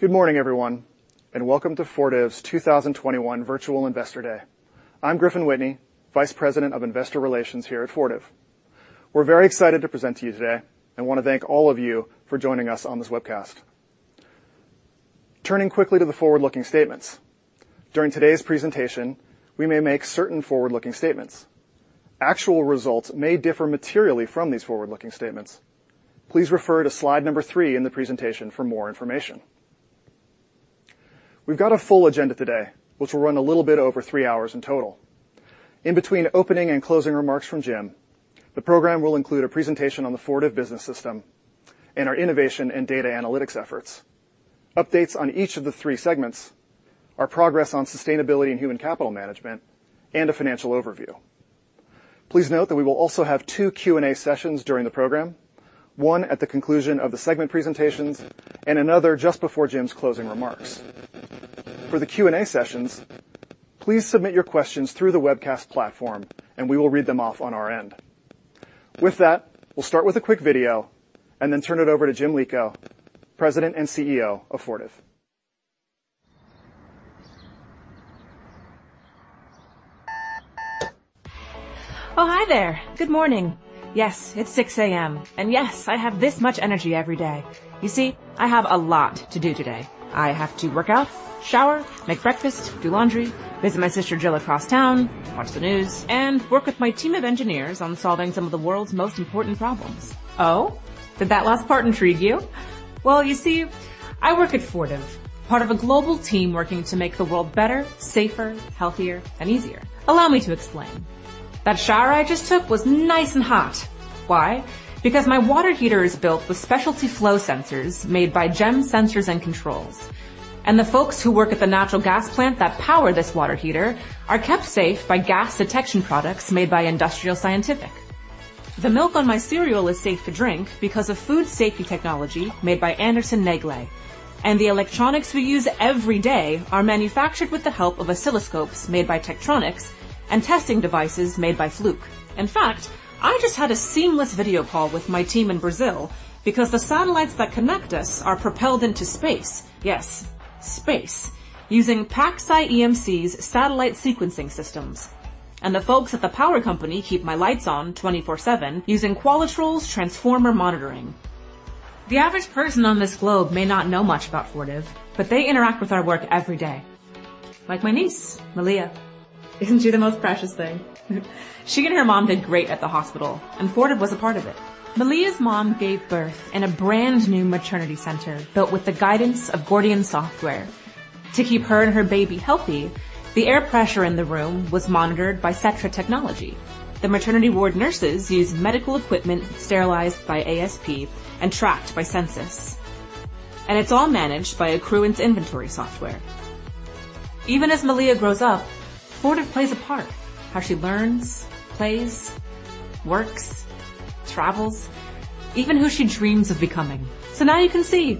Good morning, everyone, and welcome to Fortive's 2021 Virtual Investor Day. I'm Griffin Whitney, Vice President of Investor Relations here at Fortive. We're very excited to present to you today and want to thank all of you for joining us on this webcast. Turning quickly to the forward-looking statements. During today's presentation, we may make certain forward-looking statements. Actual results may differ materially from these forward-looking statements. Please refer to slide number three in the presentation for more information. We've got a full agenda today, which will run a little bit over three hours in total. In between opening and closing remarks from Jim, the program will include a presentation on the Fortive Business System and our innovation and data analytics efforts, updates on each of the three segments, our progress on sustainability and human capital management, and a financial overview. Please note that we will also have two Q&A sessions during the program, one at the conclusion of the segment presentations and another just before Jim's closing remarks. For the Q&A sessions, please submit your questions through the webcast platform, and we will read them off on our end. With that, we'll start with a quick video and then turn it over to Jim Lico, President and CEO of Fortive. Oh, hi there. Good morning. Yes, it's 6:00 A.M. And yes, I have this much energy every day. You see, I have a lot to do today. I have to work out, shower, make breakfast, do laundry, visit my sister Jill across town, watch the news, and work with my team of engineers on solving some of the world's most important problems. Oh, did that last part intrigue you? Well, you see, I work at Fortive, part of a global team working to make the world better, safer, healthier, and easier. Allow me to explain. That shower I just took was nice and hot. Why? Because my water heater is built with specialty flow sensors made by Gems Sensors & Controls. And the folks who work at the natural gas plant that power this water heater are kept safe by gas detection products made by Industrial Scientific. The milk on my cereal is safe to drink because of food safety technology made by Anderson-Negele. And the electronics we use every day are manufactured with the help of oscilloscopes made by Tektronix and testing devices made by Fluke. In fact, I just had a seamless video call with my team in Brazil because the satellites that connect us are propelled into space, yes, space, using PacSci EMC's satellite sequencing systems. And the folks at the power company keep my lights on 24/7 using Qualitrol's transformer monitoring. The average person on this globe may not know much about Fortive, but they interact with our work every day. Like my niece, Malia. Isn't she the most precious thing? She and her mom did great at the hospital, and Fortive was a part of it. Malia's mom gave birth in a brand new maternity center built with the guidance of Gordian software. To keep her and her baby healthy, the air pressure in the room was monitored by Setra technology. The maternity ward nurses used medical equipment sterilized by ASP and tracked by Censis. And it's all managed by Accruent inventory software. Even as Malia grows up, Fortive plays a part. How she learns, plays, works, travels, even who she dreams of becoming. So now you can see,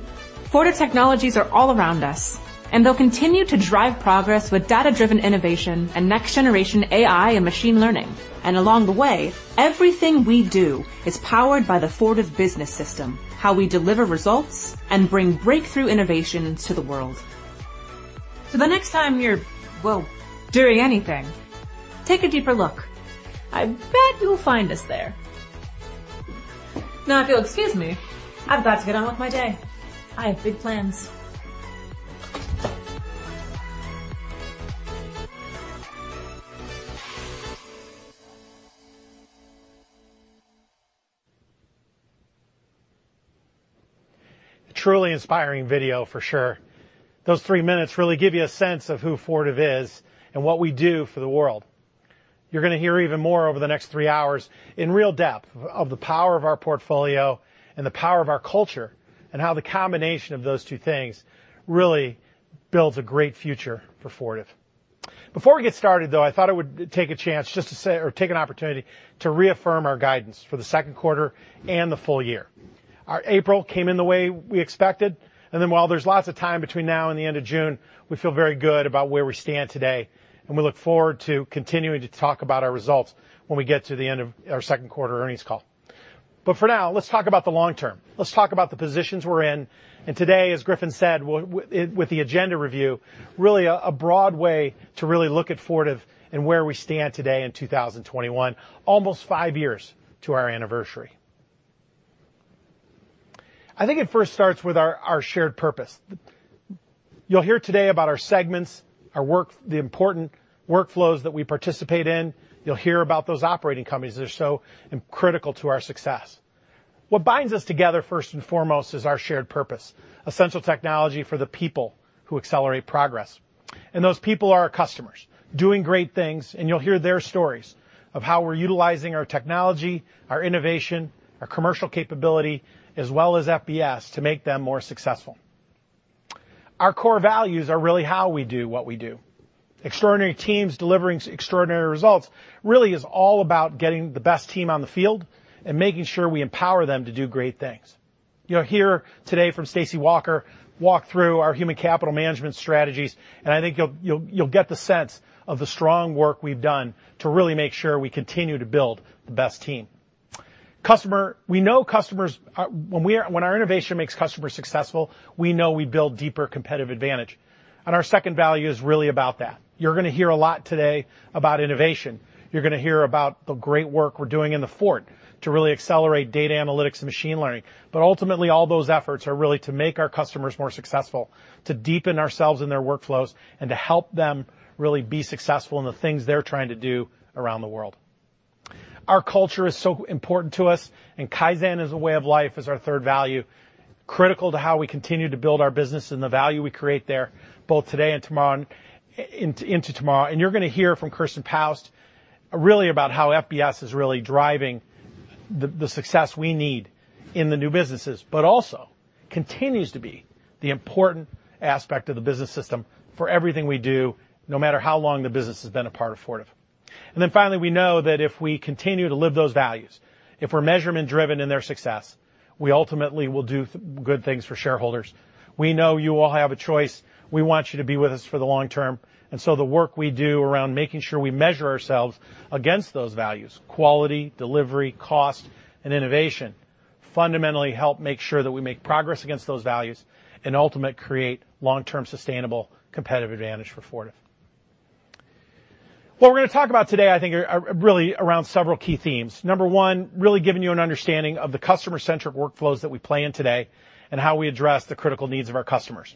Fortive technologies are all around us, and they'll continue to drive progress with data-driven innovation and next-generation AI and machine learning. And along the way, everything we do is powered by the Fortive Business System, how we deliver results and bring breakthrough innovations to the world. So the next time you're, well, doing anything, take a deeper look. I bet you'll find us there. Now, if you'll excuse me, I've got to get on with my day. I have big plans. Truly inspiring video, for sure. Those three minutes really give you a sense of who Fortive is and what we do for the world. You're going to hear even more over the next three hours in real depth of the power of our portfolio and the power of our culture and how the combination of those two things really builds a great future for Fortive. Before we get started, though, I thought I would take a chance just to say, or take an opportunity to reaffirm our guidance for the second quarter and the full year. April came in the way we expected, and then while there's lots of time between now and the end of June, we feel very good about where we stand today, and we look forward to continuing to talk about our results when we get to the end of our second quarter earnings call. But for now, let's talk about the long term. Let's talk about the positions we're in. And today, as Griffin said, with the agenda review, really a broad way to really look at Fortive and where we stand today in 2021, almost five years to our anniversary. I think it first starts with our shared purpose. You'll hear today about our segments, our work, the important workflows that we participate in. You'll hear about those operating companies that are so critical to our success. What binds us together, first and foremost, is our shared purpose: essential technology for the people who accelerate progress. And those people are our customers doing great things. And you'll hear their stories of how we're utilizing our technology, our innovation, our commercial capability, as well as FBS to make them more successful. Our core values are really how we do what we do. Extraordinary teams delivering extraordinary results really is all about getting the best team on the field and making sure we empower them to do great things. You'll hear today from Stacey Walker walk through our human capital management strategies. And I think you'll get the sense of the strong work we've done to really make sure we continue to build the best team. Customers, we know. Customers, when our innovation makes customers successful, we know we build deeper competitive advantage. And our second value is really about that. You're going to hear a lot today about innovation. You're going to hear about the great work we're doing in The Fort to really accelerate data analytics and machine learning. But ultimately, all those efforts are really to make our customers more successful, to deepen ourselves in their workflows, and to help them really be successful in the things they're trying to do around the world. Our culture is so important to us. And Kaizen as a way of life is our third value, critical to how we continue to build our business and the value we create there, both today and tomorrow and into tomorrow. And you're going to hear from Kirsten Paust really about how FBS is really driving the success we need in the new businesses, but also continues to be the important aspect of the business system for everything we do, no matter how long the business has been a part of Fortive. And then finally, we know that if we continue to live those values, if we're measurement-driven in their success, we ultimately will do good things for shareholders. We know you all have a choice. We want you to be with us for the long term. And so the work we do around making sure we measure ourselves against those values, quality, delivery, cost, and innovation, fundamentally help make sure that we make progress against those values and ultimately create long-term sustainable competitive advantage for Fortive. What we're going to talk about today, I think, are really around several key themes. Number one, really giving you an understanding of the customer-centric workflows that we play in today and how we address the critical needs of our customers,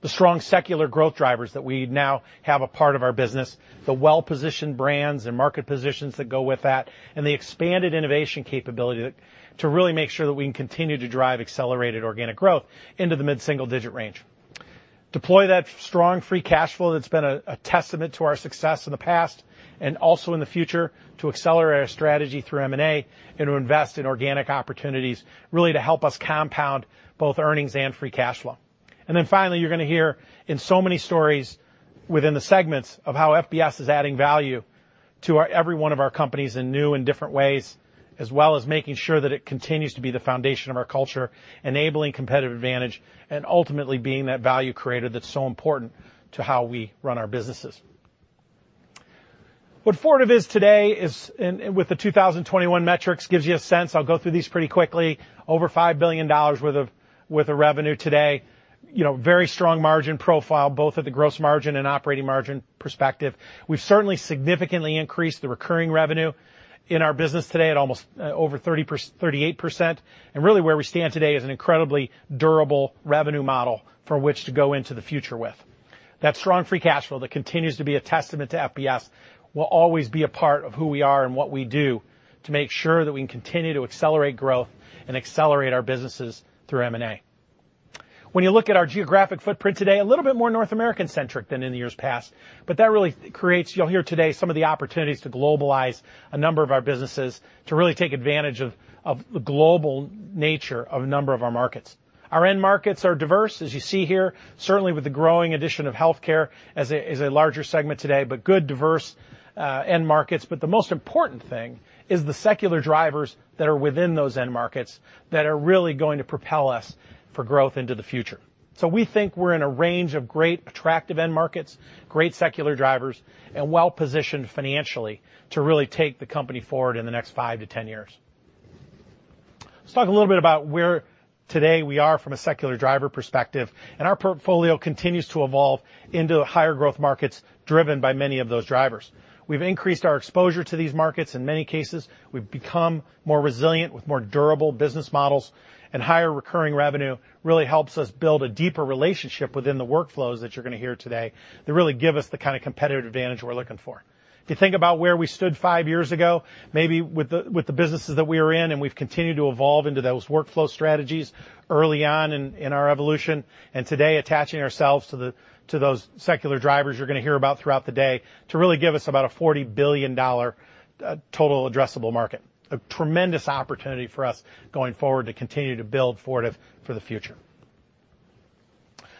the strong secular growth drivers that we now have a part of our business, the well-positioned brands and market positions that go with that, and the expanded innovation capability to really make sure that we can continue to drive accelerated organic growth into the mid-single-digit range, deploy that strong free cash flow that's been a testament to our success in the past and also in the future to accelerate our strategy through M&A and to invest in organic opportunities really to help us compound both earnings and free cash flow. And then finally, you're going to hear in so many stories within the segments of how FBS is adding value to every one of our companies in new and different ways, as well as making sure that it continues to be the foundation of our culture, enabling competitive advantage and ultimately being that value creator that's so important to how we run our businesses. What Fortive is today is, and with the 2021 metrics, gives you a sense. I'll go through these pretty quickly. Over $5 billion worth of revenue today, very strong margin profile, both at the gross margin and operating margin perspective. We've certainly significantly increased the recurring revenue in our business today at almost over 38%. And really, where we stand today is an incredibly durable revenue model for which to go into the future with. That strong free cash flow that continues to be a testament to FBS will always be a part of who we are and what we do to make sure that we can continue to accelerate growth and accelerate our businesses through M&A. When you look at our geographic footprint today, a little bit more North American-centric than in the years past, but that really creates, you'll hear today, some of the opportunities to globalize a number of our businesses to really take advantage of the global nature of a number of our markets. Our end markets are diverse, as you see here, certainly with the growing addition of healthcare as a larger segment today, but good, diverse end markets, but the most important thing is the secular drivers that are within those end markets that are really going to propel us for growth into the future. So we think we're in a range of great attractive end markets, great secular drivers, and well-positioned financially to really take the company forward in the next five to 10 years. Let's talk a little bit about where today we are from a secular driver perspective. And our portfolio continues to evolve into higher growth markets driven by many of those drivers. We've increased our exposure to these markets in many cases. We've become more resilient with more durable business models. And higher recurring revenue really helps us build a deeper relationship within the workflows that you're going to hear today that really give us the kind of competitive advantage we're looking for. If you think about where we stood five years ago, maybe with the businesses that we were in, and we've continued to evolve into those workflow strategies early on in our evolution, and today attaching ourselves to those secular drivers you're going to hear about throughout the day to really give us about a $40 billion total addressable market, a tremendous opportunity for us going forward to continue to build Fortive for the future.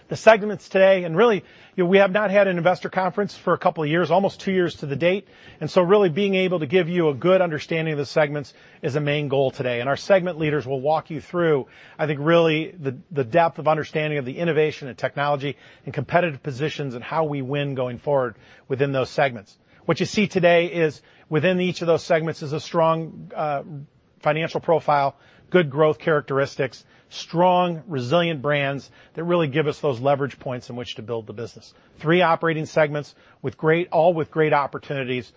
The segments today, and really, we have not had an investor conference for a couple of years, almost two years to the date, and so really being able to give you a good understanding of the segments is a main goal today, and our segment leaders will walk you through, I think, really the depth of understanding of the innovation and technology and competitive positions and how we win going forward within those segments. What you see today is within each of those segments a strong financial profile, good growth characteristics, strong, resilient brands that really give us those leverage points in which to build the business. Three operating segments, all with great opportunities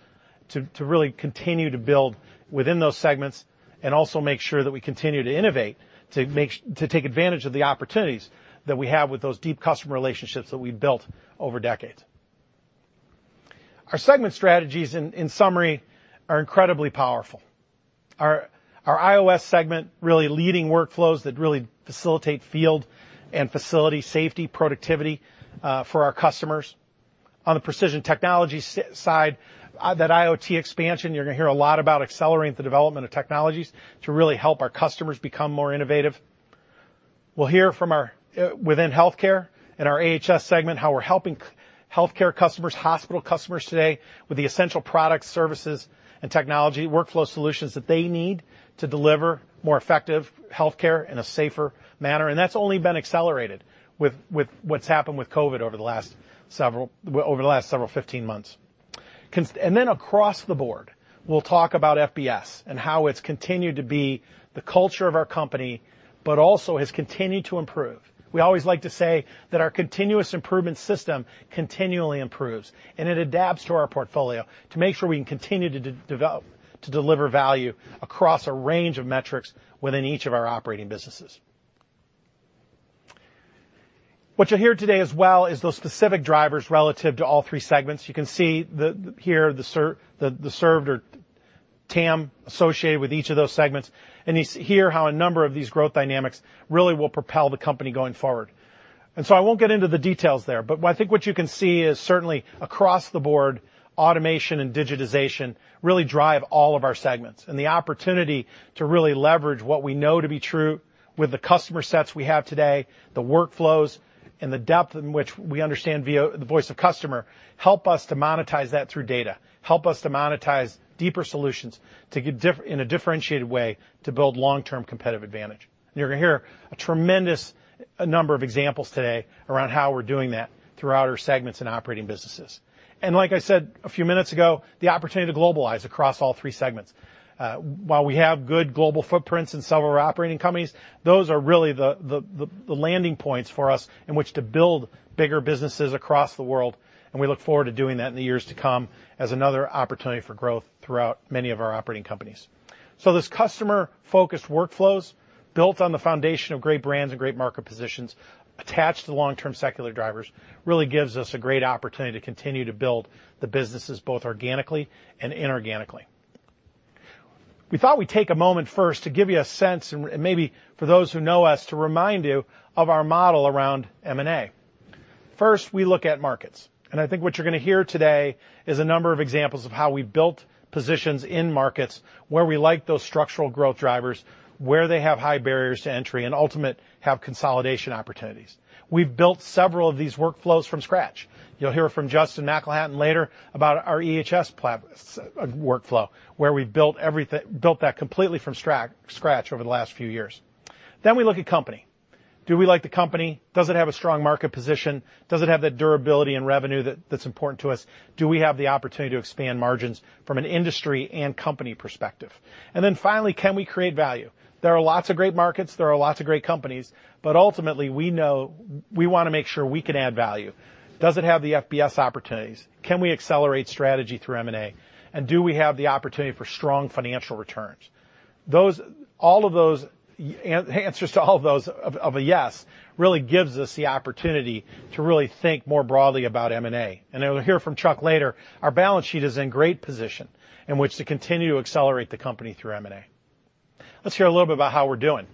to really continue to build within those segments and also make sure that we continue to innovate to take advantage of the opportunities that we have with those deep customer relationships that we've built over decades. Our segment strategies, in summary, are incredibly powerful. Our IOS segment, really leading workflows that really facilitate field and facility safety, productivity for our customers. On the precision technology side, that IoT expansion, you're going to hear a lot about accelerating the development of technologies to really help our customers become more innovative. We'll hear from our leaders within healthcare and our eHS segment, how we're helping healthcare customers, hospital customers today with the essential products, services, and technology workflow solutions that they need to deliver more effective healthcare in a safer manner. And that's only been accelerated with what's happened with COVID over the last 15 months. And then across the board, we'll talk about FBS and how it's continued to be the culture of our company, but also has continued to improve. We always like to say that our continuous improvement system continually improves, and it adapts to our portfolio to make sure we can continue to deliver value across a range of metrics within each of our operating businesses. What you'll hear today as well is those specific drivers relative to all three segments. You can see here the served or TAM associated with each of those segments. And you see here how a number of these growth dynamics really will propel the company going forward. And so I won't get into the details there. But I think what you can see is certainly across the board, automation and digitization really drive all of our segments. And the opportunity to really leverage what we know to be true with the customer sets we have today, the workflows, and the depth in which we understand the voice of customer help us to monetize that through data, help us to monetize deeper solutions in a differentiated way to build long-term competitive advantage. And you're going to hear a tremendous number of examples today around how we're doing that throughout our segments and operating businesses. And like I said a few minutes ago, the opportunity to globalize across all three segments. While we have good global footprints in several operating companies, those are really the landing points for us in which to build bigger businesses across the world, and we look forward to doing that in the years to come as another opportunity for growth throughout many of our operating companies, so those customer-focused workflows built on the foundation of great brands and great market positions attached to long-term secular drivers really gives us a great opportunity to continue to build the businesses both organically and inorganically. We thought we'd take a moment first to give you a sense and maybe for those who know us to remind you of our model around M&A. First, we look at markets. I think what you're going to hear today is a number of examples of how we built positions in markets where we like those structural growth drivers, where they have high barriers to entry and ultimately have consolidation opportunities. We've built several of these workflows from scratch. You'll hear from Justin McElhattan later about our EHS workflow where we built that completely from scratch over the last few years. Then we look at company. Do we like the company? Does it have a strong market position? Does it have that durability and revenue that's important to us? Do we have the opportunity to expand margins from an industry and company perspective? And then finally, can we create value? There are lots of great markets. There are lots of great companies. But ultimately, we know we want to make sure we can add value. Does it have the FBS opportunities? Can we accelerate strategy through M&A? And do we have the opportunity for strong financial returns? All of those answers to all of those of a yes really gives us the opportunity to really think more broadly about M&A. And you'll hear from Chuck later, our balance sheet is in great position in which to continue to accelerate the company through M&A. Let's hear a little bit about how we're doing.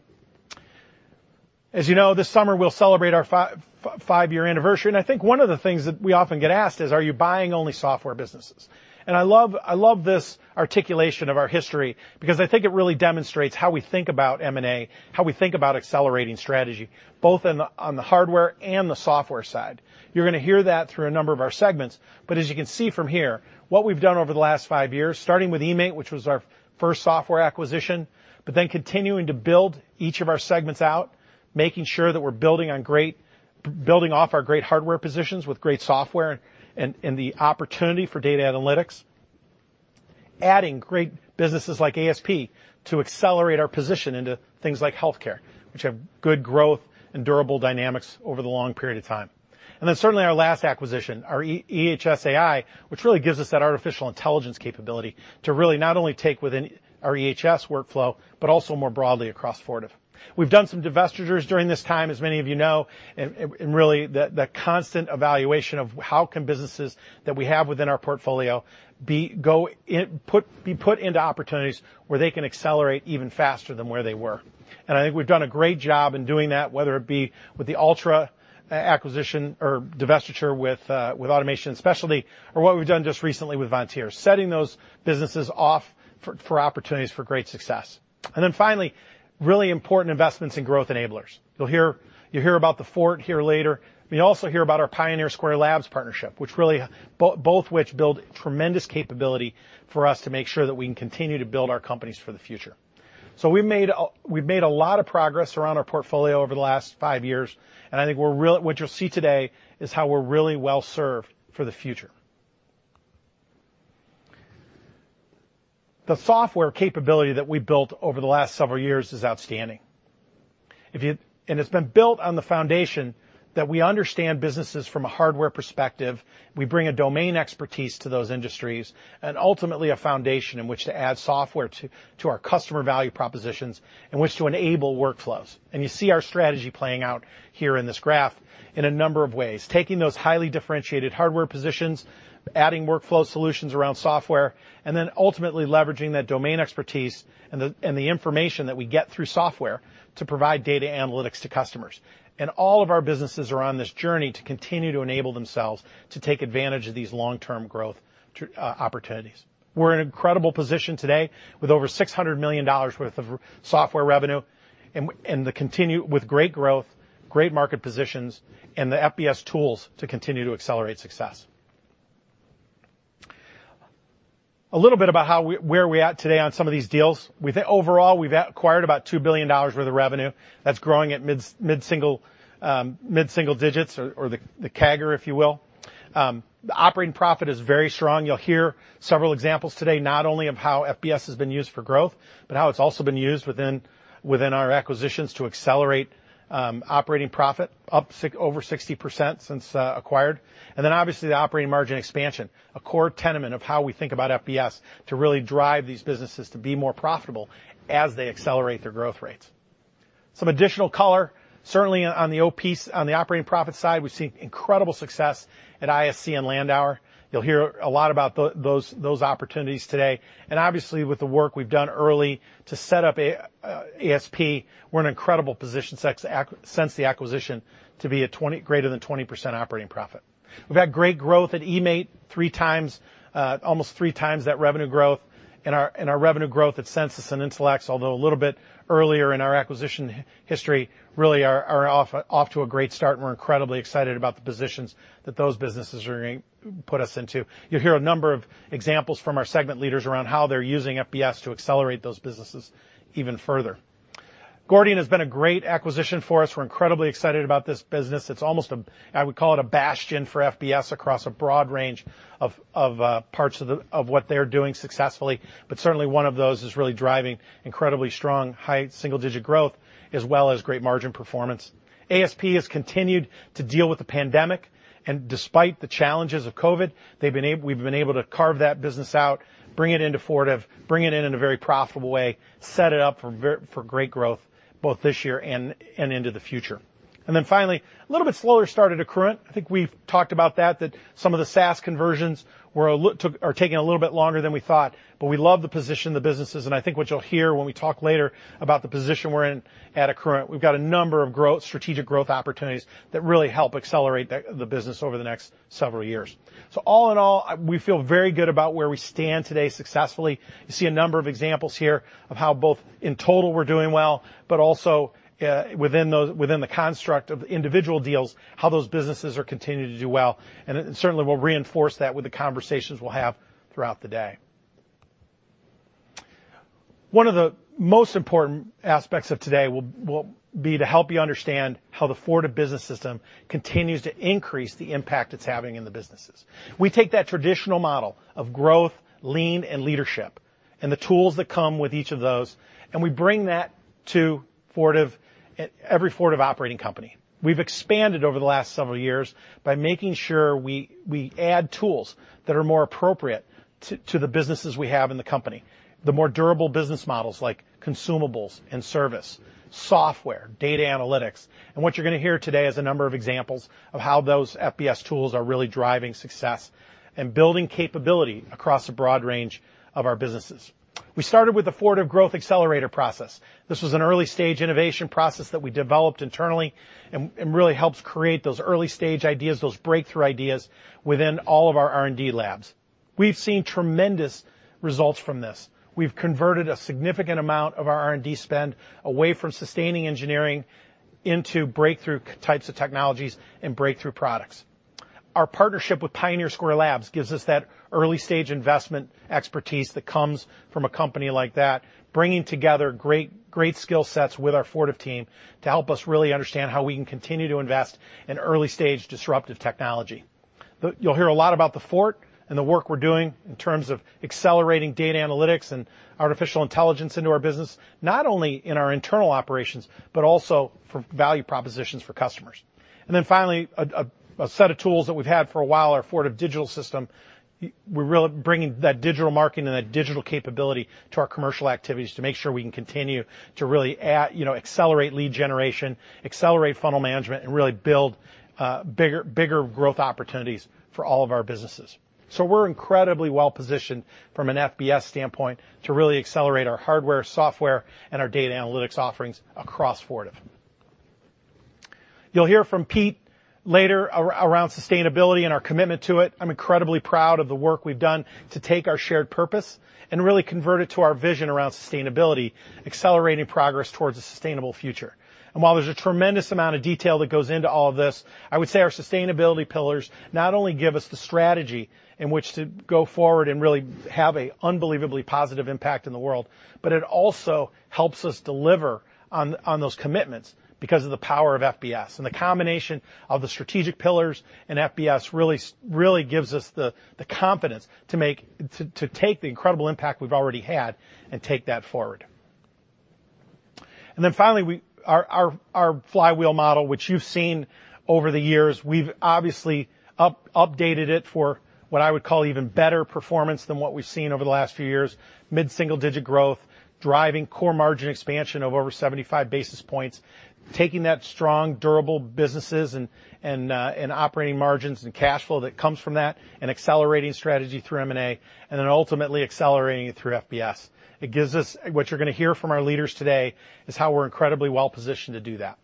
As you know, this summer we'll celebrate our five-year anniversary. And I think one of the things that we often get asked is, are you buying only software businesses? And I love this articulation of our history because I think it really demonstrates how we think about M&A, how we think about accelerating strategy, both on the hardware and the software side. You're going to hear that through a number of our segments. But as you can see from here, what we've done over the last five years, starting with eMaint, which was our first software acquisition, but then continuing to build each of our segments out, making sure that we're building off our great hardware positions with great software and the opportunity for data analytics, adding great businesses like ASP to accelerate our position into things like healthcare, which have good growth and durable dynamics over the long period of time. And then certainly our last acquisition, ehsAI, which really gives us that artificial intelligence capability to really not only take within our EHS workflow, but also more broadly across Fortive. We've done some divestitures during this time, as many of you know, and really the constant evaluation of how can businesses that we have within our portfolio be put into opportunities where they can accelerate even faster than where they were. And I think we've done a great job in doing that, whether it be with the Altra acquisition or divestiture with automation and specialty, or what we've done just recently with Vontier, setting those businesses off for opportunities for great success. And then finally, really important investments in growth enablers. You'll hear about the Fort here later. We also hear about our Pioneer Square Labs partnership, which really both of which build tremendous capability for us to make sure that we can continue to build our companies for the future. So we've made a lot of progress around our portfolio over the last five years. I think what you'll see today is how we're really well served for the future. The software capability that we built over the last several years is outstanding. It's been built on the foundation that we understand businesses from a hardware perspective. We bring a domain expertise to those industries and ultimately a foundation in which to add software to our customer value propositions in which to enable workflows. You see our strategy playing out here in this graph in a number of ways, taking those highly differentiated hardware positions, adding workflow solutions around software, and then ultimately leveraging that domain expertise and the information that we get through software to provide data analytics to customers. All of our businesses are on this journey to continue to enable themselves to take advantage of these long-term growth opportunities. We're in an incredible position today with over $600 million worth of software revenue and with great growth, great market positions, and the FBS tools to continue to accelerate success. A little bit about where we're at today on some of these deals. Overall, we've acquired about $2 billion worth of revenue. That's growing at mid-single digits or the CAGR, if you will. The operating profit is very strong. You'll hear several examples today not only of how FBS has been used for growth, but how it's also been used within our acquisitions to accelerate operating profit over 60% since acquired. And then obviously the operating margin expansion, a core tenet of how we think about FBS to really drive these businesses to be more profitable as they accelerate their growth rates. Some additional color, certainly on the operating profit side, we've seen incredible success at ISC and Landauer. You'll hear a lot about those opportunities today, and obviously with the work we've done early to set up ASP, we're in an incredible position since the acquisition to be greater than 20% operating profit. We've had great growth at eMaint, almost three times that revenue growth, and our revenue growth at Censis and Intelex, although a little bit earlier in our acquisition history, really are off to a great start, and we're incredibly excited about the positions that those businesses are going to put us into. You'll hear a number of examples from our segment leaders around how they're using FBS to accelerate those businesses even further. Gordian has been a great acquisition for us. We're incredibly excited about this business. It's almost, I would call it a bastion for FBS across a broad range of parts of what they're doing successfully. But certainly one of those is really driving incredibly strong high single-digit growth as well as great margin performance. ASP has continued to deal with the pandemic. And despite the challenges of COVID, we've been able to carve that business out, bring it into Fortive, bring it in in a very profitable way, set it up for great growth both this year and into the future. And then finally, a little bit slower start at Accruent. I think we've talked about that, that some of the SaaS conversions are taking a little bit longer than we thought. But we love the position of the businesses. And I think what you'll hear when we talk later about the position we're in at Accruent, we've got a number of strategic growth opportunities that really help accelerate the business over the next several years. So all in all, we feel very good about where we stand today successfully. You see a number of examples here of how both in total we're doing well, but also within the construct of individual deals, how those businesses are continuing to do well. And certainly we'll reinforce that with the conversations we'll have throughout the day. One of the most important aspects of today will be to help you understand how the Fortive Business System continues to increase the impact it's having in the businesses. We take that traditional model of growth, lean, and leadership and the tools that come with each of those. And we bring that to every Fortive operating company. We've expanded over the last several years by making sure we add tools that are more appropriate to the businesses we have in the company, the more durable business models like consumables and service, software, data analytics. And what you're going to hear today is a number of examples of how those FBS tools are really driving success and building capability across a broad range of our businesses. We started with the Fortive Growth Accelerator process. This was an early-stage innovation process that we developed internally and really helps create those early-stage ideas, those breakthrough ideas within all of our R&D labs. We've seen tremendous results from this. We've converted a significant amount of our R&D spend away from sustaining engineering into breakthrough types of technologies and breakthrough products. Our partnership with Pioneer Square Labs gives us that early-stage investment expertise that comes from a company like that, bringing together great skill sets with our Fortive team to help us really understand how we can continue to invest in early-stage disruptive technology. You'll hear a lot about The Fort and the work we're doing in terms of accelerating data analytics and artificial intelligence into our business, not only in our internal operations, but also for value propositions for customers, and then finally, a set of tools that we've had for a while, our Fortive Digital System, we're really bringing that digital marketing and that digital capability to our commercial activities to make sure we can continue to really accelerate lead generation, accelerate funnel management, and really build bigger growth opportunities for all of our businesses. We're incredibly well positioned from an FBS standpoint to really accelerate our hardware, software, and our data analytics offerings across Fortive. You'll hear from Pete later around sustainability and our commitment to it. I'm incredibly proud of the work we've done to take our shared purpose and really convert it to our vision around sustainability, accelerating progress towards a sustainable future. While there's a tremendous amount of detail that goes into all of this, I would say our sustainability pillars not only give us the strategy in which to go forward and really have an unbelievably positive impact in the world, but it also helps us deliver on those commitments because of the power of FBS. The combination of the strategic pillars and FBS really gives us the confidence to take the incredible impact we've already had and take that forward. And then finally, our flywheel model, which you've seen over the years, we've obviously updated it for what I would call even better performance than what we've seen over the last few years, mid-single-digit growth, driving core margin expansion of over 75 basis points, taking that strong, durable businesses and operating margins and cash flow that comes from that and accelerating strategy through M&A and then ultimately accelerating it through FBS. What you're going to hear from our leaders today is how we're incredibly well positioned to do that.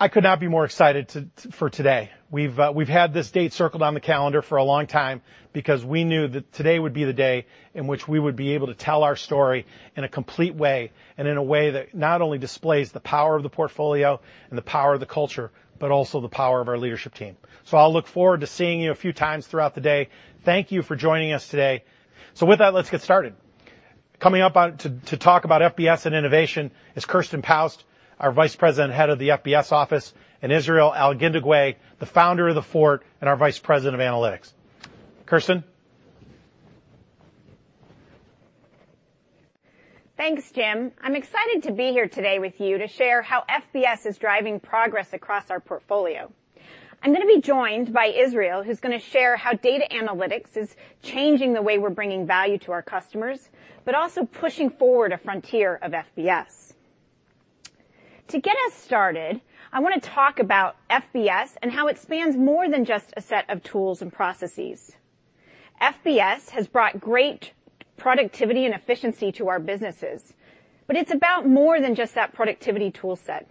I could not be more excited for today. We've had this date circled on the calendar for a long time because we knew that today would be the day in which we would be able to tell our story in a complete way and in a way that not only displays the power of the portfolio and the power of the culture, but also the power of our leadership team. So I'll look forward to seeing you a few times throughout the day. Thank you for joining us today. So with that, let's get started. Coming up to talk about FBS and innovation is Kirsten Paust, our Vice President, Head of the FBS Office, and Israel Al-Busaidi, the founder of the Fort and our Vice President of Analytics. Kirsten. Thanks, Jim. I'm excited to be here today with you to share how FBS is driving progress across our portfolio. I'm going to be joined by Israel, who's going to share how data analytics is changing the way we're bringing value to our customers, but also pushing forward a frontier of FBS. To get us started, I want to talk about FBS and how it spans more than just a set of tools and processes. FBS has brought great productivity and efficiency to our businesses, but it's about more than just that productivity toolset.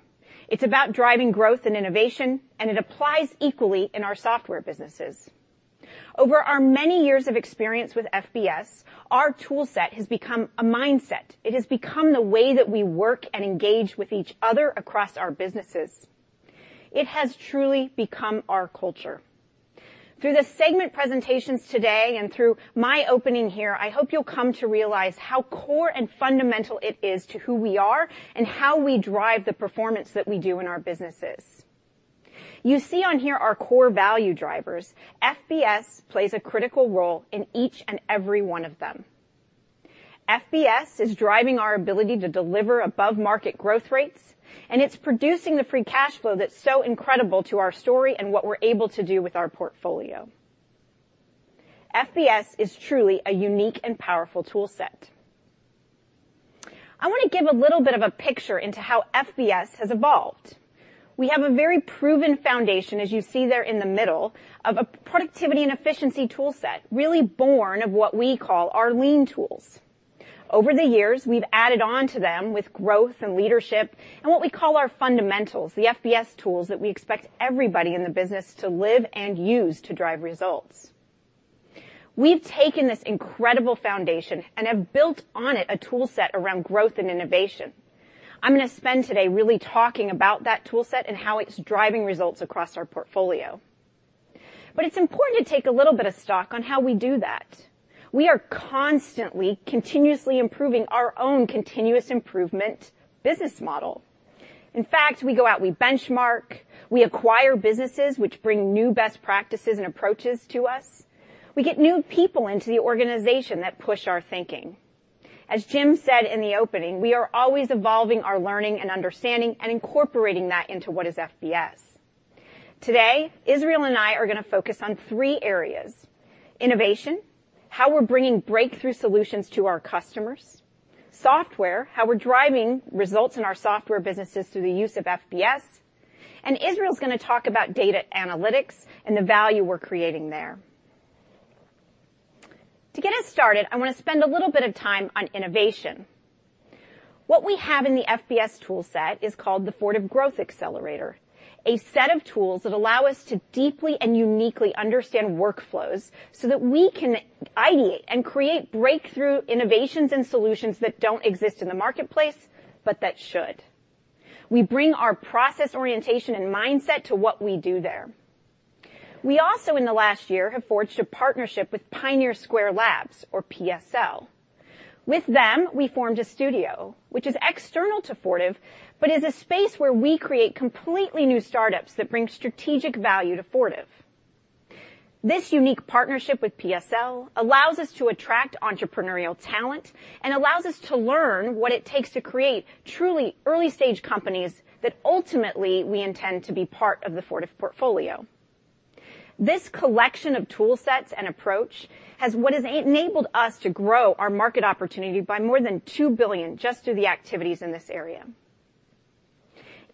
It's about driving growth and innovation, and it applies equally in our software businesses. Over our many years of experience with FBS, our toolset has become a mindset. It has become the way that we work and engage with each other across our businesses. It has truly become our culture. Through the segment presentations today and through my opening here, I hope you'll come to realize how core and fundamental it is to who we are and how we drive the performance that we do in our businesses. You see on here our core value drivers. FBS plays a critical role in each and every one of them. FBS is driving our ability to deliver above-market growth rates, and it's producing the free cash flow that's so incredible to our story and what we're able to do with our portfolio. FBS is truly a unique and powerful toolset. I want to give a little bit of a picture into how FBS has evolved. We have a very proven foundation, as you see there in the middle, of a productivity and efficiency toolset, really born of what we call our lean tools. Over the years, we've added on to them with growth and leadership and what we call our fundamentals, the FBS tools that we expect everybody in the business to live and use to drive results. We've taken this incredible foundation and have built on it a toolset around growth and innovation. I'm going to spend today really talking about that toolset and how it's driving results across our portfolio. But it's important to take a little bit of stock on how we do that. We are constantly, continuously improving our own continuous improvement business model. In fact, we go out, we benchmark, we acquire businesses which bring new best practices and approaches to us. We get new people into the organization that push our thinking. As Jim said in the opening, we are always evolving our learning and understanding and incorporating that into what is FBS. Today, Israel and I are going to focus on three areas: innovation, how we're bringing breakthrough solutions to our customers. Software, how we're driving results in our software businesses through the use of FBS. And Israel's going to talk about data analytics and the value we're creating there. To get us started, I want to spend a little bit of time on innovation. What we have in the FBS toolset is called the Fortive Growth Accelerator, a set of tools that allow us to deeply and uniquely understand workflows so that we can ideate and create breakthrough innovations and solutions that don't exist in the marketplace, but that should. We bring our process orientation and mindset to what we do there. We also, in the last year, have forged a partnership with Pioneer Square Labs, or PSL. With them, we formed a studio, which is external to Fortive, but is a space where we create completely new startups that bring strategic value to Fortive. This unique partnership with PSL allows us to attract entrepreneurial talent and allows us to learn what it takes to create truly early-stage companies that ultimately we intend to be part of the Fortive portfolio. This collection of toolsets and approach has enabled us to grow our market opportunity by more than $2 billion just through the activities in this area.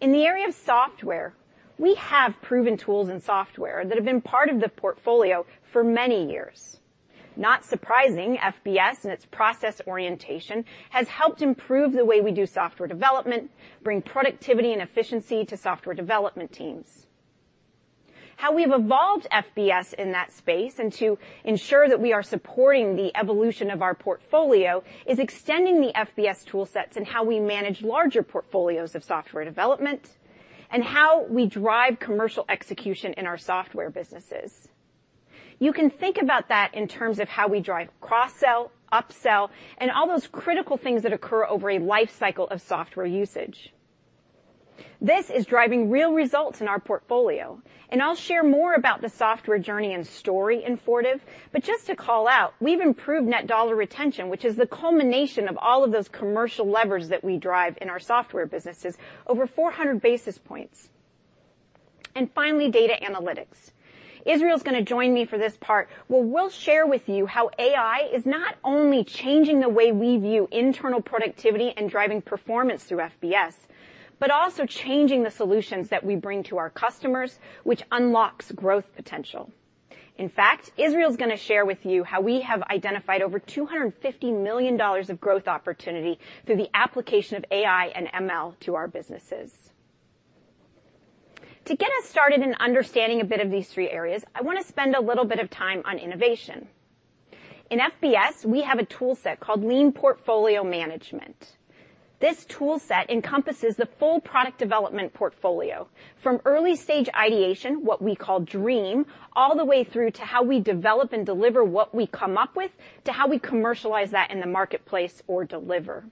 In the area of software, we have proven tools and software that have been part of the portfolio for many years. Not surprising, FBS and its process orientation has helped improve the way we do software development, bring productivity and efficiency to software development teams. How we've evolved FBS in that space and to ensure that we are supporting the evolution of our portfolio is extending the FBS toolsets and how we manage larger portfolios of software development and how we drive commercial execution in our software businesses. You can think about that in terms of how we drive cross-sell, up-sell, and all those critical things that occur over a lifecycle of software usage. This is driving real results in our portfolio. And I'll share more about the software journey and story in Fortive. But just to call out, we've improved net dollar retention, which is the culmination of all of those commercial levers that we drive in our software businesses, over 400 basis points. And finally, data analytics. Israel's going to join me for this part. We'll share with you how AI is not only changing the way we view internal productivity and driving performance through FBS, but also changing the solutions that we bring to our customers, which unlocks growth potential. In fact, Israel's going to share with you how we have identified over $250 million of growth opportunity through the application of AI and ML to our businesses. To get us started in understanding a bit of these three areas, I want to spend a little bit of time on innovation. In FBS, we have a toolset called Lean Portfolio Management. This toolset encompasses the full product development portfolio from early-stage ideation, what we call dream, all the way through to how we develop and deliver what we come up with to how we commercialize that in the marketplace or deliver.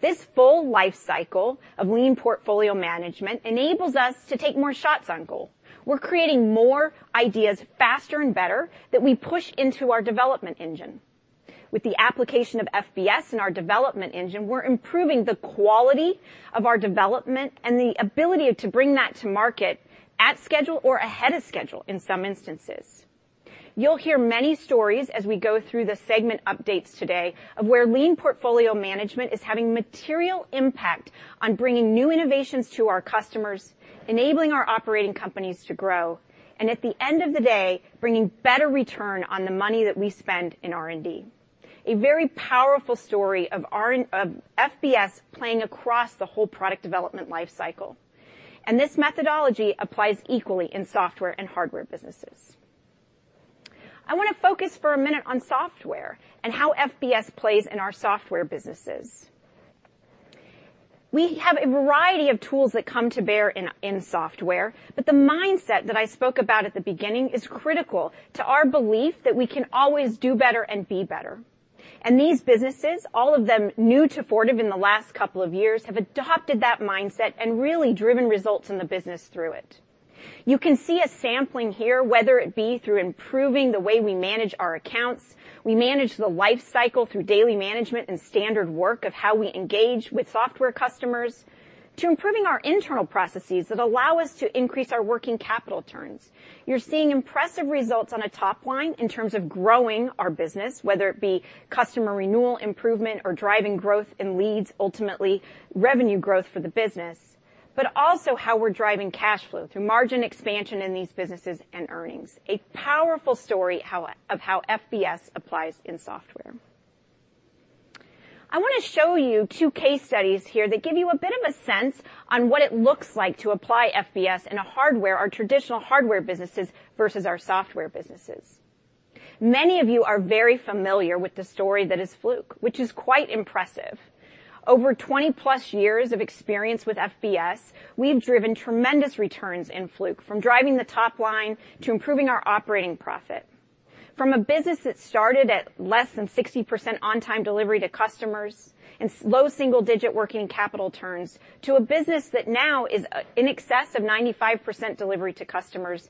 This full lifecycle of Lean Portfolio Management enables us to take more shots on goal. We're creating more ideas faster and better that we push into our development engine. With the application of FBS and our development engine, we're improving the quality of our development and the ability to bring that to market at schedule or ahead of schedule in some instances. You'll hear many stories as we go through the segment updates today of where Lean Portfolio Management is having material impact on bringing new innovations to our customers, enabling our operating companies to grow, and at the end of the day, bringing better return on the money that we spend in R&D. A very powerful story of FBS playing across the whole product development lifecycle, and this methodology applies equally in software and hardware businesses. I want to focus for a minute on software and how FBS plays in our software businesses. We have a variety of tools that come to bear in software, but the mindset that I spoke about at the beginning is critical to our belief that we can always do better and be better. And these businesses, all of them new to Fortive in the last couple of years, have adopted that mindset and really driven results in the business through it. You can see a sampling here, whether it be through improving the way we manage our accounts, we manage the lifecycle through daily management and standard work of how we engage with software customers, to improving our internal processes that allow us to increase our working capital turns. You're seeing impressive results on a top line in terms of growing our business, whether it be customer renewal improvement or driving growth in leads, ultimately revenue growth for the business, but also how we're driving cash flow through margin expansion in these businesses and earnings. A powerful story of how FBS applies in software. I want to show you two case studies here that give you a bit of a sense on what it looks like to apply FBS in our traditional hardware businesses versus our software businesses. Many of you are very familiar with the story that is Fluke, which is quite impressive. Over 20-plus years of experience with FBS, we've driven tremendous returns in Fluke, from driving the top line to improving our operating profit. From a business that started at less than 60% on-time delivery to customers and low single-digit working capital turns to a business that now is in excess of 95% delivery to customers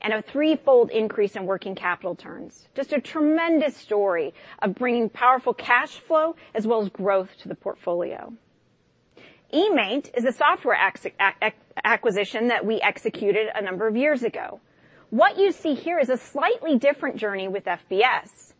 and a threefold increase in working capital turns. Just a tremendous story of bringing powerful cash flow as well as growth to the portfolio. eMaint is a software acquisition that we executed a number of years ago. What you see here is a slightly different journey with FBS.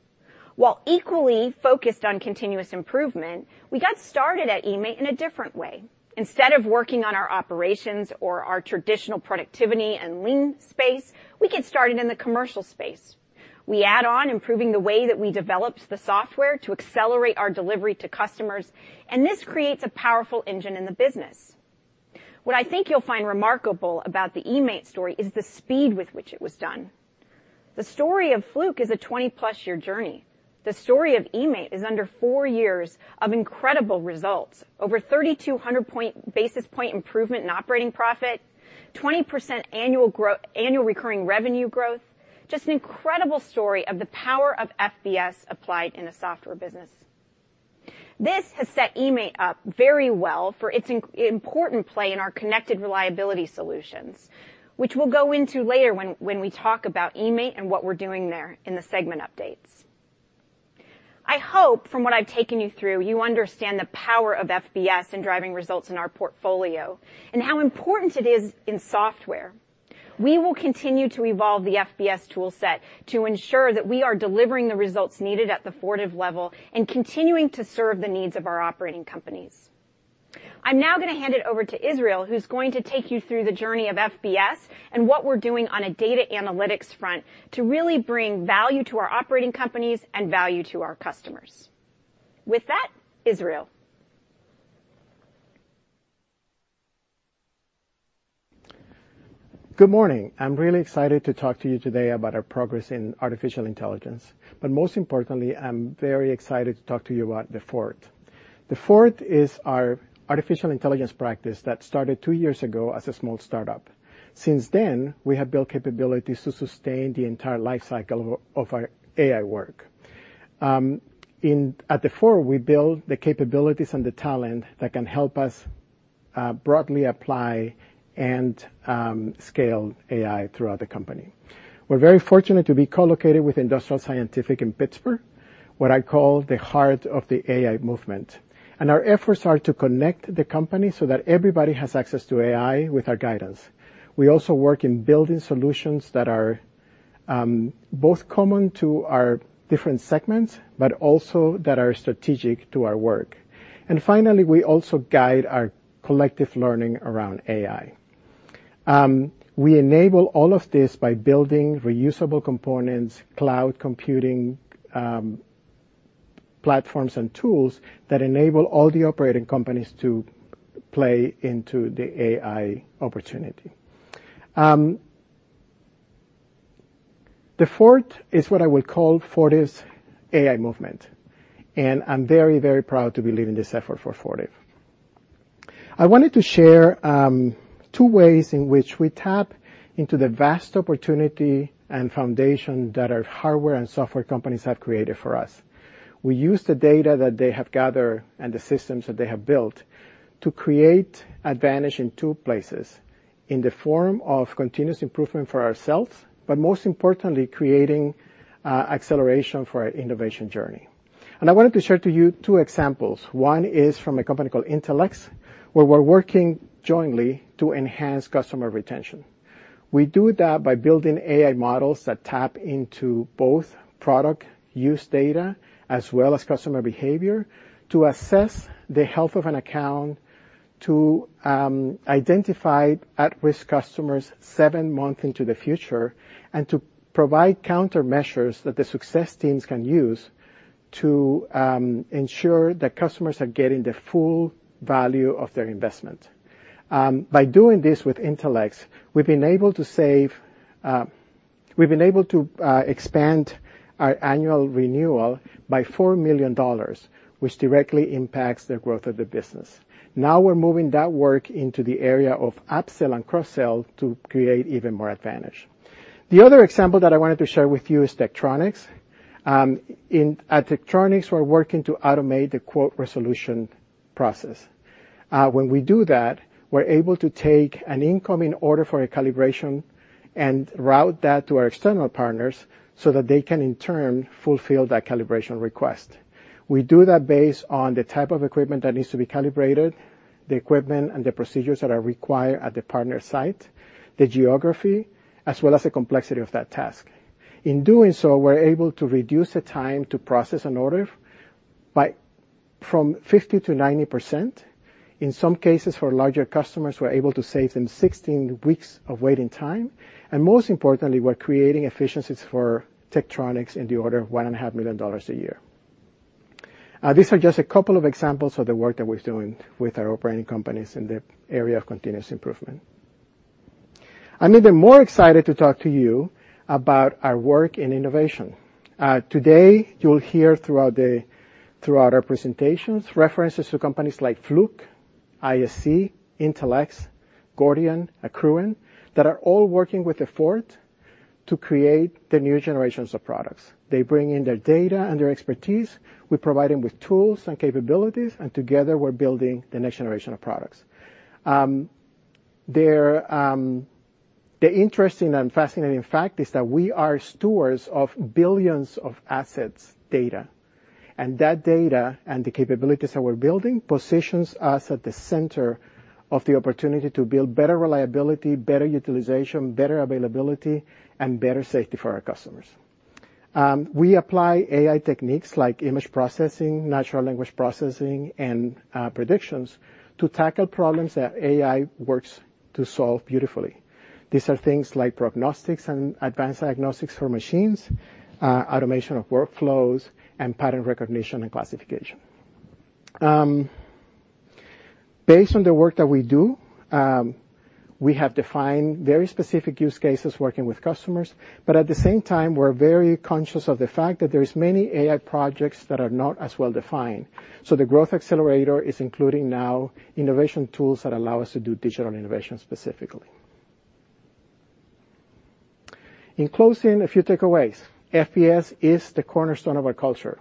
While equally focused on continuous improvement, we got started at eMaint in a different way. Instead of working on our operations or our traditional productivity and lean space, we get started in the commercial space. We add on improving the way that we developed the software to accelerate our delivery to customers, and this creates a powerful engine in the business. What I think you'll find remarkable about the eMaint story is the speed with which it was done. The story of Fluke is a 20-plus year journey. The story of eMaint is under four years of incredible results, over 3,200 basis point improvement in operating profit, 20% annual recurring revenue growth, just an incredible story of the power of FBS applied in a software business. This has set eMaint up very well for its important play in our Connected Reliability solutions, which we'll go into later when we talk about eMaint and what we're doing there in the segment updates. I hope from what I've taken you through, you understand the power of FBS in driving results in our portfolio and how important it is in software. We will continue to evolve the FBS toolset to ensure that we are delivering the results needed at the Fortive level and continuing to serve the needs of our operating companies. I'm now going to hand it over to Israel, who's going to take you through the journey of FBS and what we're doing on a data analytics front to really bring value to our operating companies and value to our customers. With that, Israel. Good morning. I'm really excited to talk to you today about our progress in artificial intelligence. But most importantly, I'm very excited to talk to you about The Fort. The Fort is our artificial intelligence practice that started two years ago as a small startup. Since then, we have built capabilities to sustain the entire lifecycle of our AI work. At The Fort, we build the capabilities and the talent that can help us broadly apply and scale AI throughout the company. We're very fortunate to be co-located with Industrial Scientific in Pittsburgh, what I call the heart of the AI movement. And our efforts are to connect the company so that everybody has access to AI with our guidance. We also work in building solutions that are both common to our different segments, but also that are strategic to our work. Finally, we also guide our collective learning around AI. We enable all of this by building reusable components, cloud computing platforms, and tools that enable all the operating companies to play into the AI opportunity. The Fort is what I would call Fortive's AI movement. And I'm very, very proud to be leading this effort for Fortive. I wanted to share two ways in which we tap into the vast opportunity and foundation that our hardware and software companies have created for us. We use the data that they have gathered and the systems that they have built to create advantage in two places: in the form of continuous improvement for ourselves, but most importantly, creating acceleration for our innovation journey. And I wanted to share to you two examples. One is from a company called Intelex, where we're working jointly to enhance customer retention. We do that by building AI models that tap into both product use data as well as customer behavior to assess the health of an account, to identify at-risk customers seven months into the future, and to provide countermeasures that the success teams can use to ensure that customers are getting the full value of their investment. By doing this with Intelex, we've been able to save. We've been able to expand our annual renewal by $4 million, which directly impacts the growth of the business. Now we're moving that work into the area of up-sell and cross-sell to create even more advantage. The other example that I wanted to share with you is Tektronix. At Tektronix, we're working to automate the quote resolution process. When we do that, we're able to take an incoming order for a calibration and route that to our external partners so that they can, in turn, fulfill that calibration request. We do that based on the type of equipment that needs to be calibrated, the equipment and the procedures that are required at the partner site, the geography, as well as the complexity of that task. In doing so, we're able to reduce the time to process an order from 50%-90%. In some cases, for larger customers, we're able to save them 16 weeks of waiting time, and most importantly, we're creating efficiencies for Tektronix in the order of $1.5 million a year. These are just a couple of examples of the work that we're doing with our operating companies in the area of continuous improvement. I'm even more excited to talk to you about our work in innovation. Today, you'll hear throughout our presentations references to companies like Fluke, ISC, Intelex, Gordian, Accruent that are all working with The Fort to create the new generations of products. They bring in their data and their expertise. We provide them with tools and capabilities, and together, we're building the next generation of products. The interesting and fascinating fact is that we are stewards of billions of assets, data, and that data and the capabilities that we're building positions us at the center of the opportunity to build better reliability, better utilization, better availability, and better safety for our customers. We apply AI techniques like image processing, natural language processing, and predictions to tackle problems that AI works to solve beautifully. These are things like prognostics and advanced diagnostics for machines, automation of workflows, and pattern recognition and classification. Based on the work that we do, we have defined very specific use cases working with customers. But at the same time, we're very conscious of the fact that there are many AI projects that are not as well defined. So the growth accelerator is including now innovation tools that allow us to do digital innovation specifically. In closing, a few takeaways. FBS is the cornerstone of our culture.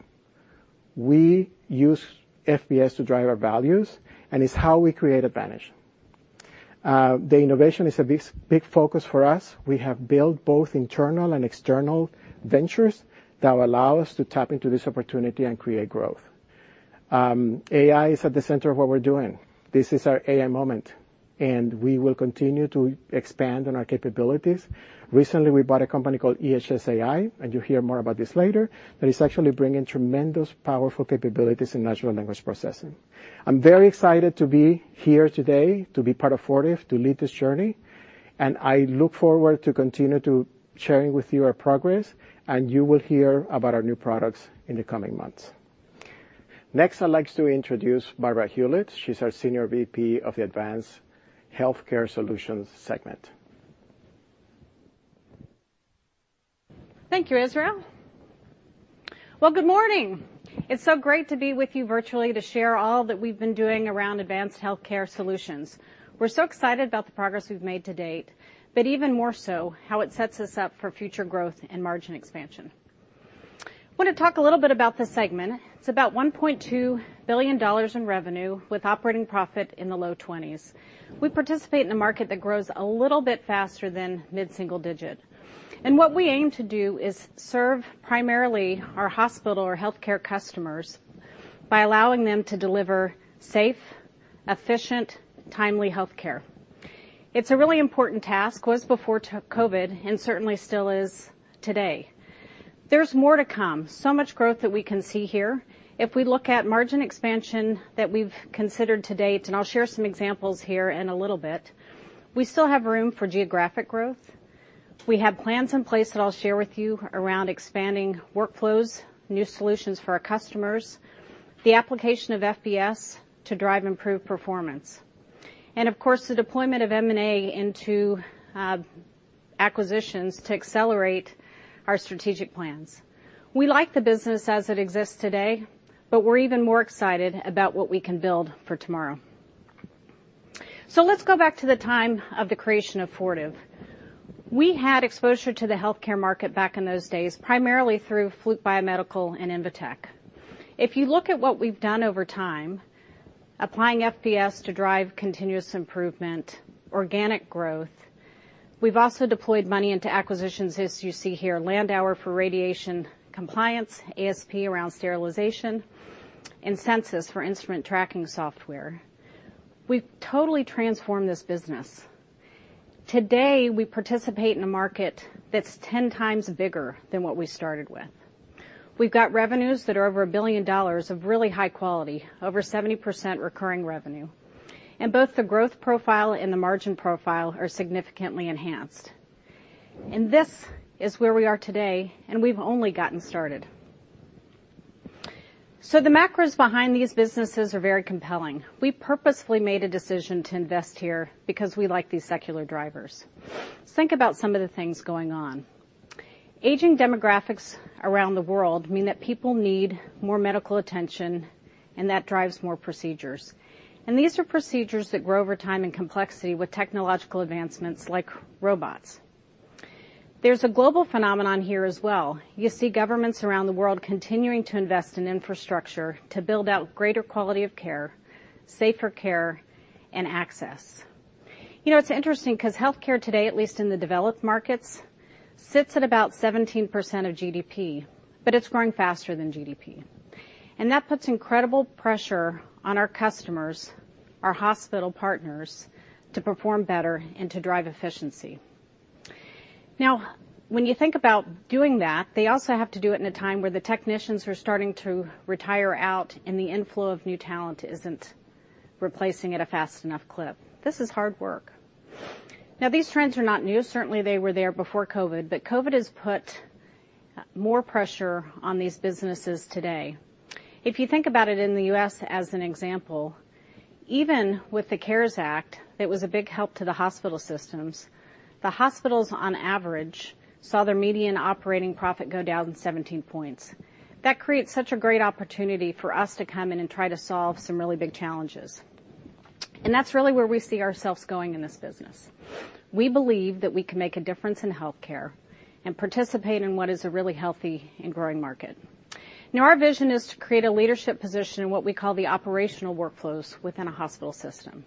We use FBS to drive our values, and it's how we create advantage. The innovation is a big focus for us. We have built both internal and external ventures that will allow us to tap into this opportunity and create growth. AI is at the center of what we're doing. This is our AI moment, and we will continue to expand on our capabilities. Recently, we bought a company called ehsAI, and you'll hear more about this later, that is actually bringing tremendous powerful capabilities in natural language processing. I'm very excited to be here today, to be part of Fortive, to lead this journey, and I look forward to continuing to share with you our progress, and you will hear about our new products in the coming months. Next, I'd like to introduce Barbara Hulit. She's our Senior VP of the Advanced Healthcare Solutions segment. Thank you, Israel. Good morning. It's so great to be with you virtually to share all that we've been doing around advanced healthcare solutions. We're so excited about the progress we've made to date, but even more so how it sets us up for future growth and margin expansion. I want to talk a little bit about the segment. It's about $1.2 billion in revenue with operating profit in the low 20s. We participate in a market that grows a little bit faster than mid-single digit. What we aim to do is serve primarily our hospital or healthcare customers by allowing them to deliver safe, efficient, timely healthcare. It's a really important task. It was before COVID, and certainly still is today. There's more to come. Much growth that we can see here. If we look at margin expansion that we've considered to date, and I'll share some examples here in a little bit, we still have room for geographic growth. We have plans in place that I'll share with you around expanding workflows, new solutions for our customers, the application of FBS to drive improved performance, and of course, the deployment of M&A into acquisitions to accelerate our strategic plans. We like the business as it exists today, but we're even more excited about what we can build for tomorrow. So let's go back to the time of the creation of Fortive. We had exposure to the healthcare market back in those days, primarily through Fluke Biomedical and Invetech. If you look at what we've done over time, applying FBS to drive continuous improvement, organic growth, we've also deployed money into acquisitions as you see here: Landauer for radiation compliance, ASP around sterilization, and Censis for instrument tracking software. We've totally transformed this business. Today, we participate in a market that's 10 times bigger than what we started with. We've got revenues that are over $1 billion of really high quality, over 70% recurring revenue. And both the growth profile and the margin profile are significantly enhanced. And this is where we are today, and we've only gotten started. So the macros behind these businesses are very compelling. We purposefully made a decision to invest here because we like these secular drivers. Think about some of the things going on. Aging demographics around the world mean that people need more medical attention, and that drives more procedures. And these are procedures that grow over time in complexity with technological advancements like robots. There's a global phenomenon here as well. You see governments around the world continuing to invest in infrastructure to build out greater quality of care, safer care, and access. It's interesting because healthcare today, at least in the developed markets, sits at about 17% of GDP, but it's growing faster than GDP. And that puts incredible pressure on our customers, our hospital partners, to perform better and to drive efficiency. Now, when you think about doing that, they also have to do it in a time where the technicians are starting to retire out and the inflow of new talent isn't replacing at a fast enough clip. This is hard work. Now, these trends are not new. Certainly, they were there before COVID, but COVID has put more pressure on these businesses today. If you think about it in the U.S. as an example, even with the CARES Act that was a big help to the hospital systems, the hospitals, on average, saw their median operating profit go down 17 points. That creates such a great opportunity for us to come in and try to solve some really big challenges. And that's really where we see ourselves going in this business. We believe that we can make a difference in healthcare and participate in what is a really healthy and growing market. Now, our vision is to create a leadership position in what we call the operational workflows within a hospital system.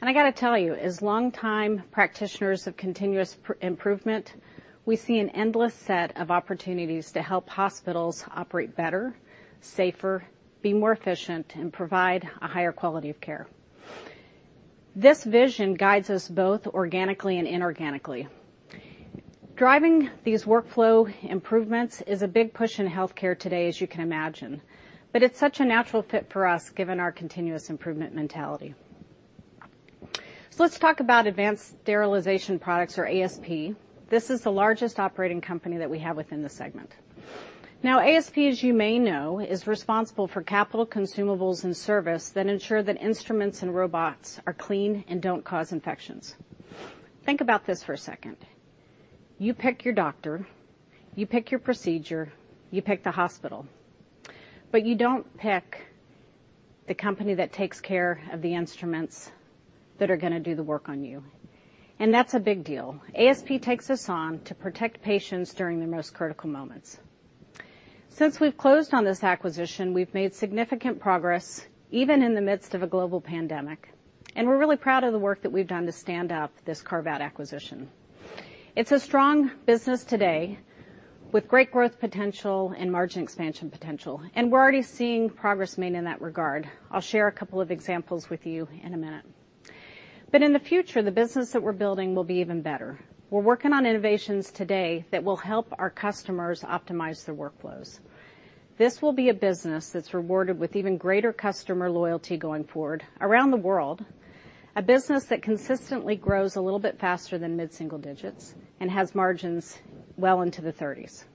And I got to tell you, as long-time practitioners of continuous improvement, we see an endless set of opportunities to help hospitals operate better, safer, be more efficient, and provide a higher quality of care. This vision guides us both organically and inorganically. Driving these workflow improvements is a big push in healthcare today, as you can imagine. But it's such a natural fit for us given our continuous improvement mentality. So let's talk about Advanced Sterilization Products, or ASP. This is the largest operating company that we have within the segment. Now, ASP, as you may know, is responsible for capital consumables and service that ensure that instruments and robots are clean and don't cause infections. Think about this for a second. You pick your doctor, you pick your procedure, you pick the hospital. But you don't pick the company that takes care of the instruments that are going to do the work on you. And that's a big deal. ASP takes us on to protect patients during the most critical moments. Since we've closed on this acquisition, we've made significant progress even in the midst of a global pandemic, and we're really proud of the work that we've done to stand up this carve-out acquisition. It's a strong business today with great growth potential and margin expansion potential, and we're already seeing progress made in that regard. I'll share a couple of examples with you in a minute, but in the future, the business that we're building will be even better. We're working on innovations today that will help our customers optimize their workflows. This will be a business that's rewarded with even greater customer loyalty going forward around the world, a business that consistently grows a little bit faster than mid-single digits and has margins well into the 30s,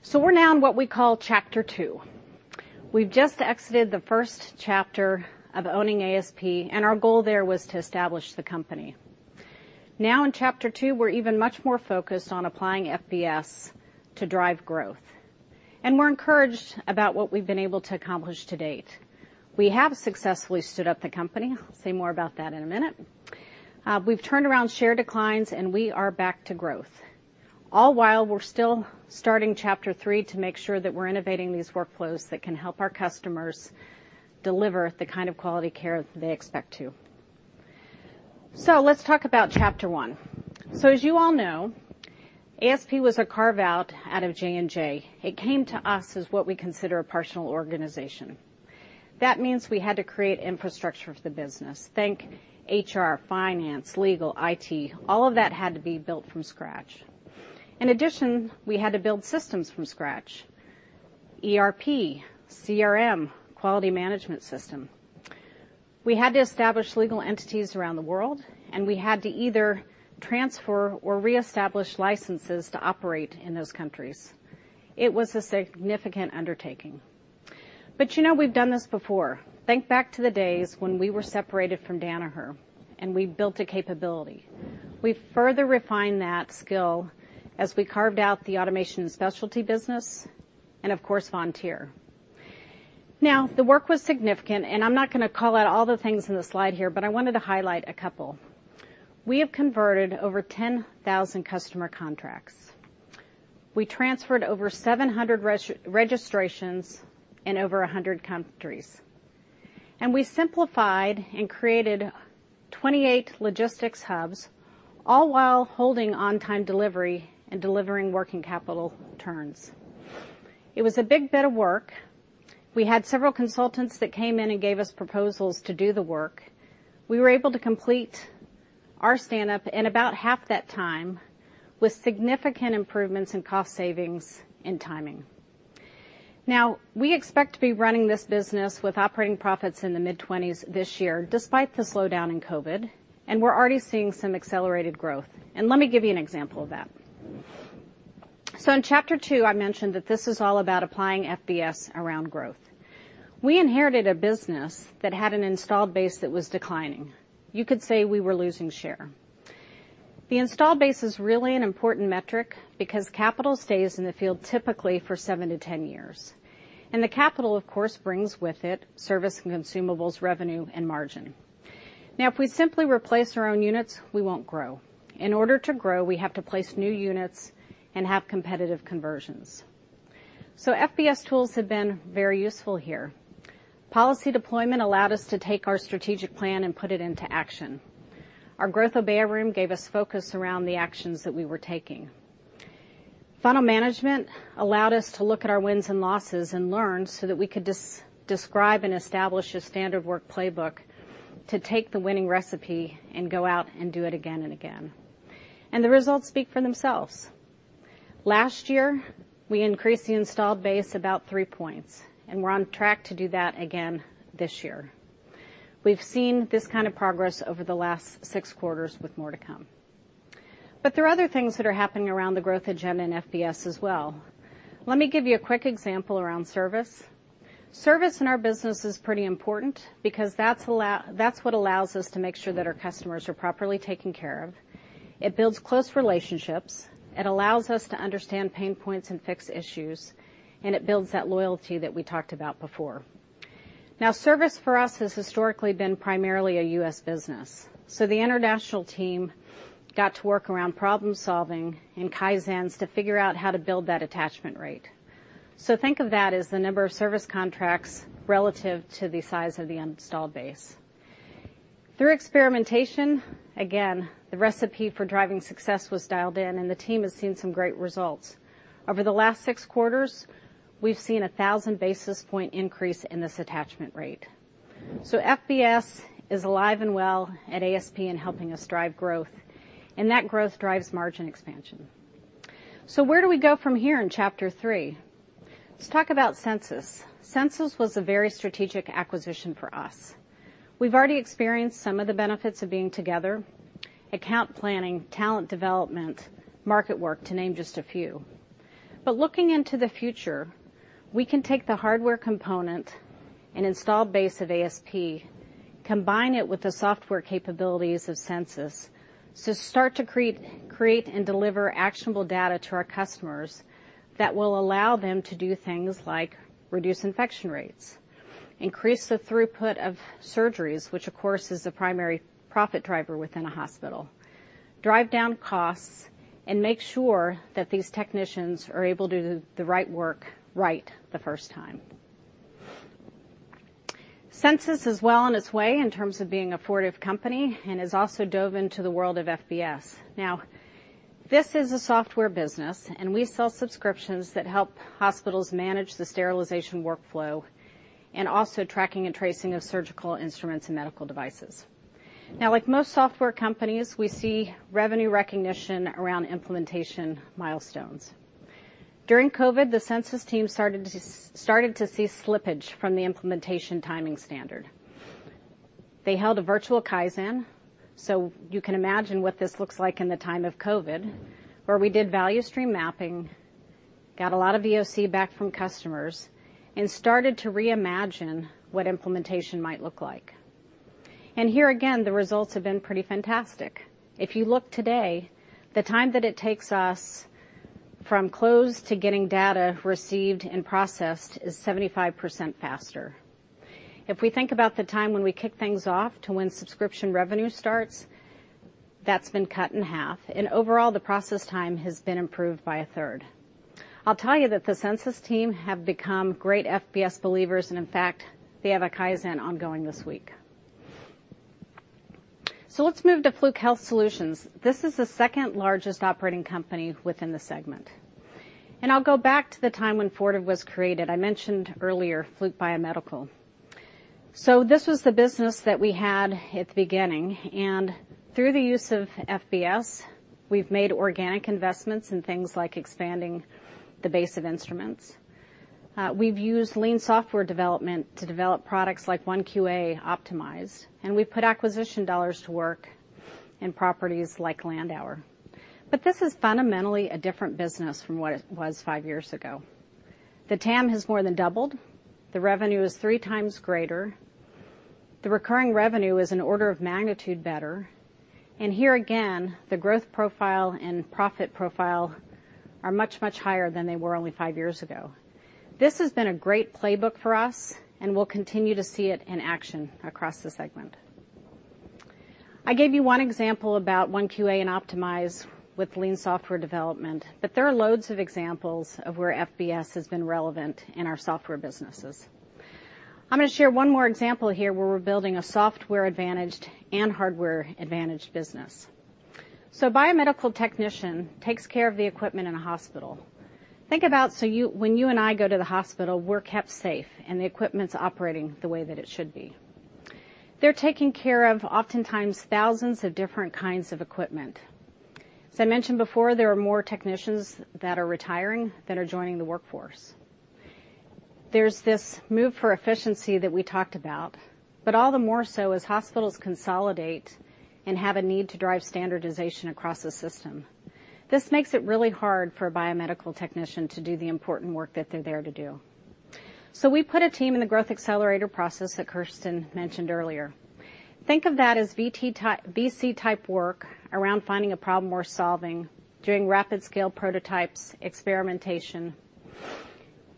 so we're now in what we call Chapter Two. We've just exited the first chapter of owning ASP, and our goal there was to establish the company. Now, in Chapter Two, we're even much more focused on applying FBS to drive growth. And we're encouraged about what we've been able to accomplish to date. We have successfully stood up the company. I'll say more about that in a minute. We've turned around share declines, and we are back to growth, all while we're still starting Chapter Three to make sure that we're innovating these workflows that can help our customers deliver the kind of quality care they expect to. So let's talk about Chapter One. So, as you all know, ASP was a carve-out out of J&J. It came to us as what we consider a partial organization. That means we had to create infrastructure for the business. Think HR, finance, legal, IT. All of that had to be built from scratch. In addition, we had to build systems from scratch: ERP, CRM, quality management system. We had to establish legal entities around the world, and we had to either transfer or reestablish licenses to operate in those countries. It was a significant undertaking. But we've done this before. Think back to the days when we were separated from Danaher, and we built a capability. We further refined that skill as we carved out the automation specialty business and, of course, Vontier. Now, the work was significant, and I'm not going to call out all the things in the slide here, but I wanted to highlight a couple. We have converted over 10,000 customer contracts. We transferred over 700 registrations in over 100 countries. And we simplified and created 28 logistics hubs, all while holding on-time delivery and delivering working capital turns. It was a big bit of work. We had several consultants that came in and gave us proposals to do the work. We were able to complete our stand-up in about half that time with significant improvements in cost savings and timing. Now, we expect to be running this business with operating profits in the mid-20s this year, despite the slowdown in COVID, and we're already seeing some accelerated growth, and let me give you an example of that, so in Chapter Two, I mentioned that this is all about applying FBS around growth. We inherited a business that had an installed base that was declining. You could say we were losing share. The installed base is really an important metric because capital stays in the field typically for seven to 10 years, and the capital, of course, brings with it service and consumables, revenue, and margin. Now, if we simply replace our own units, we won't grow. In order to grow, we have to place new units and have competitive conversions. FBS tools have been very useful here. Policy Deployment allowed us to take our strategic plan and put it into action. Our growth Obeya room gave us focus around the actions that we were taking. Funnel management allowed us to look at our wins and losses and learn so that we could describe and establish a standard work playbook to take the winning recipe and go out and do it again and again. The results speak for themselves. Last year, we increased the installed base about three points, and we're on track to do that again this year. We've seen this kind of progress over the last six quarters with more to come. But there are other things that are happening around the growth agenda in FBS as well. Let me give you a quick example around service. Service in our business is pretty important because that's what allows us to make sure that our customers are properly taken care of. It builds close relationships. It allows us to understand pain points and fix issues, and it builds that loyalty that we talked about before. Now, service for us has historically been primarily a U.S. business. So, the international team got to work around problem-solving and kaizens to figure out how to build that attachment rate. So, think of that as the number of service contracts relative to the size of the installed base. Through experimentation, again, the recipe for driving success was dialed in, and the team has seen some great results. Over the last six quarters, we've seen a thousand basis point increase in this attachment rate. So, FBS is alive and well at ASP and helping us drive growth, and that growth drives margin expansion. So, where do we go from here in Chapter Three? Let's talk about Censis. Censis was a very strategic acquisition for us. We've already experienced some of the benefits of being together: account planning, talent development, market work, to name just a few. But looking into the future, we can take the hardware component and installed base of ASP, combine it with the software capabilities of Censis, to start to create and deliver actionable data to our customers that will allow them to do things like reduce infection rates, increase the throughput of surgeries, which, of course, is the primary profit driver within a hospital, drive down costs, and make sure that these technicians are able to do the right work right the first time. Censis is well on its way in terms of being a Fortive company and has also dove into the world of FBS. Now, this is a software business, and we sell subscriptions that help hospitals manage the sterilization workflow and also tracking and tracing of surgical instruments and medical devices. Now, like most software companies, we see revenue recognition around implementation milestones. During COVID, the Censis team started to see slippage from the implementation timing standard. They held a virtual Kaizen, so you can imagine what this looks like in the time of COVID, where we did Value Stream Mapping, got a lot of VOC back from customers, and started to reimagine what implementation might look like. And here again, the results have been pretty fantastic. If you look today, the time that it takes us from close to getting data received and processed is 75% faster. If we think about the time when we kick things off to when subscription revenue starts, that's been cut in half. And overall, the process time has been improved by a third. I'll tell you that the Censis team have become great FBS believers, and in fact, they have a Kaizen ongoing this week. So, let's move to Fluke Health Solutions. This is the second largest operating company within the segment. And I'll go back to the time when Fortive was created. I mentioned earlier Fluke Biomedical. So, this was the business that we had at the beginning, and through the use of FBS, we've made organic investments in things like expanding the base of instruments. We've used lean software development to develop products like OneQA Optimize, and we've put acquisition dollars to work in properties like Landauer. But this is fundamentally a different business from what it was five years ago. The TAM has more than doubled. The revenue is three times greater. The recurring revenue is an order of magnitude better. And here again, the growth profile and profit profile are much, much higher than they were only five years ago. This has been a great playbook for us, and we'll continue to see it in action across the segment. I gave you one example about OneQA and Optimize with lean software development, but there are loads of examples of where FBS has been relevant in our software businesses. I'm going to share one more example here where we're building a software-advantaged and hardware-advantaged business. So, a biomedical technician takes care of the equipment in a hospital. Think about when you and I go to the hospital, we're kept safe, and the equipment's operating the way that it should be. They're taking care of oftentimes thousands of different kinds of equipment. As I mentioned before, there are more technicians that are retiring than are joining the workforce. There's this move for efficiency that we talked about, but all the more so as hospitals consolidate and have a need to drive standardization across the system. This makes it really hard for a biomedical technician to do the important work that they're there to do. So, we put a team in the growth accelerator process that Kirsten mentioned earlier. Think of that as VC-type work around finding a problem we're solving, doing rapid-scale prototypes, experimentation.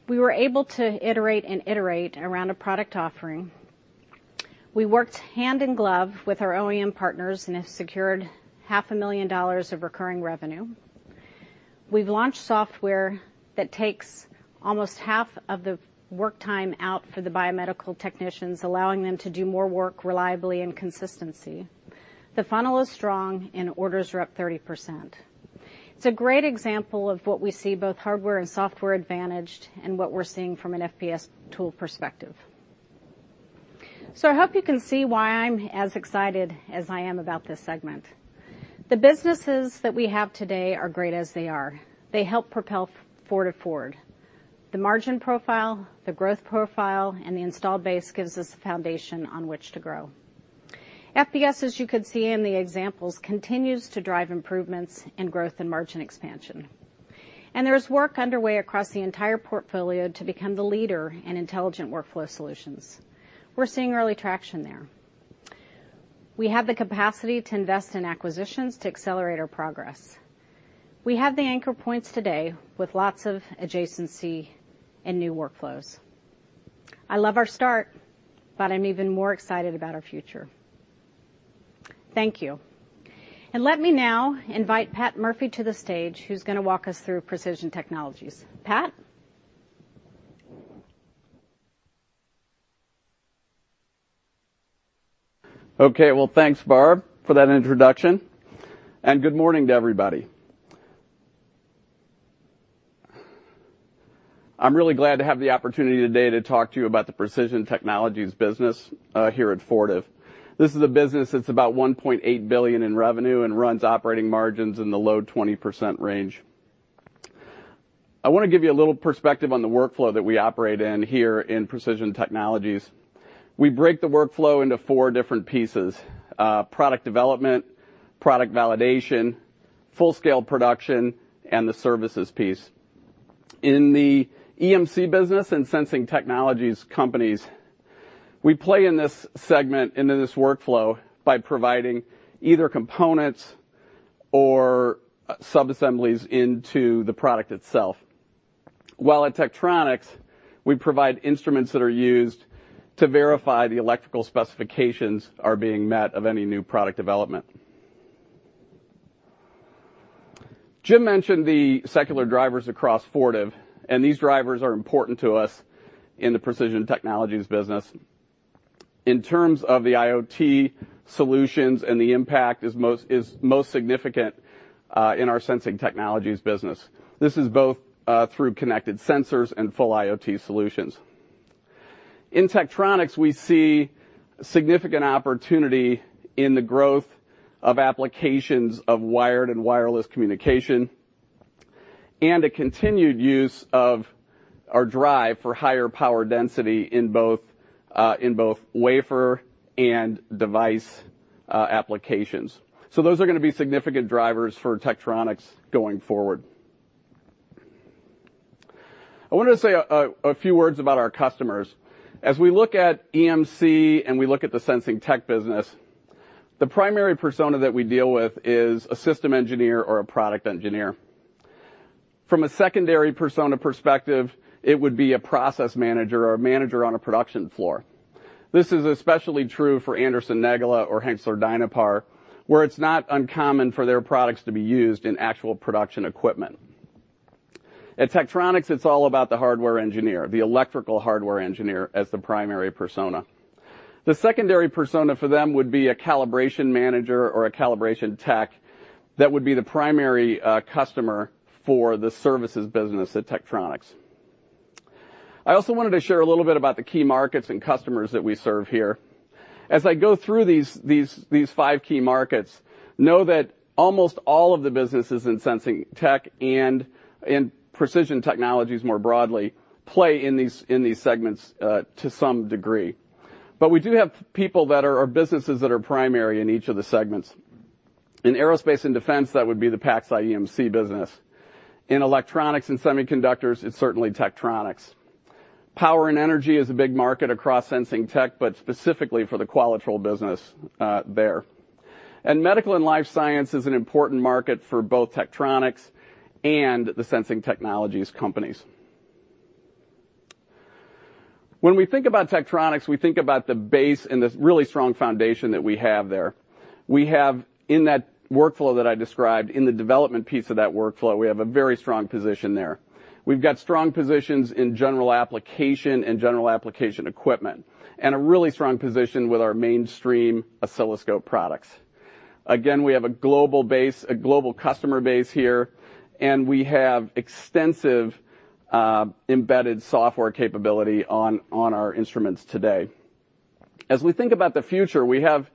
We were able to iterate and iterate around a product offering. We worked hand in glove with our OEM partners and have secured $500,000 of recurring revenue. We've launched software that takes almost half of the work time out for the biomedical technicians, allowing them to do more work reliably and consistently. The funnel is strong, and orders are up 30%. It's a great example of what we see, both hardware and software-advantaged, and what we're seeing from an FBS tool perspective, so I hope you can see why I'm as excited as I am about this segment. The businesses that we have today are great as they are. They help propel Fortive forward. The margin profile, the growth profile, and the installed base gives us a foundation on which to grow. FBS, as you could see in the examples, continues to drive improvements in growth and margin expansion, and there is work underway across the entire portfolio to become the leader in intelligent workflow solutions. We're seeing early traction there. We have the capacity to invest in acquisitions to accelerate our progress. We have the anchor points today with lots of adjacency and new workflows. I love our start, but I'm even more excited about our future. Thank you. Let me now invite Pat Murphy to the stage, who's going to walk us through Precision Technologies. Pat? Okay. Thanks, Barb, for that introduction. Good morning to everybody. I'm really glad to have the opportunity today to talk to you about the Precision Technologies business here at Fortive. This is a business that's about $1.8 billion in revenue and runs operating margins in the low 20% range. I want to give you a little perspective on the workflow that we operate in here in Precision Technologies. We break the workflow into four different pieces: product development, product validation, full-scale production, and the services piece. In the EMC business and Sensing Technologies companies, we play in this segment, in this workflow, by providing either components or subassemblies into the product itself. While at Tektronix, we provide instruments that are used to verify the electrical specifications are being met of any new product development. Jim mentioned the secular drivers across Fortive, and these drivers are important to us in the Precision Technologies business. In terms of the IoT solutions, the impact is most significant in our Sensing Technologies business. This is both through connected sensors and full IoT solutions. In Tektronix, we see significant opportunity in the growth of applications of wired and wireless communication and a continued use of our drive for higher power density in both wafer and device applications. So, those are going to be significant drivers for Tektronix going forward. I wanted to say a few words about our customers. As we look at EMC and we look at the Sensing Tech business, the primary persona that we deal with is a system engineer or a product engineer. From a secondary persona perspective, it would be a process manager or a manager on a production floor. This is especially true for Anderson-Negele or Hengstler-Dynapar, where it's not uncommon for their products to be used in actual production equipment. At Tektronix, it's all about the hardware engineer, the electrical hardware engineer as the primary persona. The secondary persona for them would be a calibration manager or a calibration tech that would be the primary customer for the services business at Tektronix. I also wanted to share a little bit about the key markets and customers that we serve here. As I go through these five key markets, know that almost all of the businesses in Sensing Tech and in Precision Technologies more broadly play in these segments to some degree. But we do have people that are businesses that are primary in each of the segments. In aerospace and defense, that would be the PacSci EMC business. In electronics and semiconductors, it's certainly Tektronix. Power and energy is a big market across Sensing Technologies, but specifically for the Qualitrol business there. And medical and life science is an important market for both Tektronix and the Sensing Technologies companies. When we think about Tektronix, we think about the base and the really strong foundation that we have there. We have, in that workflow that I described, in the development piece of that workflow, we have a very strong position there. We've got strong positions in general application and general application equipment, and a really strong position with our mainstream oscilloscope products. Again, we have a global base, a global customer base here, and we have extensive embedded software capability on our instruments today. As we think about the future, we have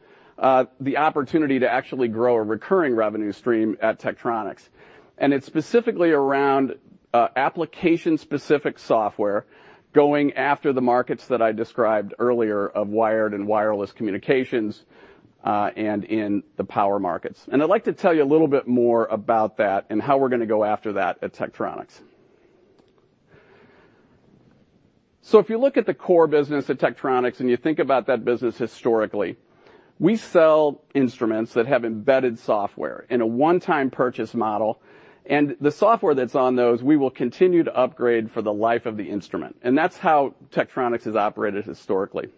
the opportunity to actually grow a recurring revenue stream at Tektronix, and it's specifically around application-specific software going after the markets that I described earlier of wired and wireless communications and in the power markets, and I'd like to tell you a little bit more about that and how we're going to go after that at Tektronix. So, if you look at the core business at Tektronix and you think about that business historically, we sell instruments that have embedded software in a one-time purchase model, and the software that's on those, we will continue to upgrade for the life of the instrument, and that's how Tektronix has operated historically.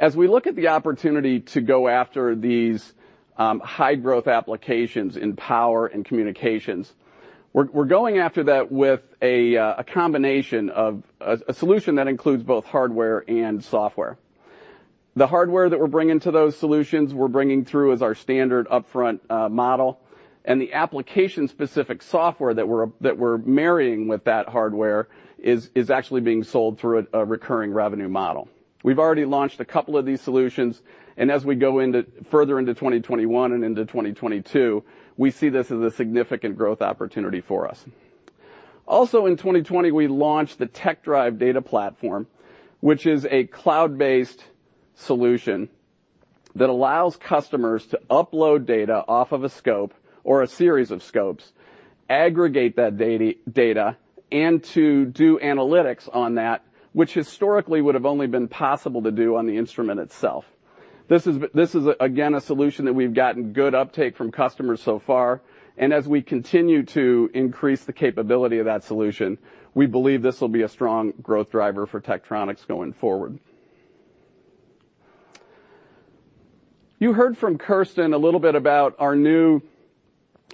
As we look at the opportunity to go after these high-growth applications in power and communications, we're going after that with a combination of a solution that includes both hardware and software. The hardware that we're bringing to those solutions, we're bringing through as our standard upfront model, and the application-specific software that we're marrying with that hardware is actually being sold through a recurring revenue model. We've already launched a couple of these solutions, and as we go further into 2021 and into 2022, we see this as a significant growth opportunity for us. Also, in 2020, we launched the TekDrive data platform, which is a cloud-based solution that allows customers to upload data off of a scope or a series of scopes, aggregate that data, and to do analytics on that, which historically would have only been possible to do on the instrument itself. This is, again, a solution that we've gotten good uptake from customers so far, and as we continue to increase the capability of that solution, we believe this will be a strong growth driver for Tektronix going forward. You heard from Kirsten a little bit about our new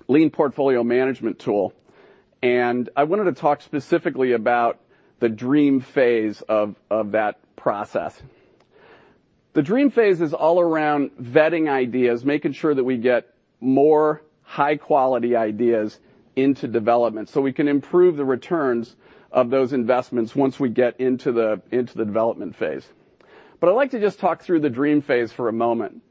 lean portfolio management tool, and I wanted to talk specifically about the Dream phase of that process. The Dream phase is all around vetting ideas, making sure that we get more high-quality ideas into development so we can improve the returns of those investments once we get into the development phase. But I'd like to just talk through the Dream Phase for a moment.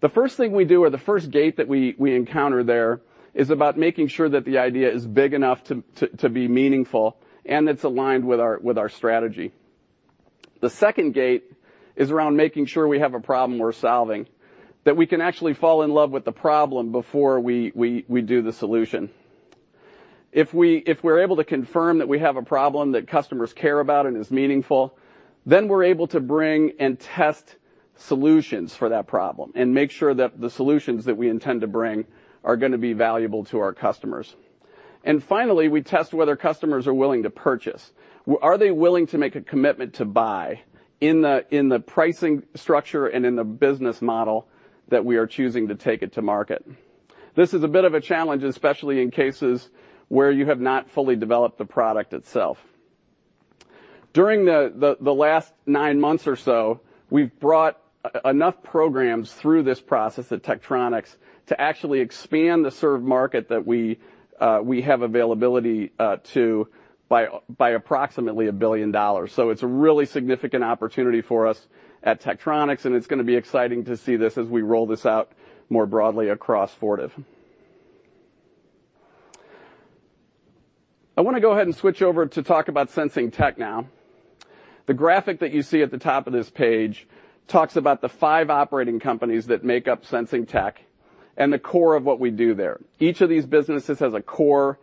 The first thing we do, or the first gate that we encounter there, is about making sure that the idea is big enough to be meaningful and that it's aligned with our strategy. The second gate is around making sure we have a problem we're solving, that we can actually fall in love with the problem before we do the solution. If we're able to confirm that we have a problem that customers care about and is meaningful, then we're able to bring and test solutions for that problem and make sure that the solutions that we intend to bring are going to be valuable to our customers. And finally, we test whether customers are willing to purchase. Are they willing to make a commitment to buy in the pricing structure and in the business model that we are choosing to take it to market? This is a bit of a challenge, especially in cases where you have not fully developed the product itself. During the last nine months or so, we've brought enough programs through this process at Tektronix to actually expand the served market that we have availability to by approximately $1 billion. It's a really significant opportunity for us at Tektronix, and it's going to be exciting to see this as we roll this out more broadly across Fortive. I want to go ahead and switch over to talk about Sensing Tech now. The graphic that you see at the top of this page talks about the five operating companies that make up Sensing Tech and the core of what we do there. Each of these businesses has a core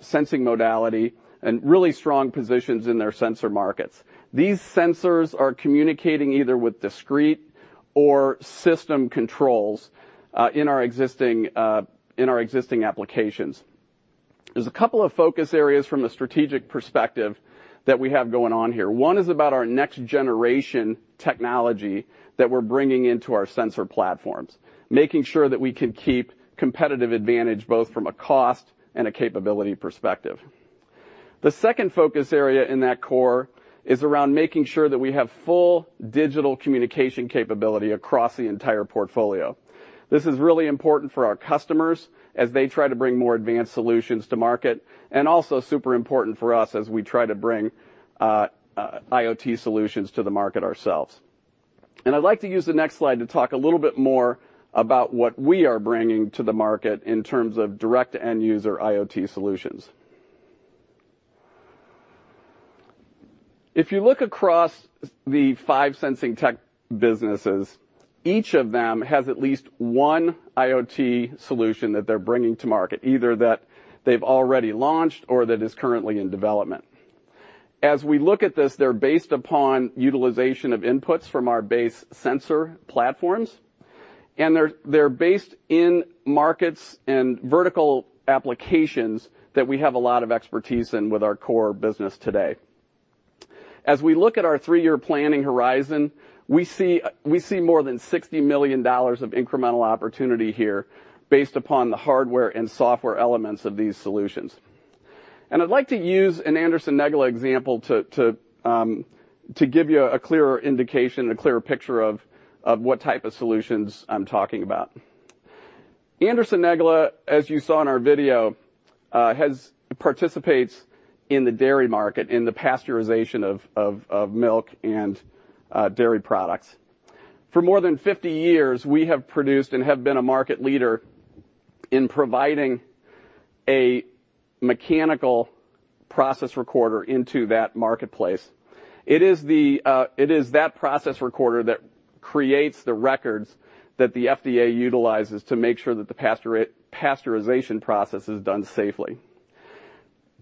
sensing modality and really strong positions in their sensor markets. These sensors are communicating either with discrete or system controls in our existing applications. There's a couple of focus areas from a strategic perspective that we have going on here. One is about our next-generation technology that we're bringing into our sensor platforms, making sure that we can keep competitive advantage both from a cost and a capability perspective. The second focus area in that core is around making sure that we have full digital communication capability across the entire portfolio. This is really important for our customers as they try to bring more advanced solutions to market and also super important for us as we try to bring IoT solutions to the market ourselves, and I'd like to use the next slide to talk a little bit more about what we are bringing to the market in terms of direct-to-end-user IoT solutions. If you look across the five Sensing Tech businesses, each of them has at least one IoT solution that they're bringing to market, either that they've already launched or that is currently in development. As we look at this, they're based upon utilization of inputs from our base sensor platforms, and they're based in markets and vertical applications that we have a lot of expertise in with our core business today. As we look at our three-year planning horizon, we see more than $60 million of incremental opportunity here based upon the hardware and software elements of these solutions, and I'd like to use an Anderson-Negele example to give you a clearer indication and a clearer picture of what type of solutions I'm talking about. Anderson-Negele, as you saw in our video, participates in the dairy market in the pasteurization of milk and dairy products. For more than 50 years, we have produced and have been a market leader in providing a mechanical process recorder into that marketplace. It is that process recorder that creates the records that the FDA utilizes to make sure that the pasteurization process is done safely.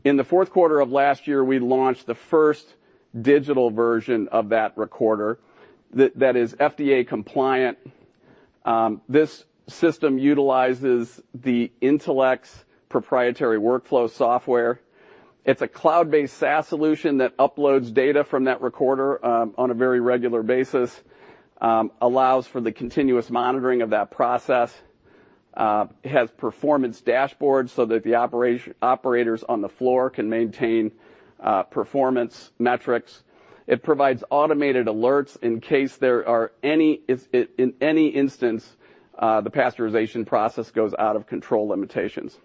In the fourth quarter of last year, we launched the first digital version of that recorder that is FDA compliant. This system utilizes the Intelex proprietary workflow software. It's a cloud-based SaaS solution that uploads data from that recorder on a very regular basis, allows for the continuous monitoring of that process, has performance dashboards so that the operators on the floor can maintain performance metrics. It provides automated alerts in case there are, in any instance, the pasteurization process goes out of control limitations.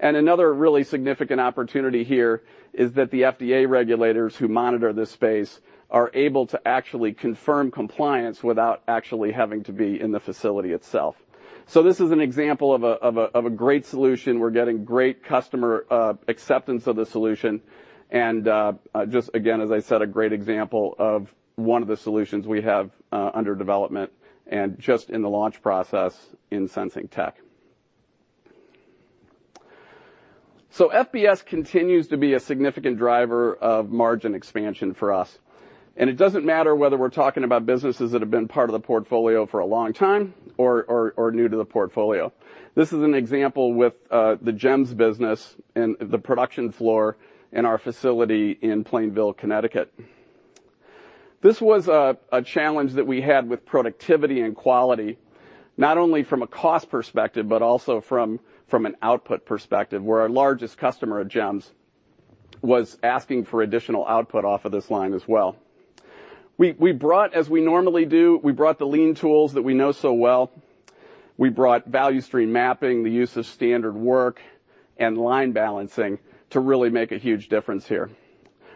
Another really significant opportunity here is that the FDA regulators who monitor this space are able to actually confirm compliance without actually having to be in the facility itself. This is an example of a great solution. We're getting great customer acceptance of the solution and just, again, as I said, a great example of one of the solutions we have under development and just in the launch process in Sensing Tech. FBS continues to be a significant driver of margin expansion for us. It doesn't matter whether we're talking about businesses that have been part of the portfolio for a long time or new to the portfolio. This is an example with the Gems business and the production floor in our facility in Plainville, Connecticut. This was a challenge that we had with productivity and quality, not only from a cost perspective but also from an output perspective, where our largest customer of Gems was asking for additional output off of this line as well. As we normally do, we brought the lean tools that we know so well. We brought Value Stream Mapping, the use of standard work, and line balancing to really make a huge difference here.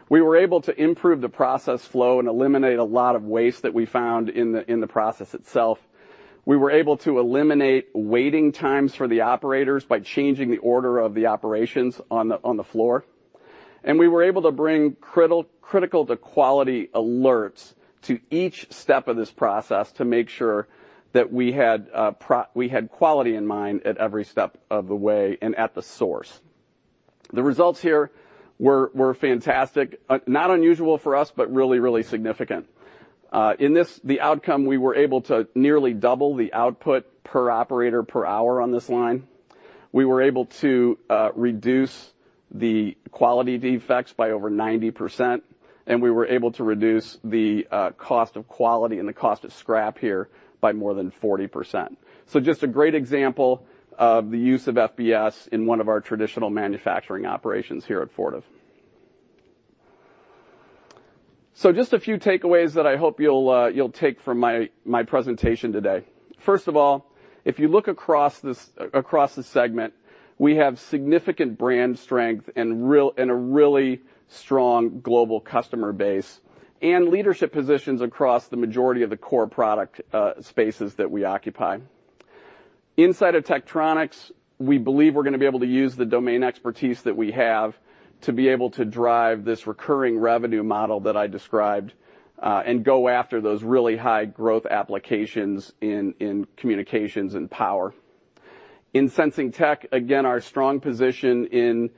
We were able to improve the process flow and eliminate a lot of waste that we found in the process itself. We were able to eliminate waiting times for the operators by changing the order of the operations on the floor, and we were able to bring critical quality alerts to each step of this process to make sure that we had quality in mind at every step of the way and at the source. The results here were fantastic, not unusual for us, but really, really significant. In this, the outcome, we were able to nearly double the output per operator per hour on this line. We were able to reduce the quality defects by over 90%, and we were able to reduce the cost of quality and the cost of scrap here by more than 40%. So, just a great example of the use of FBS in one of our traditional manufacturing operations here at Fortive. So, just a few takeaways that I hope you'll take from my presentation today. First of all, if you look across this segment, we have significant brand strength and a really strong global customer base and leadership positions across the majority of the core product spaces that we occupy. Inside of Tektronix, we believe we're going to be able to use the domain expertise that we have to be able to drive this recurring revenue model that I described and go after those really high-growth applications in communications and power. In Sensing Tech, again, our strong position in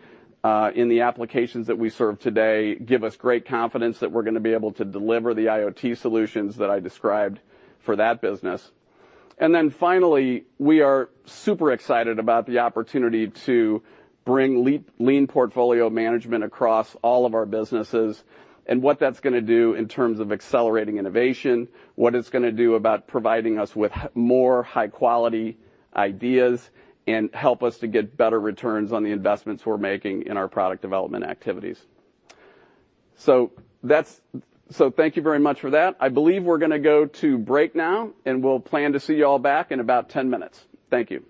the applications that we serve today gives us great confidence that we're going to be able to deliver the IoT solutions that I described for that business. And then finally, we are super excited about the opportunity to bring lean portfolio management across all of our businesses and what that's going to do in terms of accelerating innovation, what it's going to do about providing us with more high-quality ideas, and help us to get better returns on the investments we're making in our product development activities. So, thank you very much for that. I believe we're going to go to break now, and we'll plan to see you all back in about 10 minutes. Thank you.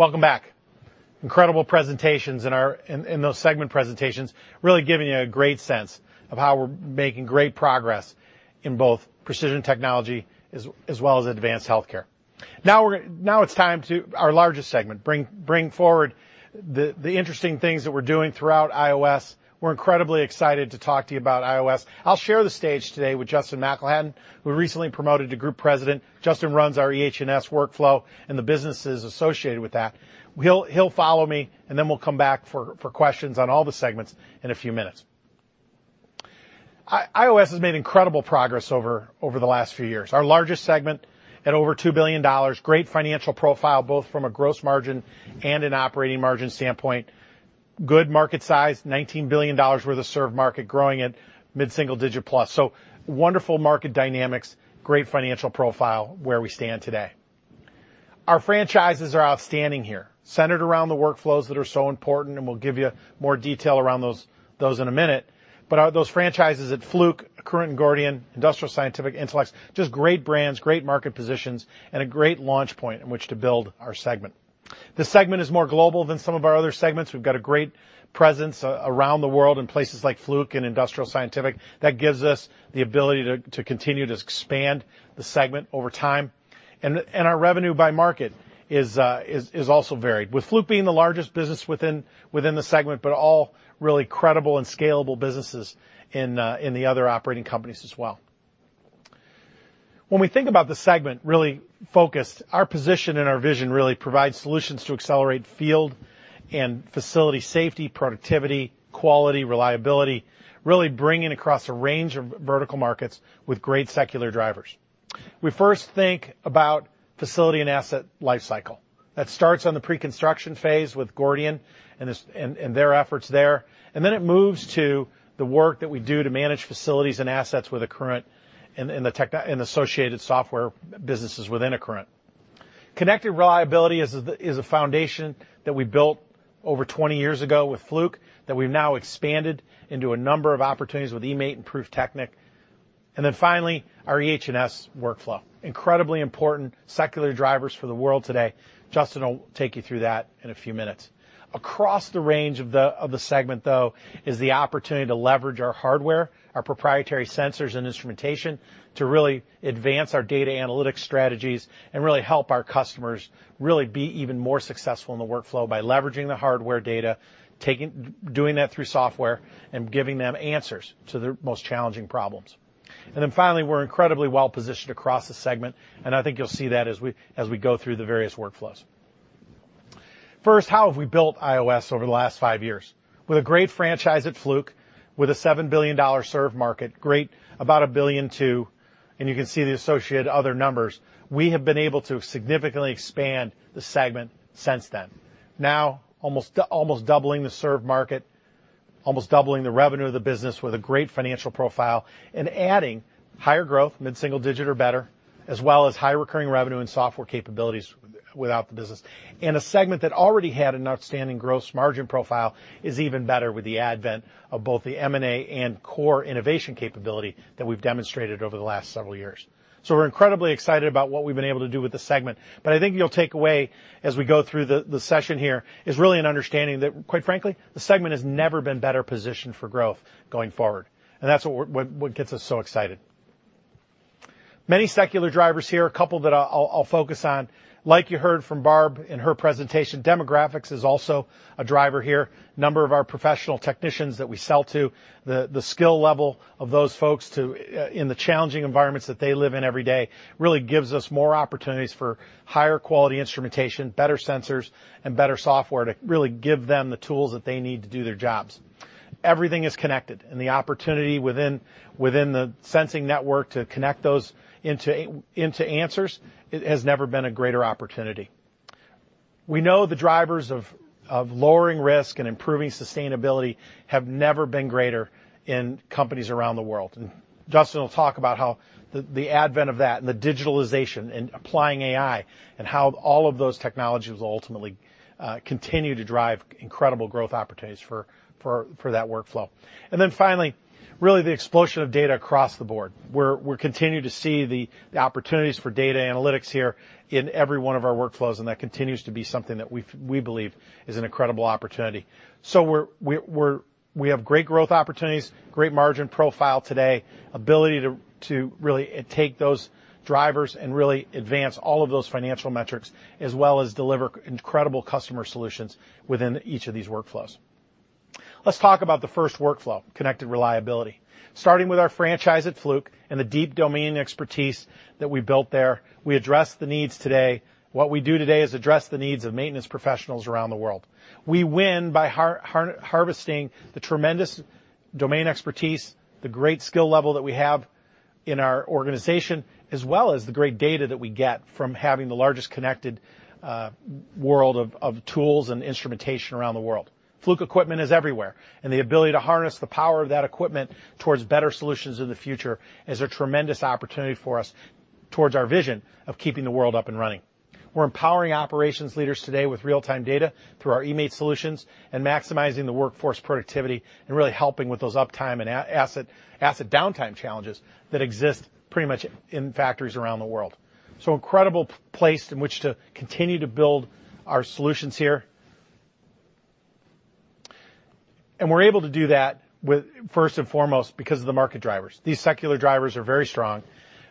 Welcome back. Incredible presentations in those segment presentations really giving you a great sense of how we're making great progress in both precision technology as well as advanced healthcare. Now it's time to, our largest segment, bring forward the interesting things that we're doing throughout IOS. We're incredibly excited to talk to you about IOS. I'll share the stage today with Justin McElhattan, who recently promoted to group president. Justin runs our EH&S workflow and the businesses associated with that. He'll follow me, and then we'll come back for questions on all the segments in a few minutes. IOS has made incredible progress over the last few years. Our largest segment at over $2 billion, great financial profile both from a gross margin and an operating margin standpoint. Good market size, $19 billion serviceable market growing at mid-single digit plus. Wonderful market dynamics, great financial profile where we stand today. Our franchises are outstanding here, centered around the workflows that are so important, and we'll give you more detail around those in a minute. But those franchises at Fluke, Accruent and Gordian, Industrial Scientific, Intelex, just great brands, great market positions, and a great launch point in which to build our segment. The segment is more global than some of our other segments. We've got a great presence around the world in places like Fluke and Industrial Scientific. That gives us the ability to continue to expand the segment over time. Our revenue by market is also varied, with Fluke being the largest business within the segment, but all really credible and scalable businesses in the other operating companies as well. When we think about the segment really focused, our position and our vision really provide solutions to accelerate field and facility safety, productivity, quality, reliability, really bringing across a range of vertical markets with great secular drivers. We first think about facility and asset lifecycle. That starts on the pre-construction phase with Gordian and their efforts there, and then it moves to the work that we do to manage facilities and assets with the Accruent and associated software businesses within Accruent. Connected reliability is a foundation that we built over 20 years ago with Fluke that we've now expanded into a number of opportunities with eMaint and Prüftechnik. Then finally, our EHS workflow, incredibly important secular drivers for the world today. Justin will take you through that in a few minutes. Across the range of the segment, though, is the opportunity to leverage our hardware, our proprietary sensors and instrumentation to really advance our data analytics strategies and really help our customers really be even more successful in the workflow by leveraging the hardware data, doing that through software and giving them answers to the most challenging problems. Then finally, we're incredibly well positioned across the segment, and I think you'll see that as we go through the various workflows. First, how have we built IoT over the last five years? With a great franchise at Fluke, with a $7 billion serve market, great, about a billion to, and you can see the associated other numbers, we have been able to significantly expand the segment since then. Now, almost doubling the serve market, almost doubling the revenue of the business with a great financial profile and adding higher growth, mid-single digit or better, as well as high recurring revenue and software capabilities without the business, and a segment that already had an outstanding gross margin profile is even better with the advent of both the M&A and core innovation capability that we've demonstrated over the last several years, so we're incredibly excited about what we've been able to do with the segment. But I think you'll take away as we go through the session here is really an understanding that, quite frankly, the segment has never been better positioned for growth going forward. And that's what gets us so excited. Many secular drivers here, a couple that I'll focus on. Like you heard from Barb in her presentation, demographics is also a driver here. Number of our professional technicians that we sell to, the skill level of those folks in the challenging environments that they live in every day really gives us more opportunities for higher quality instrumentation, better sensors, and better software to really give them the tools that they need to do their jobs. Everything is connected, and the opportunity within the sensing network to connect those into answers has never been a greater opportunity. We know the drivers of lowering risk and improving sustainability have never been greater in companies around the world, and Justin will talk about how the advent of that and the digitalization and applying AI and how all of those technologies will ultimately continue to drive incredible growth opportunities for that workflow, and then finally, really the explosion of data across the board. We're continuing to see the opportunities for data analytics here in every one of our workflows, and that continues to be something that we believe is an incredible opportunity, so we have great growth opportunities, great margin profile today, ability to really take those drivers and really advance all of those financial metrics as well as deliver incredible customer solutions within each of these workflows. Let's talk about the first workflow, connected reliability. Starting with our franchise at Fluke and the deep domain expertise that we built there, we address the needs today. What we do today is address the needs of maintenance professionals around the world. We win by harvesting the tremendous domain expertise, the great skill level that we have in our organization, as well as the great data that we get from having the largest connected world of tools and instrumentation around the world. Fluke equipment is everywhere, and the ability to harness the power of that equipment towards better solutions in the future is a tremendous opportunity for us towards our vision of keeping the world up and running. We're empowering operations leaders today with real-time data through our eMaint solutions and maximizing the workforce productivity and really helping with those uptime and asset downtime challenges that exist pretty much in factories around the world. an incredible place in which to continue to build our solutions here. We're able to do that first and foremost because of the market drivers. These secular drivers are very strong.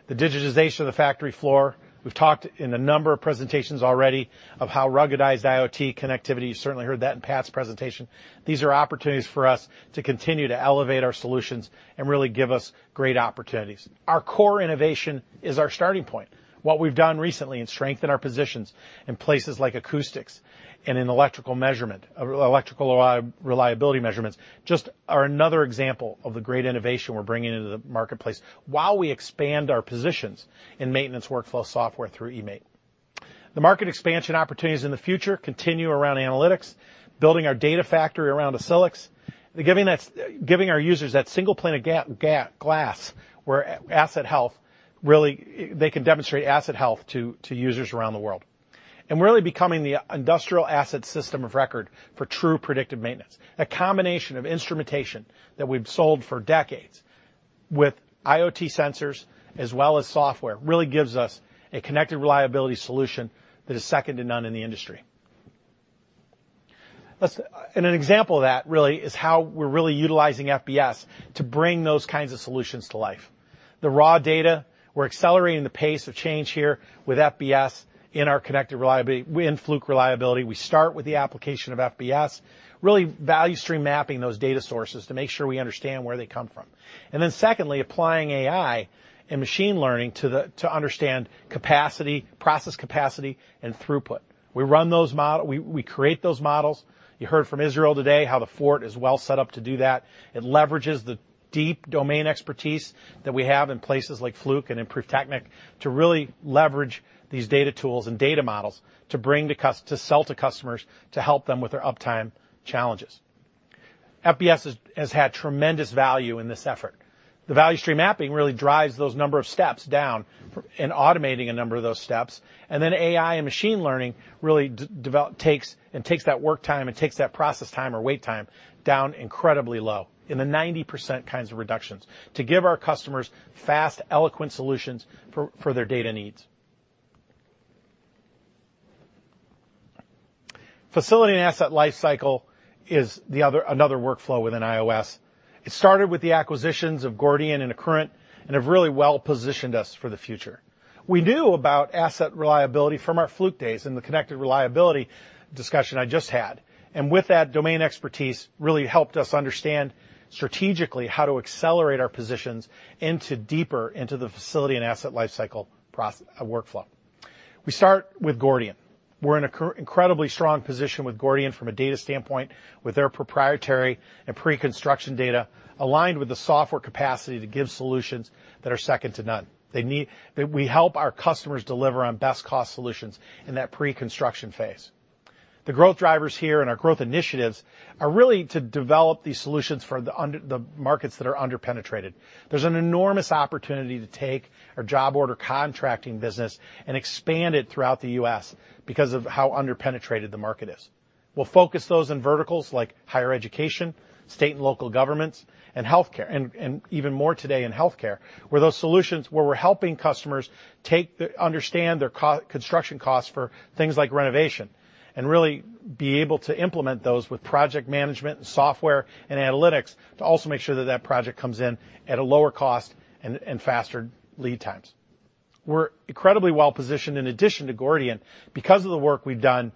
The digitization of the factory floor, we've talked in a number of presentations already of how ruggedized IoT connectivity, you certainly heard that in Pat's presentation. These are opportunities for us to continue to elevate our solutions and really give us great opportunities. Our core innovation is our starting point. What we've done recently in strengthening our positions in places like acoustics and in electrical measurement, electrical reliability measurements just are another example of the great innovation we're bringing into the marketplace while we expand our positions in maintenance workflow software through eMaint. The market expansion opportunities in the future continue around analytics, building our data factory around Accruent, giving our users that single plane of glass where asset health really they can demonstrate asset health to users around the world, and really becoming the industrial asset system of record for true predictive maintenance. A combination of instrumentation that we've sold for decades with IoT sensors as well as software really gives us a connected reliability solution that is second to none in the industry. An example of that really is how we're really utilizing FBS to bring those kinds of solutions to life. The raw data, we're accelerating the pace of change here with FBS in our connected reliability in Fluke Reliability. We start with the application of FBS, really value stream mapping those data sources to make sure we understand where they come from. And then secondly, applying AI and machine learning to understand capacity, process capacity, and throughput. We run those models, we create those models. You heard from Israel today how The Fort is well set up to do that. It leverages the deep domain expertise that we have in places like Fluke and in Prüftechnik to really leverage these data tools and data models to sell to customers to help them with their uptime challenges. FBS has had tremendous value in this effort. The value stream mapping really drives those number of steps down and automating a number of those steps. And then AI and machine learning really takes and takes that work time and takes that process time or wait time down incredibly low in the 90% kinds of reductions to give our customers fast, elegant solutions for their data needs. Facility and asset lifecycle is another workflow within iOS. It started with the acquisitions of Gordian and Accruent and have really well positioned us for the future. We knew about asset reliability from our Fluke days in the connected reliability discussion I just had. And with that, domain expertise really helped us understand strategically how to accelerate our positions deeper into the facility and asset lifecycle workflow. We start with Gordian. We're in an incredibly strong position with Gordian from a data standpoint with their proprietary and pre-construction data aligned with the software capacity to give solutions that are second to none. We help our customers deliver on best cost solutions in that pre-construction phase. The growth drivers here and our growth initiatives are really to develop these solutions for the markets that are under-penetrated. There's an enormous opportunity to take our job order contracting business and expand it throughout the U.S. because of how under-penetrated the market is. We'll focus those in verticals like higher education, state and local governments, and healthcare, and even more today in healthcare, where those solutions we're helping customers understand their construction costs for things like renovation and really be able to implement those with project management and software and analytics to also make sure that that project comes in at a lower cost and faster lead times. We're incredibly well positioned in addition to Gordian because of the work we've done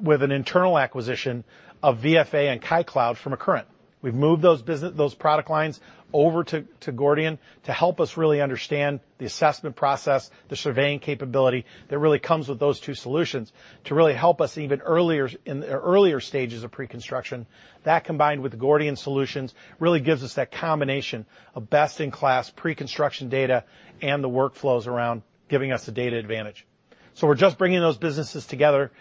with an internal acquisition of VFA and Kykloud from Accruent. We've moved those product lines over to Gordian to help us really understand the assessment process, the surveying capability that really comes with those two solutions to really help us even earlier in the earlier stages of pre-construction. That combined with Gordian solutions really gives us that combination of best-in-class pre-construction data and the workflows around giving us a data advantage. So we're just bringing those businesses together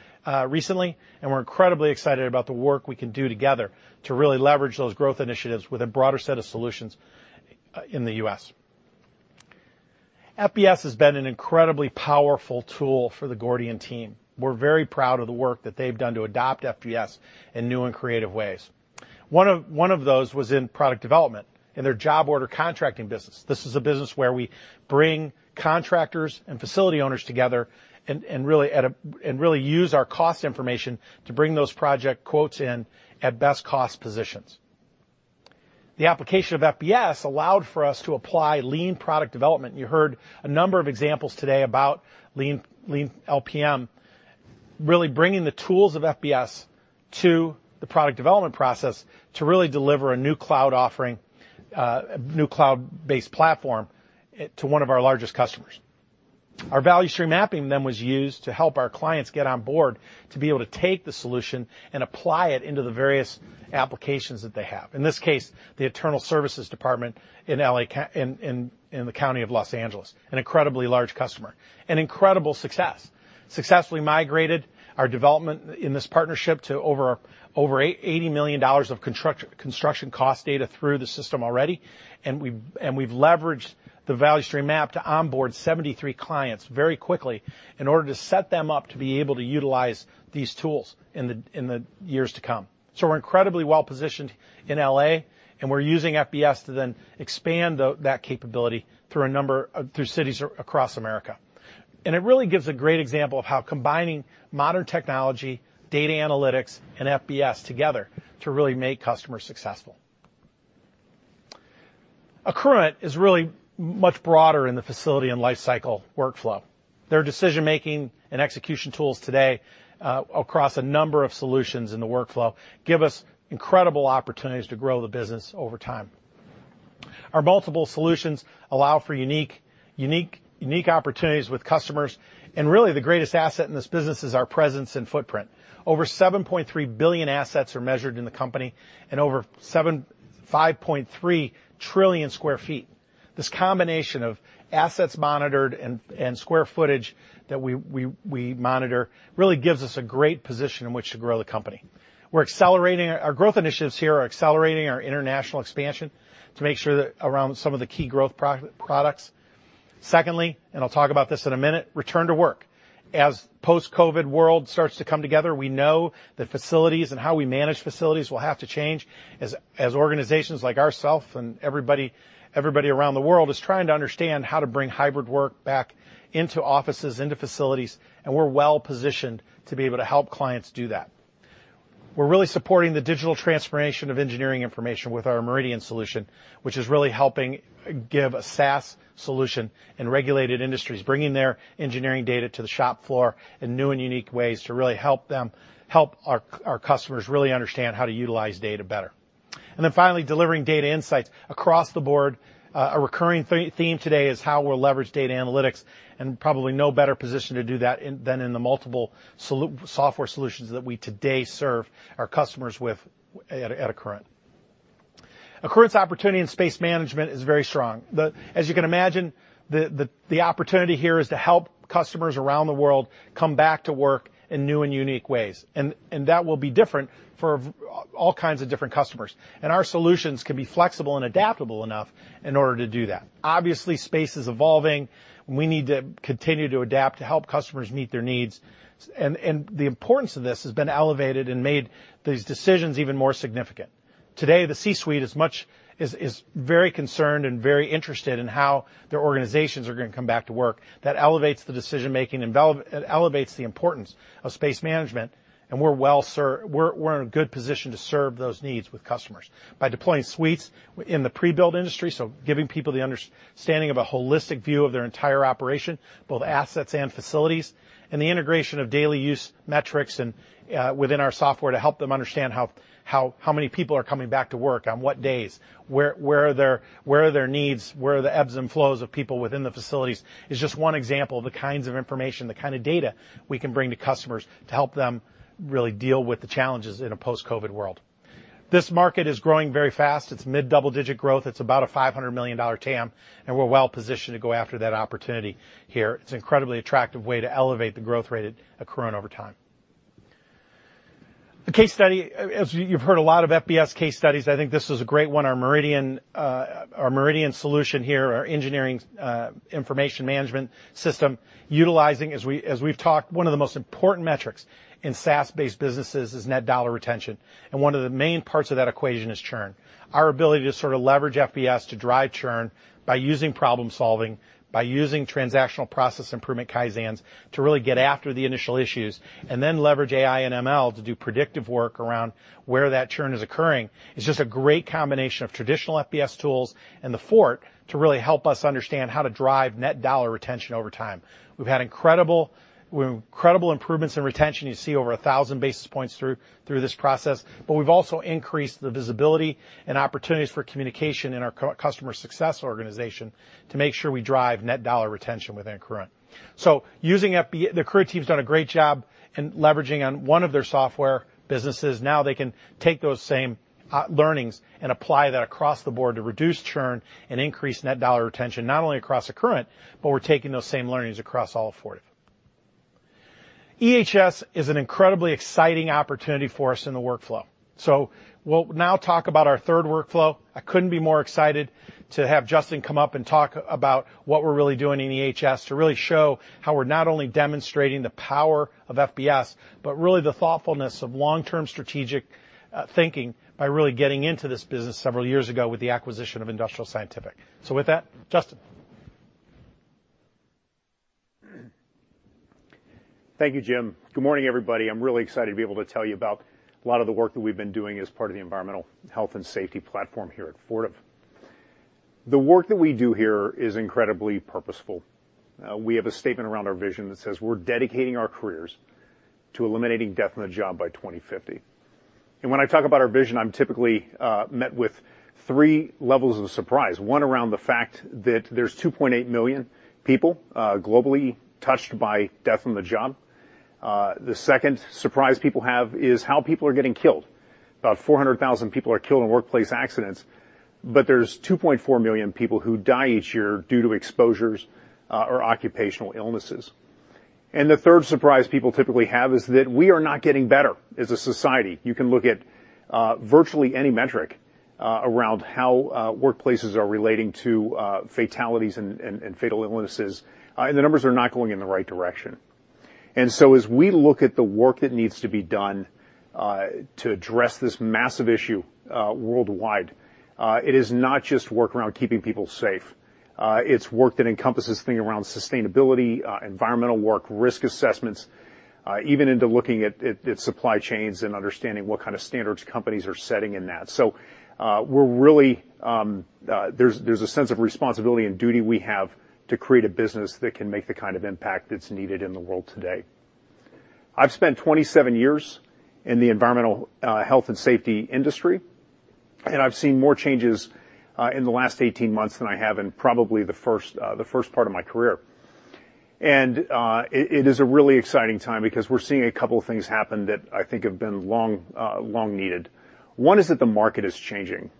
recently, and we're incredibly excited about the work we can do together to really leverage those growth initiatives with a broader set of solutions in the U.S. FBS has been an incredibly powerful tool for the Gordian team. We're very proud of the work that they've done to adopt FBS in new and creative ways. One of those was in product development in their job order contracting business. This is a business where we bring contractors and facility owners together and really use our cost information to bring those project quotes in at best cost positions. The application of FBS allowed for us to apply lean product development. You heard a number of examples today about Lean LPM, really bringing the tools of FBS to the product development process to really deliver a new cloud offering, a new cloud-based platform to one of our largest customers. Our value stream mapping then was used to help our clients get on board to be able to take the solution and apply it into the various applications that they have. In this case, the internal services department in the county of Los Angeles, an incredibly large customer. An incredible success. Successfully migrated our development in this partnership to over $80 million of construction cost data through the system already, and we've leveraged the value stream map to onboard 73 clients very quickly in order to set them up to be able to utilize these tools in the years to come, so we're incredibly well positioned in LA, and we're using FBS to then expand that capability through cities across America, and it really gives a great example of how combining modern technology, data analytics, and FBS together to really make customers successful. Accruent is really much broader in the facility and lifecycle workflow. Their decision-making and execution tools today across a number of solutions in the workflow give us incredible opportunities to grow the business over time. Our multiple solutions allow for unique opportunities with customers, and really the greatest asset in this business is our presence and footprint. Over 7.3 billion assets are measured in the company and over 5.3 trillion sq ft. This combination of assets monitored and square footage that we monitor really gives us a great position in which to grow the company. Our growth initiatives here are accelerating our international expansion to make sure that around some of the key growth products. Secondly, and I'll talk about this in a minute, return to work. As the post-COVID world starts to come together, we know that facilities and how we manage facilities will have to change as organizations like ourselves and everybody around the world is trying to understand how to bring hybrid work back into offices, into facilities, and we're well positioned to be able to help clients do that. We're really supporting the digital transformation of engineering information with our Meridian solution, which is really helping give a SaaS solution in regulated industries, bringing their engineering data to the shop floor in new and unique ways to really help them help our customers really understand how to utilize data better, and then finally delivering data insights across the board. A recurring theme today is how we'll leverage data analytics, and probably no better position to do that than in the multiple software solutions that we today serve our customers with at Accruent. Accruent's opportunity in space management is very strong. As you can imagine, the opportunity here is to help customers around the world come back to work in new and unique ways, and that will be different for all kinds of different customers. And our solutions can be flexible and adaptable enough in order to do that. Obviously, space is evolving. We need to continue to adapt to help customers meet their needs, and the importance of this has been elevated and made these decisions even more significant. Today, the C-suite is very concerned and very interested in how their organizations are going to come back to work. That elevates the decision-making and elevates the importance of space management, and we're in a good position to serve those needs with customers by deploying suites in the pre-built industry, so giving people the understanding of a holistic view of their entire operation, both assets and facilities, and the integration of daily use metrics within our software to help them understand how many people are coming back to work on what days, where are their needs, where are the ebbs and flows of people within the facilities is just one example of the kinds of information, the kind of data we can bring to customers to help them really deal with the challenges in a post-COVID world. This market is growing very fast. It's mid-double-digit growth. It's about a $500 million TAM, and we're well positioned to go after that opportunity here. It's an incredibly attractive way to elevate the growth rate at Accruent over time. A case study, as you've heard a lot of FBS case studies, I think this is a great one. Our Meridian solution here, our engineering information management system, utilizing, as we've talked, one of the most important metrics in SaaS-based businesses is net dollar retention, and one of the main parts of that equation is churn. Our ability to sort of leverage FBS to drive churn by using problem-solving, by using transactional process improvement kaizens to really get after the initial issues, and then leverage AI and ML to do predictive work around where that churn is occurring is just a great combination of traditional FBS tools and The Fort to really help us understand how to drive net dollar retention over time. We've had incredible improvements in retention. You see over 1,000 basis points through this process, but we've also increased the visibility and opportunities for communication in our customer success organization to make sure we drive net dollar retention within Accruent, so using the Accruent team's done a great job in leveraging on one of their software businesses. Now they can take those same learnings and apply that across the board to reduce churn and increase net dollar retention, not only across Accruent, but we're taking those same learnings across all four of them. EHS is an incredibly exciting opportunity for us in the workflow, so we'll now talk about our third workflow. I couldn't be more excited to have Justin come up and talk about what we're really doing in EHS to really show how we're not only demonstrating the power of FBS, but really the thoughtfulness of long-term strategic thinking by really getting into this business several years ago with the acquisition of Industrial Scientific. So with that, Justin. Thank you, Jim. Good morning, everybody. I'm really excited to be able to tell you about a lot of the work that we've been doing as part of the environmental health and safety platform here at Fortive. The work that we do here is incredibly purposeful. We have a statement around our vision that says we're dedicating our careers to eliminating death on the job by 2050. And when I talk about our vision, I'm typically met with three levels of surprise. One around the fact that there's 2.8 million people globally touched by death on the job. The second surprise people have is how people are getting killed. About 400,000 people are killed in workplace accidents, but there's 2.4 million people who die each year due to exposures or occupational illnesses. And the third surprise people typically have is that we are not getting better as a society. You can look at virtually any metric around how workplaces are relating to fatalities and fatal illnesses, and the numbers are not going in the right direction. And so as we look at the work that needs to be done to address this massive issue worldwide, it is not just work around keeping people safe. It's work that encompasses things around sustainability, environmental work, risk assessments, even into looking at supply chains and understanding what kind of standards companies are setting in that. So there's a sense of responsibility and duty we have to create a business that can make the kind of impact that's needed in the world today. I've spent 27 years in the environmental health and safety industry, and I've seen more changes in the last 18 months than I have in probably the first part of my career. And it is a really exciting time because we're seeing a couple of things happen that I think have been long needed. One is that the market is changing.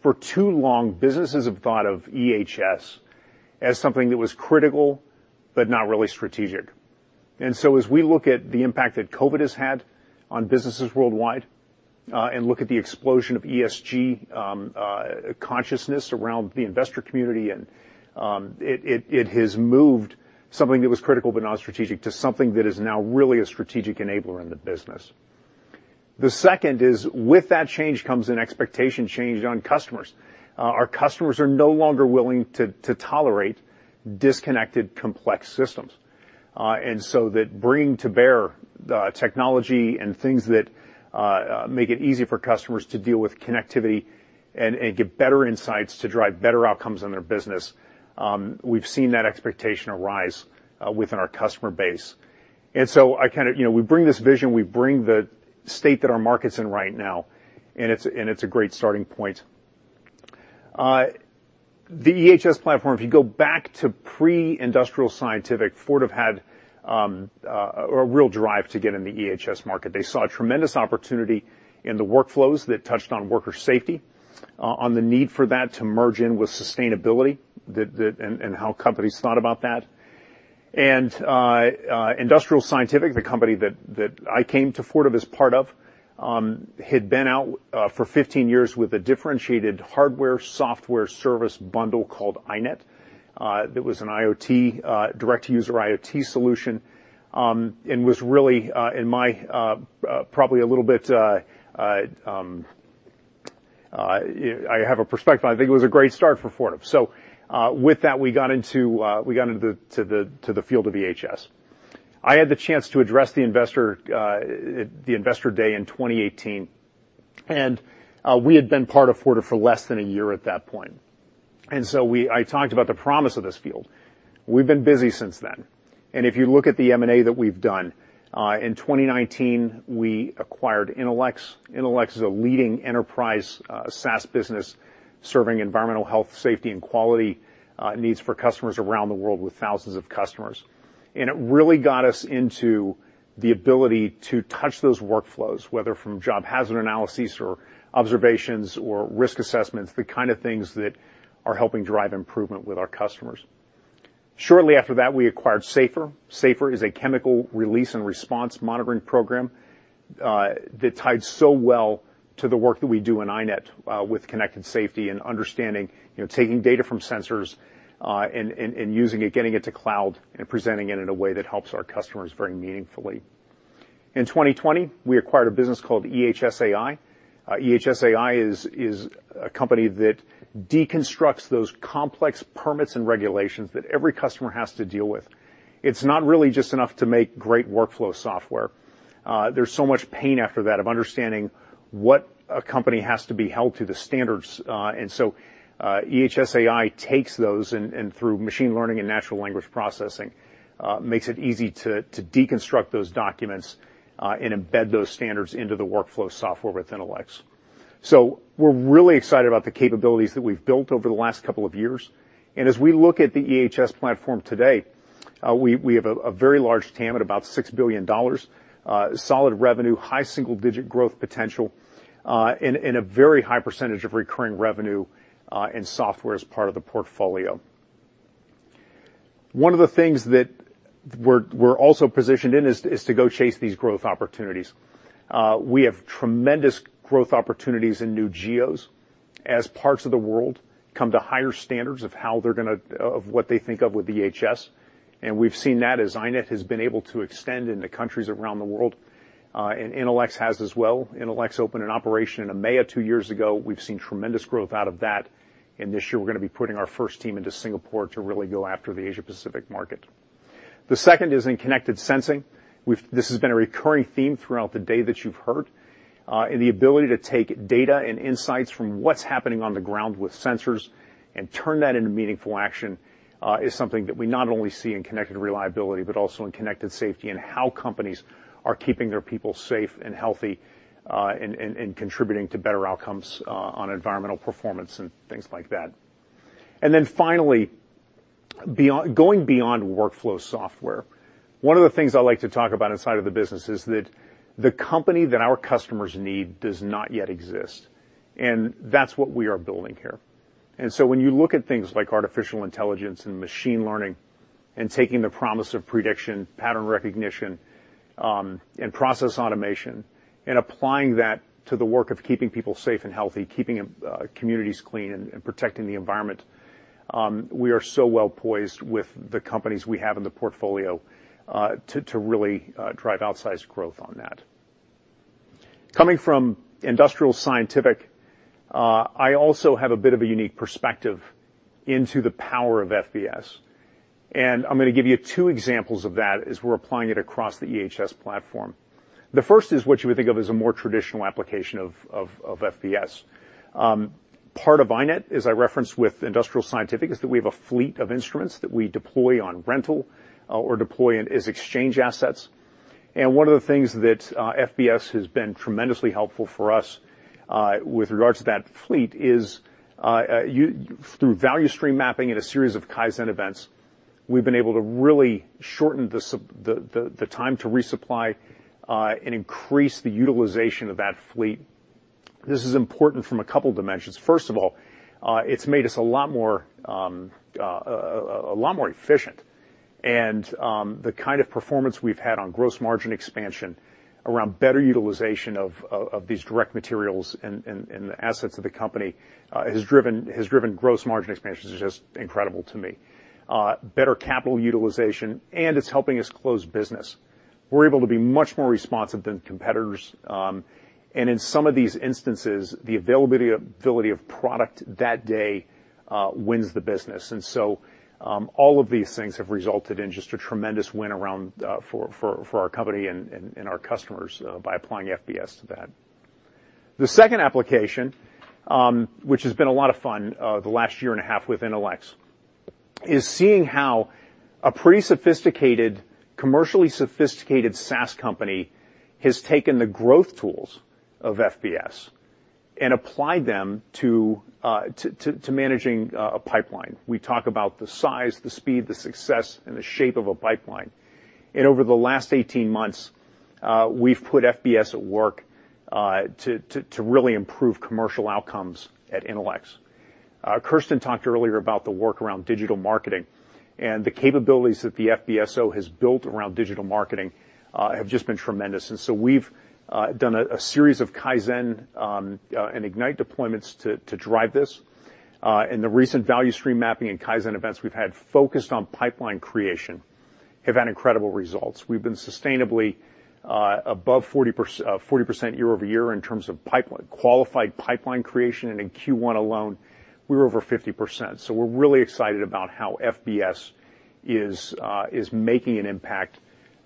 For too long, businesses have thought of EHS as something that was critical, but not really strategic. And so, as we look at the impact that COVID has had on businesses worldwide and look at the explosion of ESG consciousness around the investor community, it has moved something that was critical but non-strategic to something that is now really a strategic enabler in the business. The second is with that change comes an expectation change on customers. Our customers are no longer willing to tolerate disconnected complex systems. And so that bringing to bear technology and things that make it easy for customers to deal with connectivity and get better insights to drive better outcomes in their business, we've seen that expectation arise within our customer base. And so we bring this vision, we bring the state that our market's in right now, and it's a great starting point. The EHS platform, if you go back to pre-Industrial Scientific, Fortive had a real drive to get in the EHS market. They saw a tremendous opportunity in the workflows that touched on worker safety, on the need for that to merge in with sustainability and how companies thought about that, and Industrial Scientific, the company that I came to Fortive as part of, had been out for 15 years with a differentiated hardware-software service bundle called iNet. It was an IoT, direct-to-user IoT solution, and was really, in my probably a little bit I have a perspective. I think it was a great start for Fortive, so with that, we got into the field of EHS. I had the chance to address the investor day in 2018, and we had been part of Fortive for less than a year at that point. And so I talked about the promise of this field. We've been busy since then. And if you look at the M&A that we've done, in 2019, we acquired Intelex. Intelex is a leading enterprise SaaS business serving environmental health, safety, and quality needs for customers around the world with thousands of customers. And it really got us into the ability to touch those workflows, whether from job hazard analyses or observations or risk assessments, the kind of things that are helping drive improvement with our customers. Shortly after that, we acquired Safer. Safer is a chemical release and response monitoring program that tied so well to the work that we do in iNet with connected safety and understanding, taking data from sensors and using it, getting it to cloud, and presenting it in a way that helps our customers very meaningfully. In 2020, we acquired a business called ehsAI. ehsAI is a company that deconstructs those complex permits and regulations that every customer has to deal with. It's not really just enough to make great workflow software. There's so much pain after that of understanding what a company has to be held to the standards, and so ehsAI takes those and, through machine learning and natural language processing, makes it easy to deconstruct those documents and embed those standards into the workflow software with Intelex, so we're really excited about the capabilities that we've built over the last couple of years, and as we look at the EHS platform today, we have a very large TAM at about $6 billion, solid revenue, high single-digit growth potential, and a very high percentage of recurring revenue in software as part of the portfolio. One of the things that we're also positioned in is to go chase these growth opportunities. We have tremendous growth opportunities in new geos as parts of the world come to higher standards of what they think of with EHS, and we've seen that as iNet has been able to extend into countries around the world, and Intelex has as well. Intelex opened an operation in EMEA two years ago. We've seen tremendous growth out of that, and this year, we're going to be putting our first team into Singapore to really go after the Asia-Pacific market. The second is in connected sensing. This has been a recurring theme throughout the day that you've heard. The ability to take data and insights from what's happening on the ground with sensors and turn that into meaningful action is something that we not only see in connected reliability, but also in connected safety and how companies are keeping their people safe and healthy and contributing to better outcomes on environmental performance and things like that. Then finally, going beyond workflow software, one of the things I like to talk about inside of the business is that the company that our customers need does not yet exist, and that's what we are building here. And so when you look at things like artificial intelligence and machine learning and taking the promise of prediction, pattern recognition, and process automation, and applying that to the work of keeping people safe and healthy, keeping communities clean, and protecting the environment, we are so well poised with the companies we have in the portfolio to really drive outsized growth on that. Coming from Industrial Scientific, I also have a bit of a unique perspective into the power of FBS. And I'm going to give you two examples of that as we're applying it across the EHS platform. The first is what you would think of as a more traditional application of FBS. Part of iNet, as I referenced with Industrial Scientific, is that we have a fleet of instruments that we deploy on rental or deploy as exchange assets. One of the things that FBS has been tremendously helpful for us with regards to that fleet is through value stream mapping and a series of kaizen events. We've been able to really shorten the time to resupply and increase the utilization of that fleet. This is important from a couple of dimensions. First of all, it's made us a lot more efficient. The kind of performance we've had on gross margin expansion around better utilization of these direct materials and the assets of the company has driven gross margin expansions. It's just incredible to me. Better capital utilization, and it's helping us close business. We're able to be much more responsive than competitors. In some of these instances, the availability of product that day wins the business. And so all of these things have resulted in just a tremendous win for our company and our customers by applying FBS to that. The second application, which has been a lot of fun the last year and a half with Intelex, is seeing how a pretty sophisticated, commercially sophisticated SaaS company has taken the growth tools of FBS and applied them to managing a pipeline. We talk about the size, the speed, the success, and the shape of a pipeline. And over the last 18 months, we've put FBS at work to really improve commercial outcomes at Intelex. Kirsten talked earlier about the work around digital marketing, and the capabilities that the FBSO has built around digital marketing have just been tremendous. And so we've done a series of Kaizen and Ignite deployments to drive this. The recent value stream mapping and kaizen events we've had focused on pipeline creation have had incredible results. We've been sustainably above 40% year over year in terms of qualified pipeline creation. In Q1 alone, we were over 50%. We're really excited about how FBS is making an impact.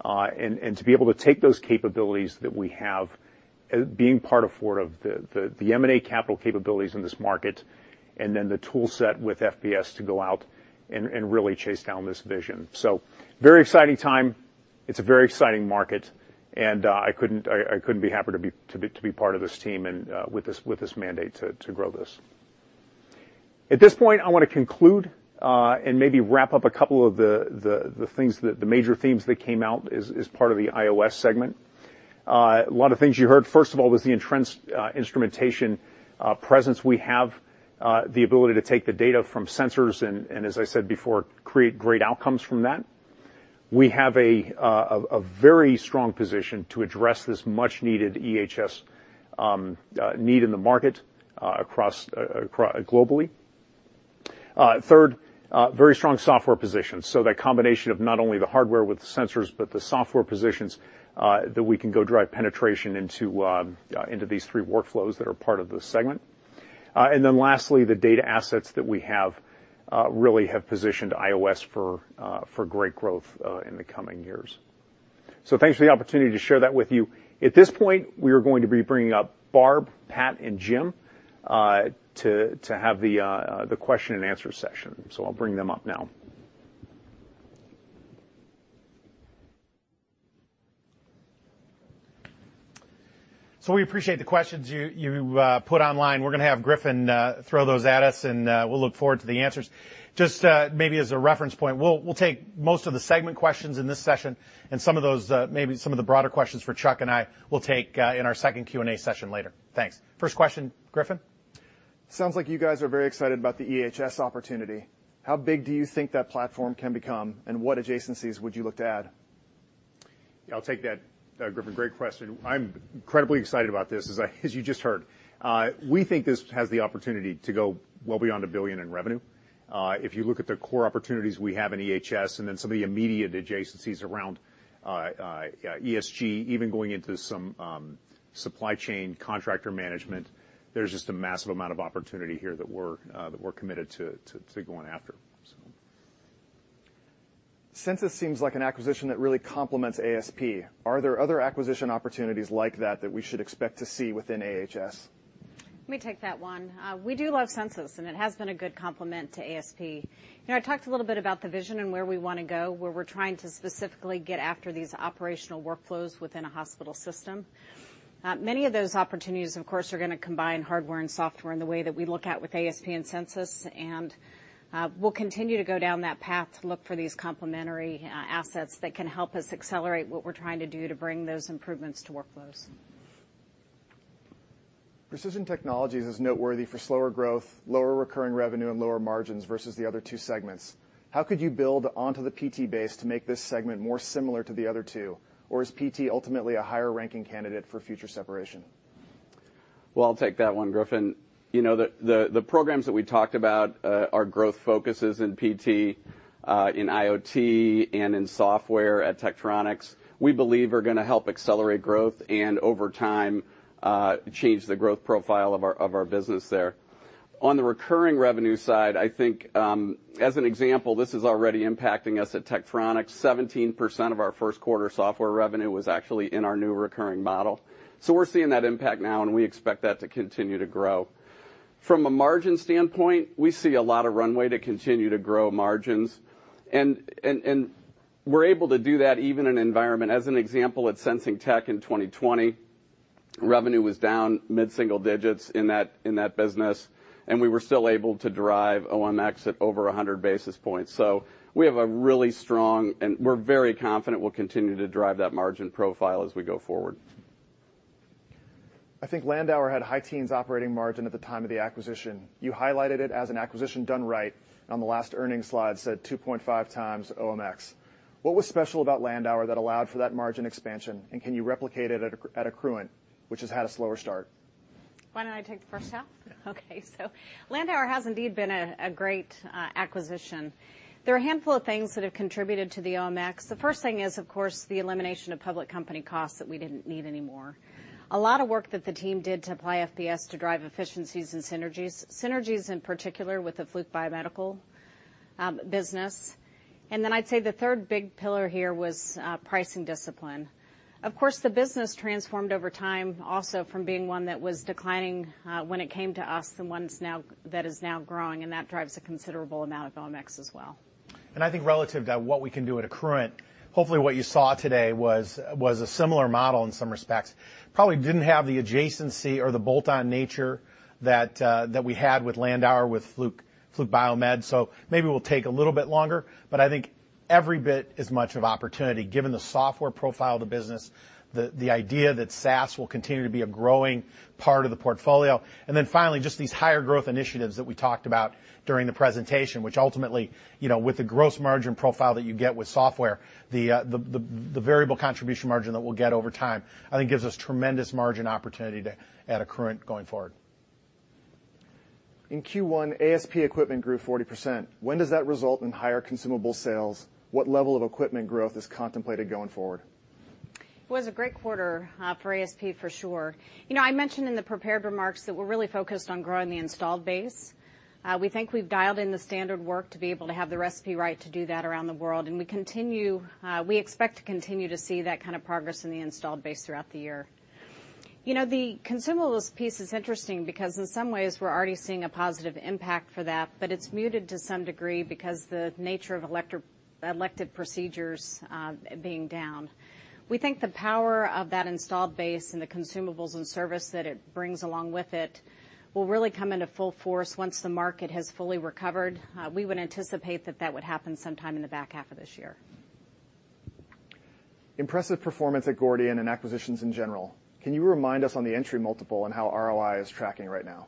To be able to take those capabilities that we have being part of Fortive, the M&A capital capabilities in this market, and then the toolset with FBS to go out and really chase down this vision. Very exciting time. It's a very exciting market, and I couldn't be happier to be part of this team and with this mandate to grow this. At this point, I want to conclude and maybe wrap up a couple of the major themes that came out as part of the EHS segment. A lot of things you heard. First of all, was the intrinsic instrumentation presence. We have the ability to take the data from sensors and, as I said before, create great outcomes from that. We have a very strong position to address this much-needed EHS need in the market globally. Third, very strong software position. So that combination of not only the hardware with sensors, but the software positions that we can go drive penetration into these three workflows that are part of the segment. And then lastly, the data assets that we have really have positioned us for great growth in the coming years. So thanks for the opportunity to share that with you. At this point, we are going to be bringing up Barb, Pat, and Jim to have the question and answer session. So I'll bring them up now. So we appreciate the questions you put online. We're going to have Griffin throw those at us, and we'll look forward to the answers. Just maybe as a reference point, we'll take most of the segment questions in this session, and maybe some of the broader questions for Chuck and I will take in our second Q&A session later. Thanks. First question, Griffin. Sounds like you guys are very excited about the EHS opportunity. How big do you think that platform can become, and what adjacencies would you look to add? Yeah, I'll take that, Griffin. Great question. I'm incredibly excited about this, as you just heard. We think this has the opportunity to go well beyond $1 billion in revenue. If you look at the core opportunities we have in EHS and then some of the immediate adjacencies around ESG, even going into some supply chain contractor management, there's just a massive amount of opportunity here that we're committed to going after. Censis seems like an acquisition that really complements ASP. Are there other acquisition opportunities like that that we should expect to see within AHS? Let me take that one. We do love Censis, and it has been a good complement to ASP. I talked a little bit about the vision and where we want to go, where we're trying to specifically get after these operational workflows within a hospital system. Many of those opportunities, of course, are going to combine hardware and software in the way that we look at with ASP and Censis. We'll continue to go down that path to look for these complementary assets that can help us accelerate what we're trying to do to bring those improvements to workflows. Precision Technologies is noteworthy for slower growth, lower recurring revenue, and lower margins versus the other two segments. How could you build onto the PT base to make this segment more similar to the other two? Or is PT ultimately a higher ranking candidate for future separation? I'll take that one, Griffin. The programs that we talked about are growth focuses in PT, in IoT, and in software at Tektronix. We believe are going to help accelerate growth and, over time, change the growth profile of our business there. On the recurring revenue side, I think, as an example, this is already impacting us at Tektronix. 17% of our first quarter software revenue was actually in our new recurring model. So we're seeing that impact now, and we expect that to continue to grow. From a margin standpoint, we see a lot of runway to continue to grow margins. And we're able to do that even in an environment, as an example, at Sensing Tech in 2020. Revenue was down mid-single digits in that business, and we were still able to drive OMX at over 100 basis points. So we have a really strong, and we're very confident we'll continue to drive that margin profile as we go forward. I think Landauer had high teens operating margin at the time of the acquisition. You highlighted it as an acquisition done right. On the last earnings slide, it said 2.5 times OMX. What was special about Landauer that allowed for that margin expansion? And can you replicate it at Accruent, which has had a slower start? Why don't I take the first half? Okay. So Landauer has indeed been a great acquisition. There are a handful of things that have contributed to the OMX. The first thing is, of course, the elimination of public company costs that we didn't need anymore. A lot of work that the team did to apply FBS to drive efficiencies and synergies. Synergies, in particular, with the Fluke Biomedical business. And then I'd say the third big pillar here was pricing discipline. Of course, the business transformed over time, also from being one that was declining when it came to us and one that is now growing. And that drives a considerable amount of OMX as well. And I think relative to what we can do at Accruent, hopefully what you saw today was a similar model in some respects. Probably didn't have the adjacency or the bolt-on nature that we had with Landauer, with Fluke Biomedical. So maybe we'll take a little bit longer, but I think every bit as much of opportunity, given the software profile of the business, the idea that SaaS will continue to be a growing part of the portfolio. And then finally, just these higher growth initiatives that we talked about during the presentation, which ultimately, with the gross margin profile that you get with software, the variable contribution margin that we'll get over time, I think gives us tremendous margin opportunity at Accruent going forward. In Q1, ASP equipment grew 40%. When does that result in higher consumable sales? What level of equipment growth is contemplated going forward? It was a great quarter for ASP, for sure. I mentioned in the prepared remarks that we're really focused on growing the installed base. We think we've dialed in the standard work to be able to have the recipe right to do that around the world. We expect to continue to see that kind of progress in the installed base throughout the year. The consumables piece is interesting because, in some ways, we're already seeing a positive impact for that, but it's muted to some degree because the nature of elective procedures being down. We think the power of that installed base and the consumables and service that it brings along with it will really come into full force once the market has fully recovered. We would anticipate that that would happen sometime in the back half of this year. Impressive performance at Gordian and acquisitions in general. Can you remind us on the entry multiple and how ROI is tracking right now?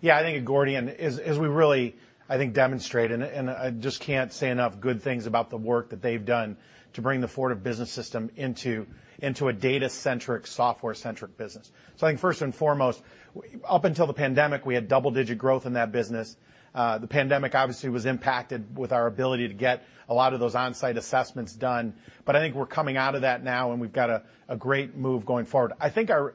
Yeah, I think at Gordian, as we really, I think, demonstrate, and I just can't say enough good things about the work that they've done to bring the Fortive Business System into a data-centric, software-centric business. So I think, first and foremost, up until the pandemic, we had double-digit growth in that business. The pandemic, obviously, was impacted with our ability to get a lot of those on-site assessments done. But I think we're coming out of that now, and we've got a great move going forward. I think our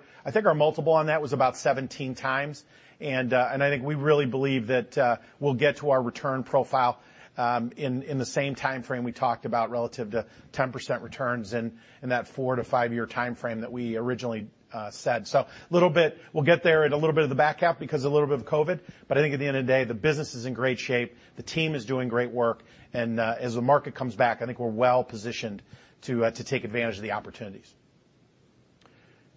multiple on that was about 17 times. And I think we really believe that we'll get to our return profile in the same timeframe we talked about relative to 10% returns in that four- to five-year timeframe that we originally said. So, a little bit, we'll get there in a little bit of the back half because of a little bit of COVID. But I think at the end of the day, the business is in great shape. The team is doing great work, and as the market comes back, I think we're well positioned to take advantage of the opportunities.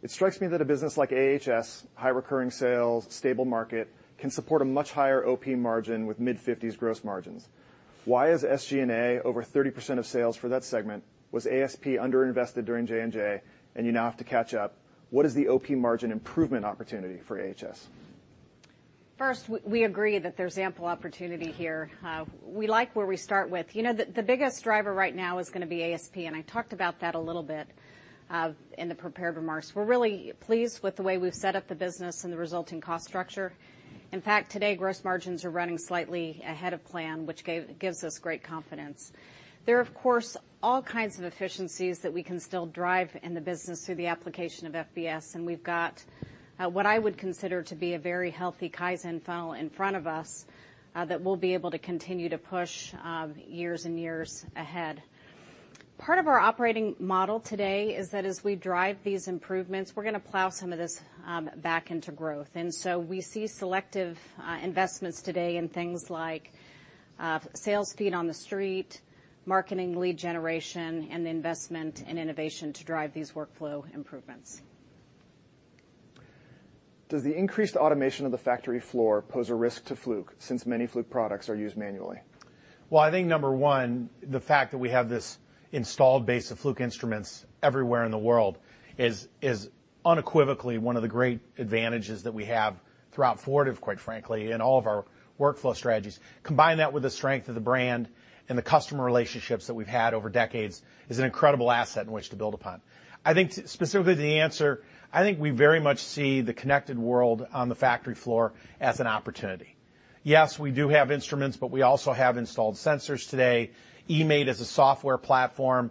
It strikes me that a business like AHS, high recurring sales, stable market, can support a much higher OP margin with mid-50s% gross margins. Why is SG&A over 30% of sales for that segment? Was ASP underinvested during J&J, and you now have to catch up? What is the OP margin improvement opportunity for AHS? First, we agree that there's ample opportunity here. We like where we start with. The biggest driver right now is going to be ASP, and I talked about that a little bit in the prepared remarks. We're really pleased with the way we've set up the business and the resulting cost structure. In fact, today, gross margins are running slightly ahead of plan, which gives us great confidence. There are, of course, all kinds of efficiencies that we can still drive in the business through the application of FBS. And we've got what I would consider to be a very healthy kaizen funnel in front of us that we'll be able to continue to push years and years ahead. Part of our operating model today is that as we drive these improvements, we're going to plow some of this back into growth. And so we see selective investments today in things like sales feet on the street, marketing lead generation, and the investment in innovation to drive these workflow improvements. Does the increased automation of the factory floor pose a risk to Fluke since many Fluke products are used manually? Well, I think, number one, the fact that we have this installed base of Fluke instruments everywhere in the world is unequivocally one of the great advantages that we have throughout Fortive, quite frankly, and all of our workflow strategies. Combine that with the strength of the brand and the customer relationships that we've had over decades is an incredible asset in which to build upon. I think, specifically to the answer, I think we very much see the connected world on the factory floor as an opportunity. Yes, we do have instruments, but we also have installed sensors today. eMaint as a software platform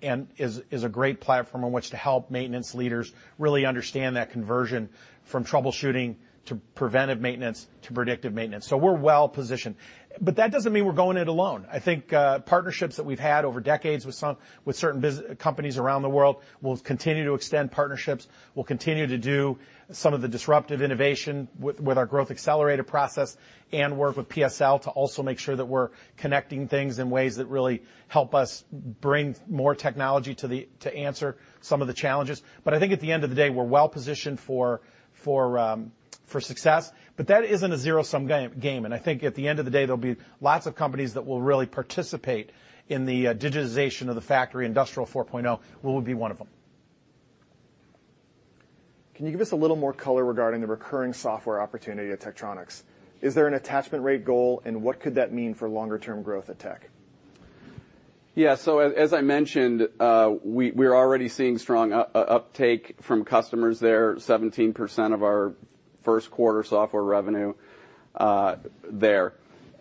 is a great platform in which to help maintenance leaders really understand that conversion from troubleshooting to preventive maintenance to predictive maintenance. So we're well positioned. But that doesn't mean we're going it alone. I think partnerships that we've had over decades with certain companies around the world will continue to extend partnerships. We'll continue to do some of the disruptive innovation with our growth accelerator process and work with PSL to also make sure that we're connecting things in ways that really help us bring more technology to answer some of the challenges. But I think at the end of the day, we're well positioned for success. But that isn't a zero-sum game. And I think at the end of the day, there'll be lots of companies that will really participate in the digitization of the factory Industrial 4.0. We will be one of them. Can you give us a little more color regarding the recurring software opportunity at Tektronix? Is there an attachment rate goal, and what could that mean for longer-term growth at Tek? Yeah, so as I mentioned, we're already seeing strong uptake from customers there, 17% of our first quarter software revenue there.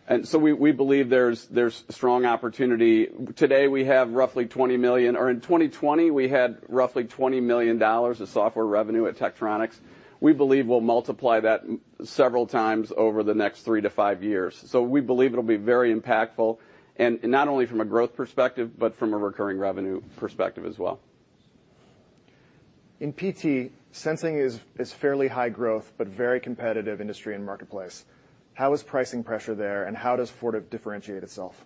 And so we believe there's strong opportunity. Today, we have roughly $20 million. Or in 2020, we had roughly $20 million of software revenue at Tektronix. We believe we'll multiply that several times over the next three to five years, so we believe it'll be very impactful, not only from a growth perspective, but from a recurring revenue perspective as well. In PT, Sensing is fairly high growth, but very competitive industry and marketplace. How is pricing pressure there, and how does Fortive differentiate itself?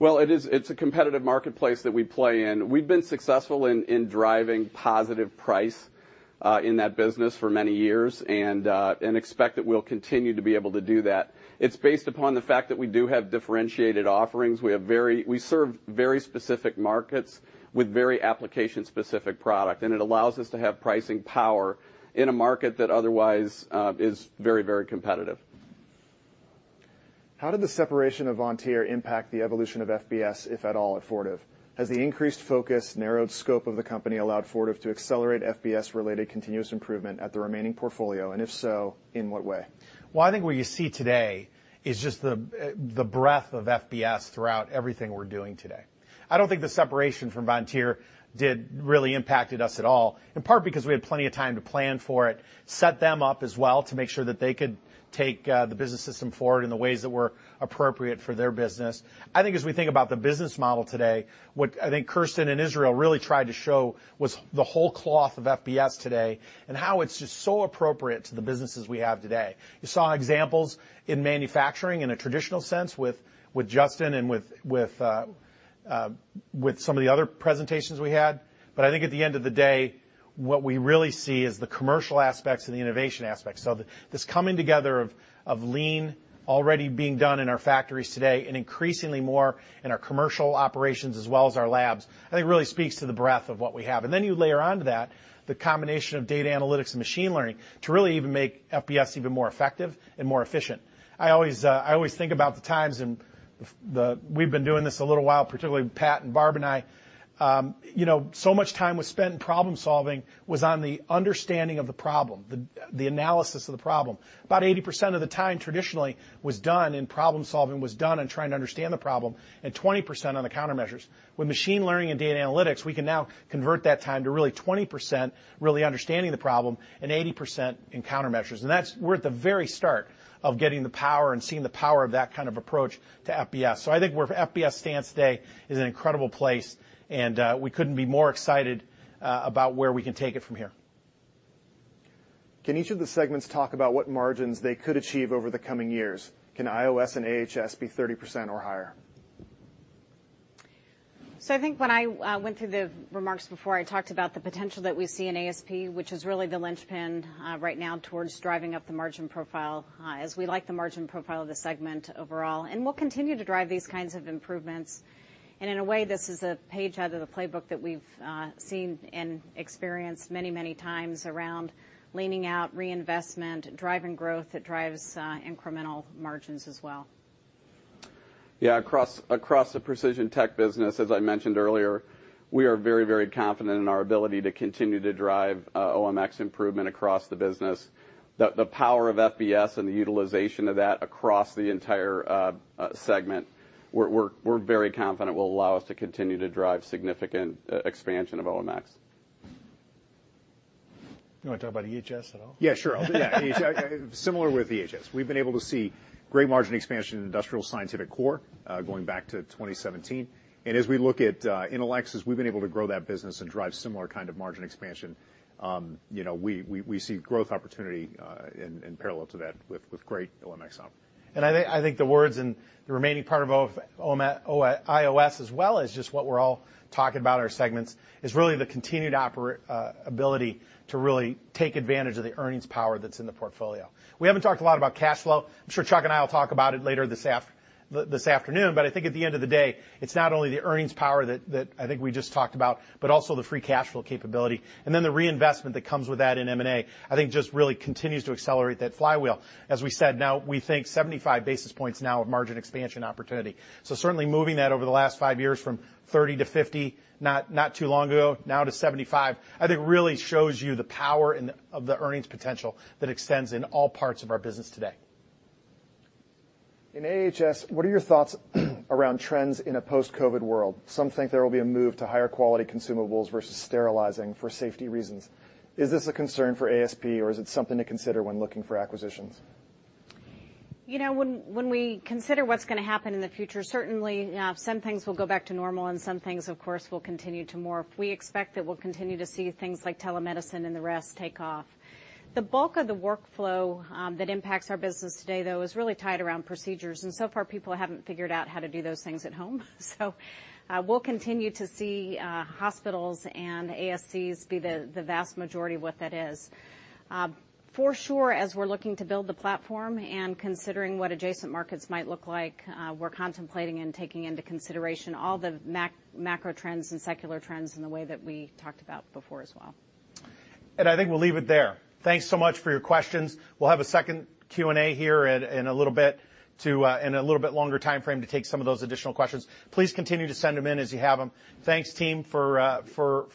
It's a competitive marketplace that we play in. We've been successful in driving positive pricing in that business for many years and expect that we'll continue to be able to do that. It's based upon the fact that we do have differentiated offerings. We serve very specific markets with very application-specific products, and it allows us to have pricing power in a market that otherwise is very, very competitive. How did the separation of Vontier impact the evolution of FBS, if at all, at Fortive? Has the increased focus, narrowed scope of the company allowed Fortive to accelerate FBS-related continuous improvement at the remaining portfolio? And if so, in what way? I think what you see today is just the breadth of FBS throughout everything we're doing today. I don't think the separation from Vontier really impacted us at all, in part because we had plenty of time to plan for it, set them up as well to make sure that they could take the business system forward in the ways that were appropriate for their business. I think as we think about the business model today, what I think Kirsten and Israel really tried to show was the whole cloth of FBS today and how it's just so appropriate to the businesses we have today. You saw examples in manufacturing in a traditional sense with Justin and with some of the other presentations we had. But I think at the end of the day, what we really see is the commercial aspects and the innovation aspects. So this coming together of lean already being done in our factories today and increasingly more in our commercial operations as well as our labs, I think really speaks to the breadth of what we have. And then you layer onto that the combination of data analytics and machine learning to really even make FBS even more effective and more efficient. I always think about the times, and we've been doing this a little while, particularly Pat and Barb and I. So much time was spent in problem-solving on the understanding of the problem, the analysis of the problem. About 80% of the time traditionally in problem-solving was done on trying to understand the problem and 20% on the countermeasures. With machine learning and data analytics, we can now convert that time to really 20% really understanding the problem and 80% in countermeasures. We're at the very start of getting the power and seeing the power of that kind of approach to FBS. I think where FBS stands today is an incredible place, and we couldn't be more excited about where we can take it from here. Can each of the segments talk about what margins they could achieve over the coming years? Can IOS and AHS be 30% or higher? I think when I went through the remarks before, I talked about the potential that we see in ASP, which is really the linchpin right now towards driving up the margin profile as we like the margin profile of the segment overall. We'll continue to drive these kinds of improvements. In a way, this is a page out of the playbook that we've seen and experienced many, many times around leaning out reinvestment, driving growth that drives incremental margins as well. Yeah. Across the precision tech business, as I mentioned earlier, we are very, very confident in our ability to continue to drive OMX improvement across the business. The power of FBS and the utilization of that across the entire segment, we're very confident will allow us to continue to drive significant expansion of OMX. Do you want to talk about EHS at all? Yeah, sure. Similar with EHS. We've been able to see great margin expansion in Industrial Scientific core going back to 2017. As we look at Intelex, we've been able to grow that business and drive similar kind of margin expansion. We see growth opportunity in parallel to that with great OMX. And I think the work in the remaining part of iOS, as well as just what we're all talking about in our segments, is really the continued ability to really take advantage of the earnings power that's in the portfolio. We haven't talked a lot about cash flow. I'm sure Chuck and I will talk about it later this afternoon. But I think at the end of the day, it's not only the earnings power that I think we just talked about, but also the free cash flow capability. And then the reinvestment that comes with that in M&A, I think just really continues to accelerate that flywheel. As we said, now we think 75 basis points now of margin expansion opportunity. So certainly moving that over the last five years from 30-50, not too long ago, now to 75, I think really shows you the power of the earnings potential that extends in all parts of our business today. In AHS, what are your thoughts around trends in a post-COVID world? Some think there will be a move to higher quality consumables versus sterilizing for safety reasons. Is this a concern for ASP, or is it something to consider when looking for acquisitions? When we consider what's going to happen in the future, certainly some things will go back to normal, and some things, of course, will continue to morph. We expect that we'll continue to see things like telemedicine and the rest take off. The bulk of the workflow that impacts our business today, though, is really tied around procedures. So far, people haven't figured out how to do those things at home. We'll continue to see hospitals and ASCs be the vast majority of what that is. For sure, as we're looking to build the platform and considering what adjacent markets might look like, we're contemplating and taking into consideration all the macro trends and secular trends in the way that we talked about before as well. I think we'll leave it there. Thanks so much for your questions. We'll have a second Q&A here in a little bit longer timeframe to take some of those additional questions. Please continue to send them in as you have them. Thanks, team, for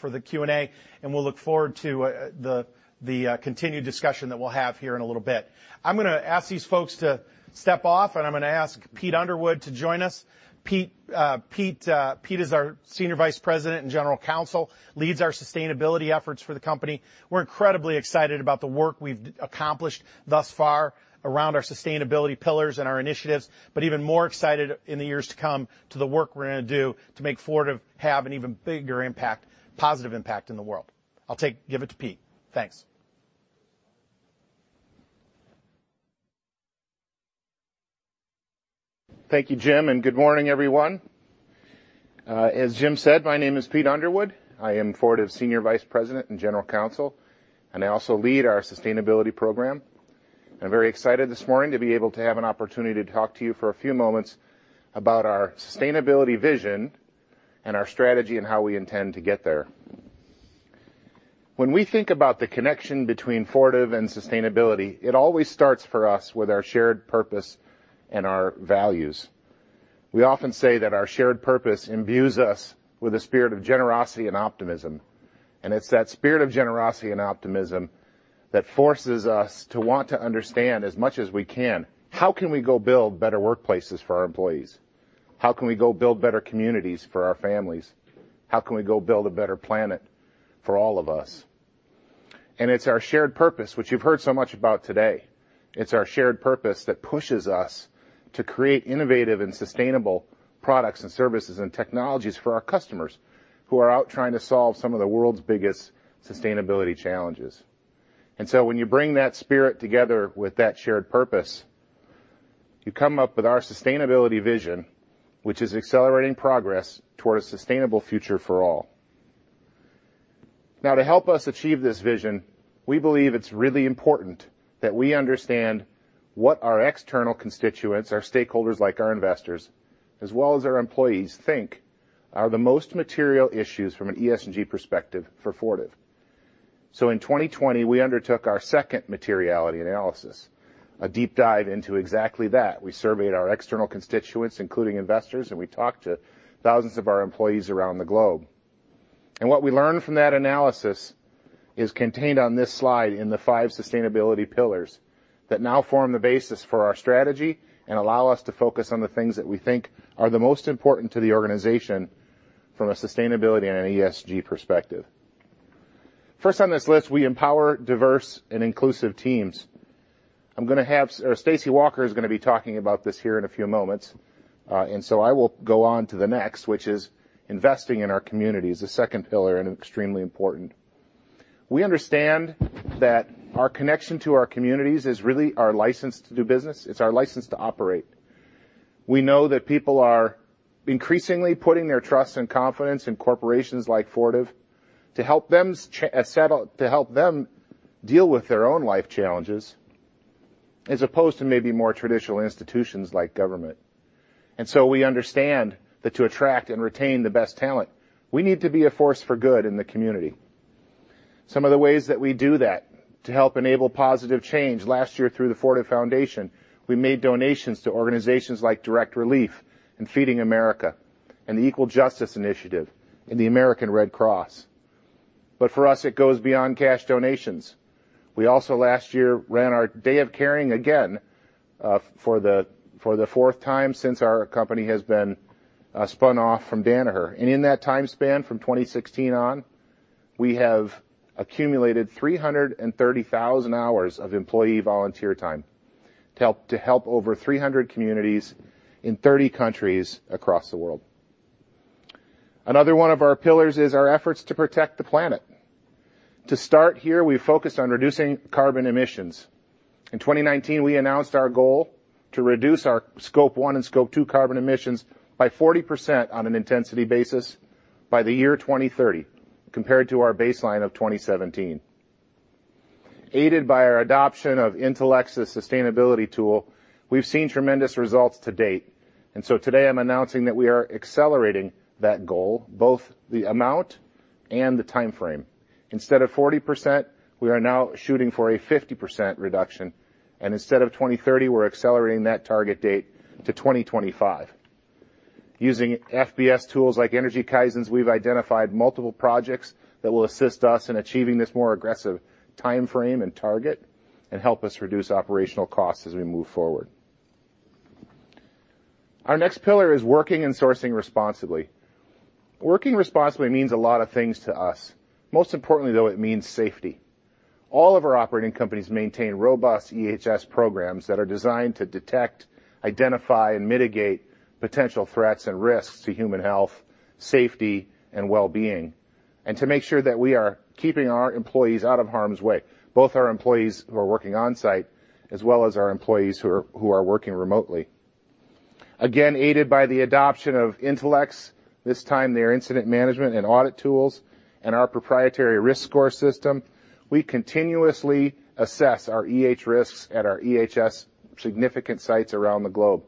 the Q&A, and we'll look forward to the continued discussion that we'll have here in a little bit. I'm going to ask these folks to step off, and I'm going to ask Pete Underwood to join us. Pete is our Senior Vice President and General Counsel, leads our sustainability efforts for the company. We're incredibly excited about the work we've accomplished thus far around our sustainability pillars and our initiatives, but even more excited in the years to come to the work we're going to do to make Fortive have an even bigger impact, positive impact in the world. I'll give it to Pete. Thanks. Thank you, Jim, and good morning, everyone. As Jim said, my name is Pete Underwood. I am Fortive's Senior Vice President and General Counsel, and I also lead our sustainability program. I'm very excited this morning to be able to have an opportunity to talk to you for a few moments about our sustainability vision and our strategy and how we intend to get there. When we think about the connection between Fortive and sustainability, it always starts for us with our shared purpose and our values. We often say that our shared purpose imbues us with a spirit of generosity and optimism. It's that spirit of generosity and optimism that forces us to want to understand as much as we can, how can we go build better workplaces for our employees? How can we go build better communities for our families? How can we go build a better planet for all of us? It's our shared purpose, which you've heard so much about today. It's our shared purpose that pushes us to create innovative and sustainable products and services and technologies for our customers who are out trying to solve some of the world's biggest sustainability challenges. And so when you bring that spirit together with that shared purpose, you come up with our sustainability vision, which is accelerating progress toward a sustainable future for all. Now, to help us achieve this vision, we believe it's really important that we understand what our external constituents, our stakeholders like our investors, as well as our employees think are the most material issues from an ESG perspective for Fortive. So in 2020, we undertook our second materiality analysis, a deep dive into exactly that. We surveyed our external constituents, including investors, and we talked to thousands of our employees around the globe. What we learned from that analysis is contained on this slide in the five sustainability pillars that now form the basis for our strategy and allow us to focus on the things that we think are the most important to the organization from a sustainability and an ESG perspective. First on this list, we empower diverse and inclusive teams. I'm going to have Stacey Walker is going to be talking about this here in a few moments. So I will go on to the next, which is investing in our community is the second pillar and extremely important. We understand that our connection to our communities is really our license to do business. It's our license to operate. We know that people are increasingly putting their trust and confidence in corporations like Fortive to help them deal with their own life challenges as opposed to maybe more traditional institutions like government, and so we understand that to attract and retain the best talent, we need to be a force for good in the community. Some of the ways that we do that to help enable positive change. Last year through the Fortive Foundation, we made donations to organizations like Direct Relief and Feeding America and the Equal Justice Initiative and the American Red Cross, but for us, it goes beyond cash donations. We also last year ran our Day of Caring again for the fourth time since our company has been spun off from Danaher. In that time span from 2016 on, we have accumulated 330,000 hours of employee volunteer time to help over 300 communities in 30 countries across the world. Another one of our pillars is our efforts to protect the planet. To start here, we focused on reducing carbon emissions. In 2019, we announced our goal to reduce our Scope 1 and Scope 2 carbon emissions by 40% on an intensity basis by the year 2030 compared to our baseline of 2017. Aided by our adoption of Intelex's sustainability tool, we've seen tremendous results to date. And so today, I'm announcing that we are accelerating that goal, both the amount and the timeframe. Instead of 40%, we are now shooting for a 50% reduction. And instead of 2030, we're accelerating that target date to 2025. Using FBS tools like Energy Kaizens, we've identified multiple projects that will assist us in achieving this more aggressive timeframe and target and help us reduce operational costs as we move forward. Our next pillar is working and sourcing responsibly. Working responsibly means a lot of things to us. Most importantly, though, it means safety. All of our operating companies maintain robust EHS programs that are designed to detect, identify, and mitigate potential threats and risks to human health, safety, and well-being, and to make sure that we are keeping our employees out of harm's way, both our employees who are working on-site as well as our employees who are working remotely. Again, aided by the adoption of Intelex, this time their incident management and audit tools, and our proprietary risk score system, we continuously assess our risks at our EHS significant sites around the globe.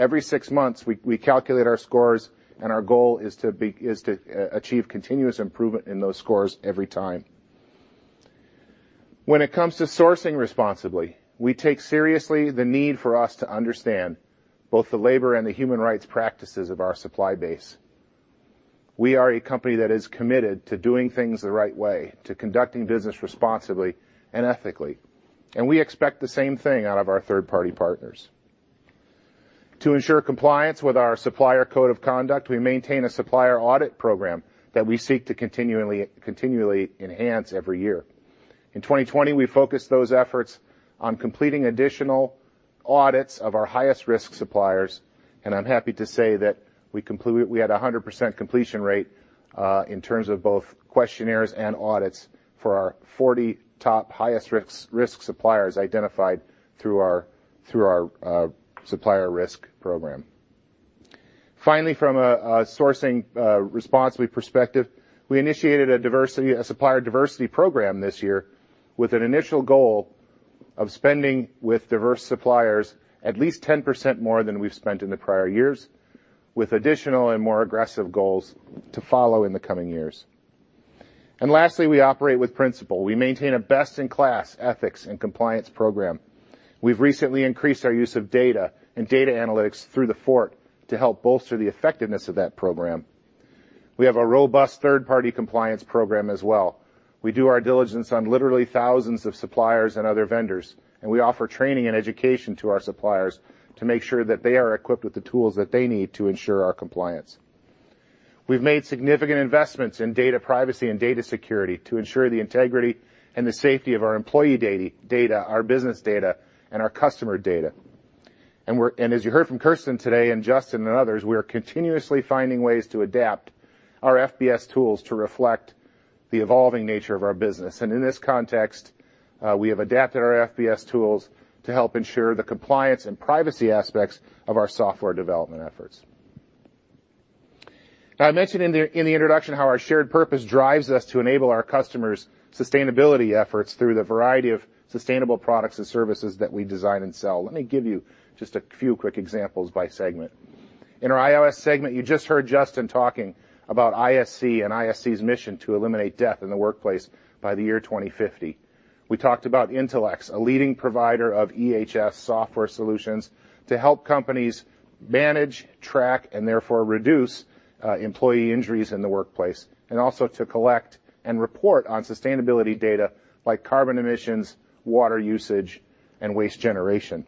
Every six months, we calculate our scores, and our goal is to achieve continuous improvement in those scores every time. When it comes to sourcing responsibly, we take seriously the need for us to understand both the labor and the human rights practices of our supply base. We are a company that is committed to doing things the right way, to conducting business responsibly and ethically, and we expect the same thing out of our third-party partners. To ensure compliance with our supplier code of conduct, we maintain a supplier audit program that we seek to continually enhance every year. In 2020, we focused those efforts on completing additional audits of our highest risk suppliers, and I'm happy to say that we had a 100% completion rate in terms of both questionnaires and audits for our 40 top highest risk suppliers identified through our supplier risk program. Finally, from a sourcing responsibly perspective, we initiated a supplier diversity program this year with an initial goal of spending with diverse suppliers at least 10% more than we've spent in the prior years, with additional and more aggressive goals to follow in the coming years. Lastly, we operate with principle. We maintain a best-in-class ethics and compliance program. We've recently increased our use of data and data analytics through the Fort to help bolster the effectiveness of that program. We have a robust third-party compliance program as well. We do our diligence on literally thousands of suppliers and other vendors, and we offer training and education to our suppliers to make sure that they are equipped with the tools that they need to ensure our compliance. We've made significant investments in data privacy and data security to ensure the integrity and the safety of our employee data, our business data, and our customer data. And as you heard from Kirsten today and Justin and others, we are continuously finding ways to adapt our FBS tools to reflect the evolving nature of our business. And in this context, we have adapted our FBS tools to help ensure the compliance and privacy aspects of our software development efforts. I mentioned in the introduction how our shared purpose drives us to enable our customers' sustainability efforts through the variety of sustainable products and services that we design and sell. Let me give you just a few quick examples by segment. In our IOS segment, you just heard Justin talking about ISC and ISC's mission to eliminate death in the workplace by the year 2050. We talked about Intelex, a leading provider of EHS software solutions to help companies manage, track, and therefore reduce employee injuries in the workplace, and also to collect and report on sustainability data like carbon emissions, water usage, and waste generation.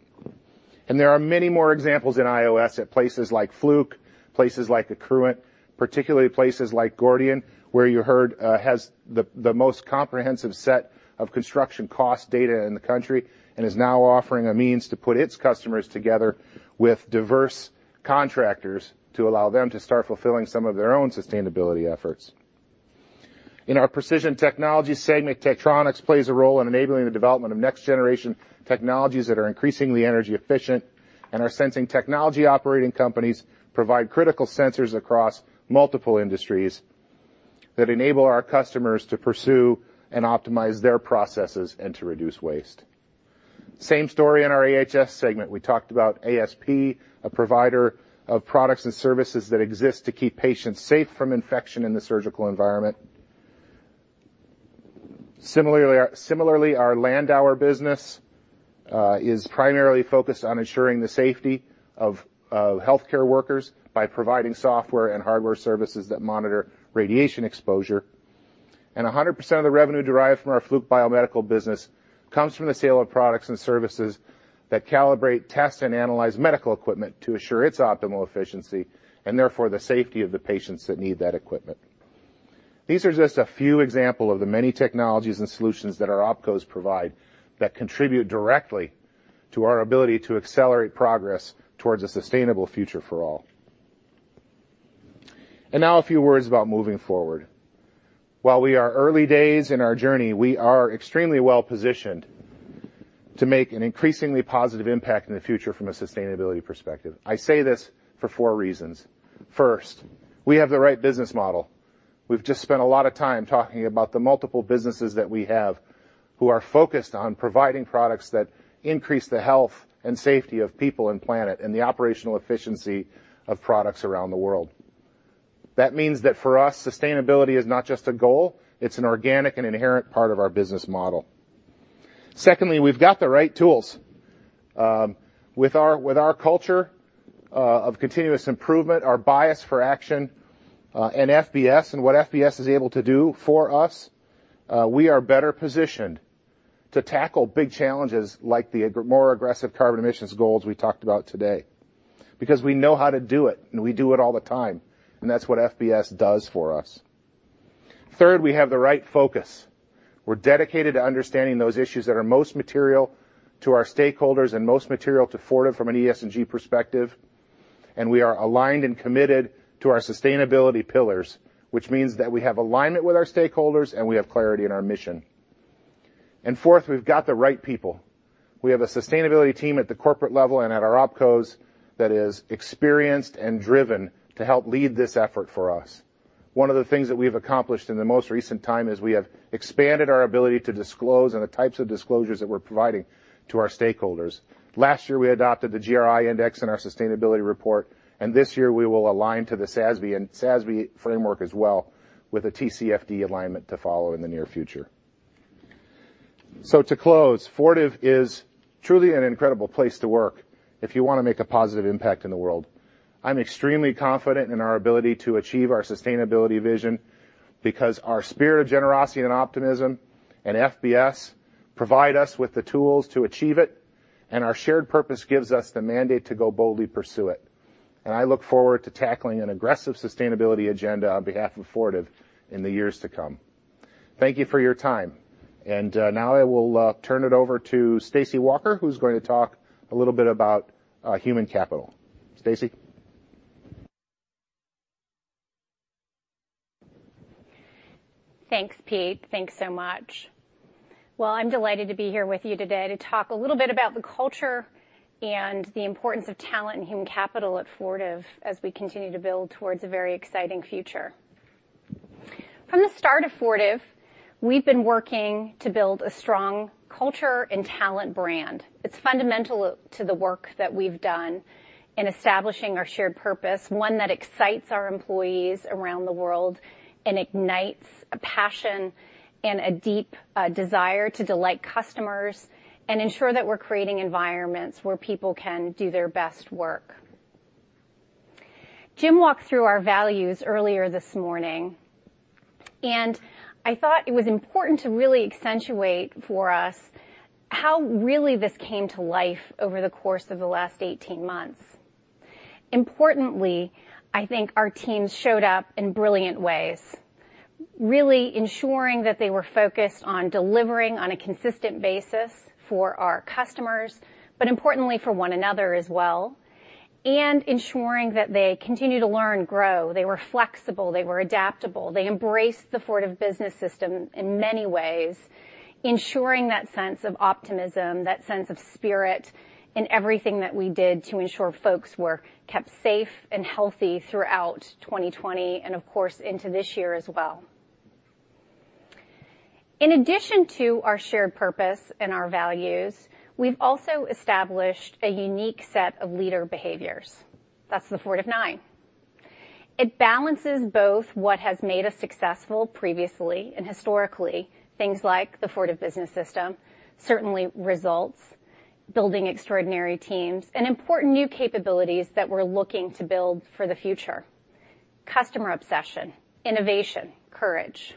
And there are many more examples in IOS at places like Fluke, places like Accruent, particularly places like Gordian, as you heard, has the most comprehensive set of construction cost data in the country and is now offering a means to put its customers together with diverse contractors to allow them to start fulfilling some of their own sustainability efforts. In our Precision Technologies segment, Tektronix plays a role in enabling the development of next-generation technologies that are increasingly energy efficient and our sensing technology operating companies provide critical sensors across multiple industries that enable our customers to pursue and optimize their processes and to reduce waste. Same story in our AHS segment. We talked about ASP, a provider of products and services that exist to keep patients safe from infection in the surgical environment. Similarly, our Landauer business is primarily focused on ensuring the safety of healthcare workers by providing software and hardware services that monitor radiation exposure. And 100% of the revenue derived from our Fluke Biomedical business comes from the sale of products and services that calibrate, test, and analyze medical equipment to assure its optimal efficiency and therefore the safety of the patients that need that equipment. These are just a few examples of the many technologies and solutions that our opcos provide that contribute directly to our ability to accelerate progress towards a sustainable future for all. And now a few words about moving forward. While we are early days in our journey, we are extremely well positioned to make an increasingly positive impact in the future from a sustainability perspective. I say this for four reasons. First, we have the right business model. We've just spent a lot of time talking about the multiple businesses that we have who are focused on providing products that increase the health and safety of people and planet and the operational efficiency of products around the world. That means that for us, sustainability is not just a goal. It's an organic and inherent part of our business model. Secondly, we've got the right tools. With our culture of continuous improvement, our bias for action, and FBS and what FBS is able to do for us, we are better positioned to tackle big challenges like the more aggressive carbon emissions goals we talked about today because we know how to do it, and we do it all the time, and that's what FBS does for us. Third, we have the right focus. We're dedicated to understanding those issues that are most material to our stakeholders and most material to Fortive from an ESG perspective, and we are aligned and committed to our sustainability pillars, which means that we have alignment with our stakeholders and we have clarity in our mission, and fourth, we've got the right people. We have a sustainability team at the corporate level and at our opcos that is experienced and driven to help lead this effort for us. One of the things that we've accomplished in the most recent time is we have expanded our ability to disclose and the types of disclosures that we're providing to our stakeholders. Last year, we adopted the GRI index in our sustainability report. And this year, we will align to the SASB and SASB framework as well with a TCFD alignment to follow in the near future. So to close, Fortive is truly an incredible place to work if you want to make a positive impact in the world. I'm extremely confident in our ability to achieve our sustainability vision because our spirit of generosity and optimism and FBS provide us with the tools to achieve it, and our shared purpose gives us the mandate to go boldly pursue it. And I look forward to tackling an aggressive sustainability agenda on behalf of Fortive in the years to come. Thank you for your time. And now I will turn it over to Stacey Walker, who's going to talk a little bit about human capital. Stacey. Thanks, Pete. Thanks so much. I'm delighted to be here with you today to talk a little bit about the culture and the importance of talent and human capital at Fortive as we continue to build towards a very exciting future. From the start of Fortive, we've been working to build a strong culture and talent brand. It's fundamental to the work that we've done in establishing our shared purpose, one that excites our employees around the world and ignites a passion and a deep desire to delight customers and ensure that we're creating environments where people can do their best work. Jim walked through our values earlier this morning, and I thought it was important to really accentuate for us how this really came to life over the course of the last 18 months. Importantly, I think our teams showed up in brilliant ways, really ensuring that they were focused on delivering on a consistent basis for our customers, but importantly for one another as well, and ensuring that they continue to learn, grow. They were flexible. They were adaptable. They embraced the Fortive Business System in many ways, ensuring that sense of optimism, that sense of spirit in everything that we did to ensure folks were kept safe and healthy throughout 2020 and, of course, into this year as well. In addition to our shared purpose and our values, we've also established a unique set of leader behaviors. That's the Fortive 9. It balances both what has made us successful previously and historically, things like the Fortive Business System, certainly results, building extraordinary teams, and important new capabilities that we're looking to build for the future: customer obsession, innovation, courage.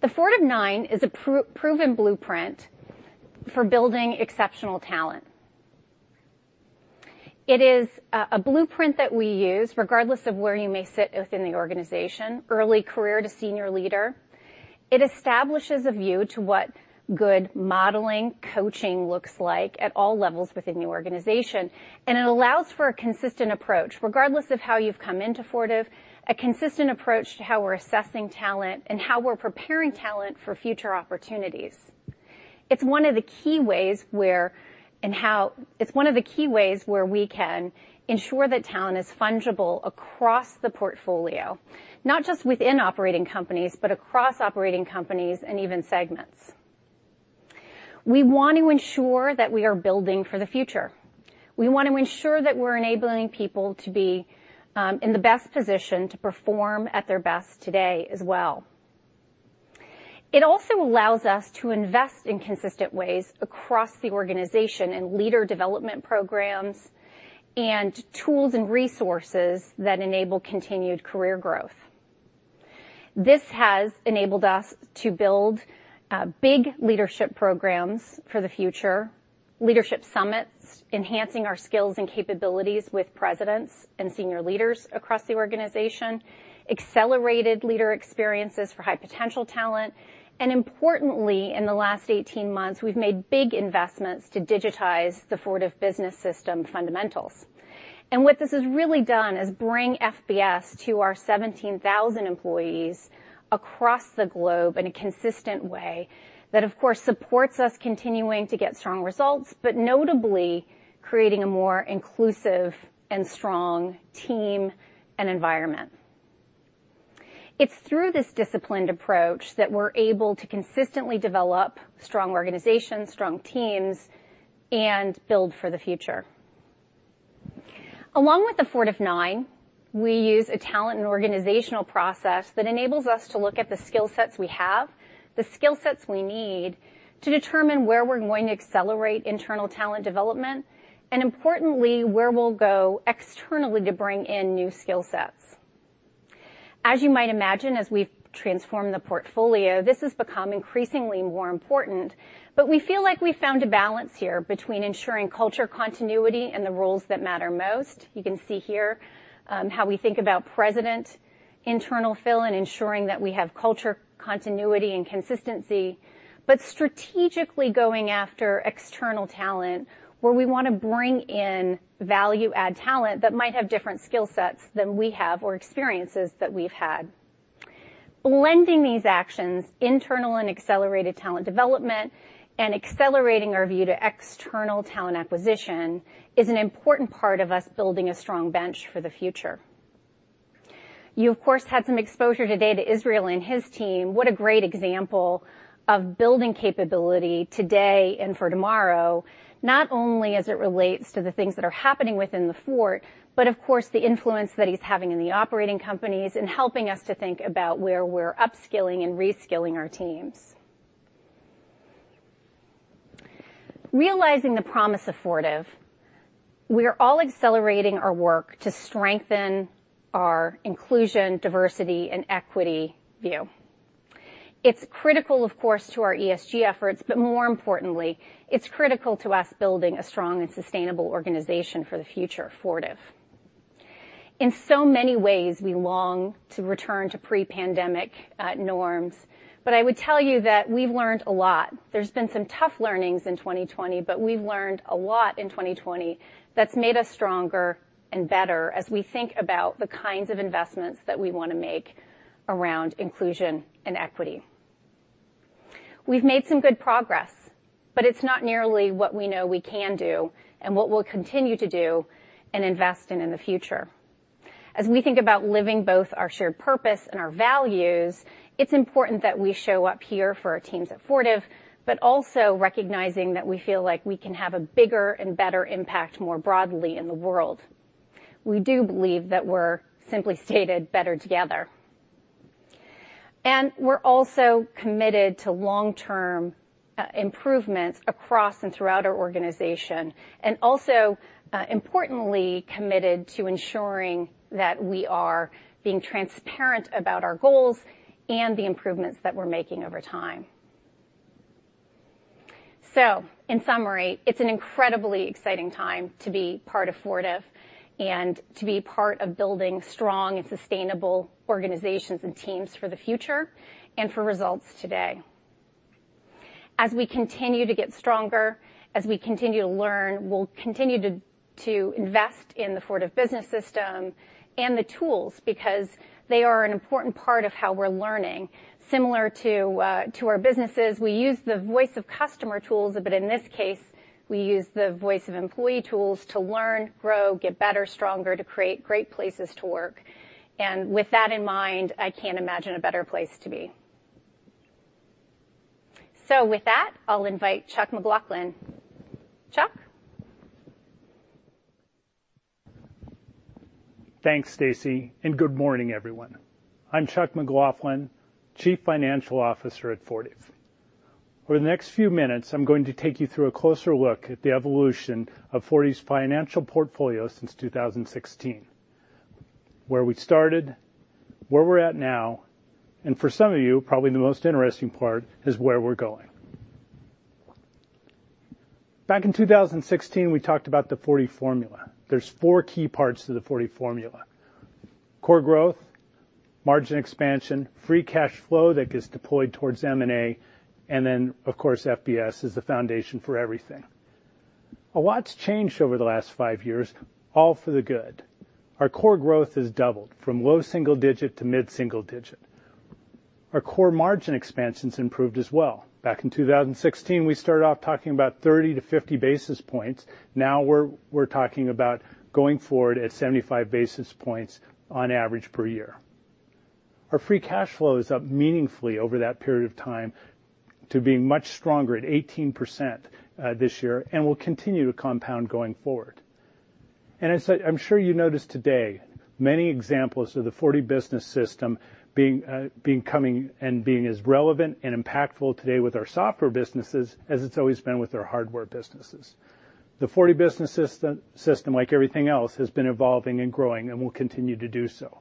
The Fortive 9 is a proven blueprint for building exceptional talent. It is a blueprint that we use, regardless of where you may sit within the organization, early career to senior leader. It establishes a view to what good modeling coaching looks like at all levels within the organization. It allows for a consistent approach, regardless of how you've come into Fortive, a consistent approach to how we're assessing talent and how we're preparing talent for future opportunities. It's one of the key ways where we can ensure that talent is fungible across the portfolio, not just within operating companies, but across operating companies and even segments. We want to ensure that we are building for the future. We want to ensure that we're enabling people to be in the best position to perform at their best today as well. It also allows us to invest in consistent ways across the organization in leader development programs and tools and resources that enable continued career growth. This has enabled us to build big leadership programs for the future, leadership summits, enhancing our skills and capabilities with presidents and senior leaders across the organization, accelerated leader experiences for high potential talent, and importantly, in the last 18 months, we've made big investments to digitize the Fortive Business System fundamentals, and what this has really done is bring FBS to our 17,000 employees across the globe in a consistent way that, of course, supports us continuing to get strong results, but notably creating a more inclusive and strong team and environment. It's through this disciplined approach that we're able to consistently develop strong organizations, strong teams, and build for the future. Along with the Fort, we use a talent and organizational process that enables us to look at the skill sets we have, the skill sets we need to determine where we're going to accelerate internal talent development, and importantly, where we'll go externally to bring in new skill sets. As you might imagine, as we've transformed the portfolio, this has become increasingly more important, but we feel like we found a balance here between ensuring culture continuity and the roles that matter most. You can see here how we think about president, internal fill, and ensuring that we have culture continuity and consistency, but strategically going after external talent where we want to bring in value-add talent that might have different skill sets than we have or experiences that we've had. Blending these actions, internal and accelerated talent development, and accelerating our view to external talent acquisition is an important part of us building a strong bench for the future. You, of course, had some exposure today to Israel and his team. What a great example of building capability today and for tomorrow, not only as it relates to the things that are happening within the Fort, but of course, the influence that he's having in the operating companies and helping us to think about where we're upskilling and reskilling our teams. Realizing the promise of Fortive, we are all accelerating our work to strengthen our inclusion, diversity, and equity view. It's critical, of course, to our ESG efforts, but more importantly, it's critical to us building a strong and sustainable organization for the future of Fortive. In so many ways, we long to return to pre-pandemic norms, but I would tell you that we've learned a lot. There's been some tough learnings in 2020, but we've learned a lot in 2020 that's made us stronger and better as we think about the kinds of investments that we want to make around inclusion and equity. We've made some good progress, but it's not nearly what we know we can do and what we'll continue to do and invest in in the future. As we think about living both our shared purpose and our values, it's important that we show up here for our teams at Fortive, but also recognizing that we feel like we can have a bigger and better impact more broadly in the world. We do believe that we're simply stated better together. And we're also committed to long-term improvements across and throughout our organization and also, importantly, committed to ensuring that we are being transparent about our goals and the improvements that we're making over time. So, in summary, it's an incredibly exciting time to be part of Fortive and to be part of building strong and sustainable organizations and teams for the future and for results today. As we continue to get stronger, as we continue to learn, we'll continue to invest in the Fortive business system and the tools because they are an important part of how we're learning. Similar to our businesses, we use the voice of customer tools, but in this case, we use the voice of employee tools to learn, grow, get better, stronger to create great places to work. And with that in mind, I can't imagine a better place to be. So, with that, I'll invite Chuck McLaughlin. Chuck. Thanks, Stacey, and good morning, everyone. I'm Chuck McLaughlin, Chief Financial Officer at Fortive. Over the next few minutes, I'm going to take you through a closer look at the evolution of Fortive's financial portfolio since 2016, where we started, where we're at now, and for some of you, probably the most interesting part is where we're going. Back in 2016, we talked about the Fortive Formula. There's four key parts to the Fortive Formula: core growth, margin expansion, free cash flow that gets deployed towards M&A, and then, of course, FBS is the foundation for everything. A lot's changed over the last five years, all for the good. Our core growth has doubled from low single digit to mid-single digit. Our core margin expansion has improved as well. Back in 2016, we started off talking about 30-50 basis points. Now we're talking about going forward at 75 basis points on average per year. Our free cash flow has gone up meaningfully over that period of time to being much stronger at 18% this year and will continue to compound going forward. As I'm sure you noticed today, many examples of the Fortive Business System becoming and being as relevant and impactful today with our software businesses as it's always been with our hardware businesses. The Fortive Business System, like everything else, has been evolving and growing and will continue to do so.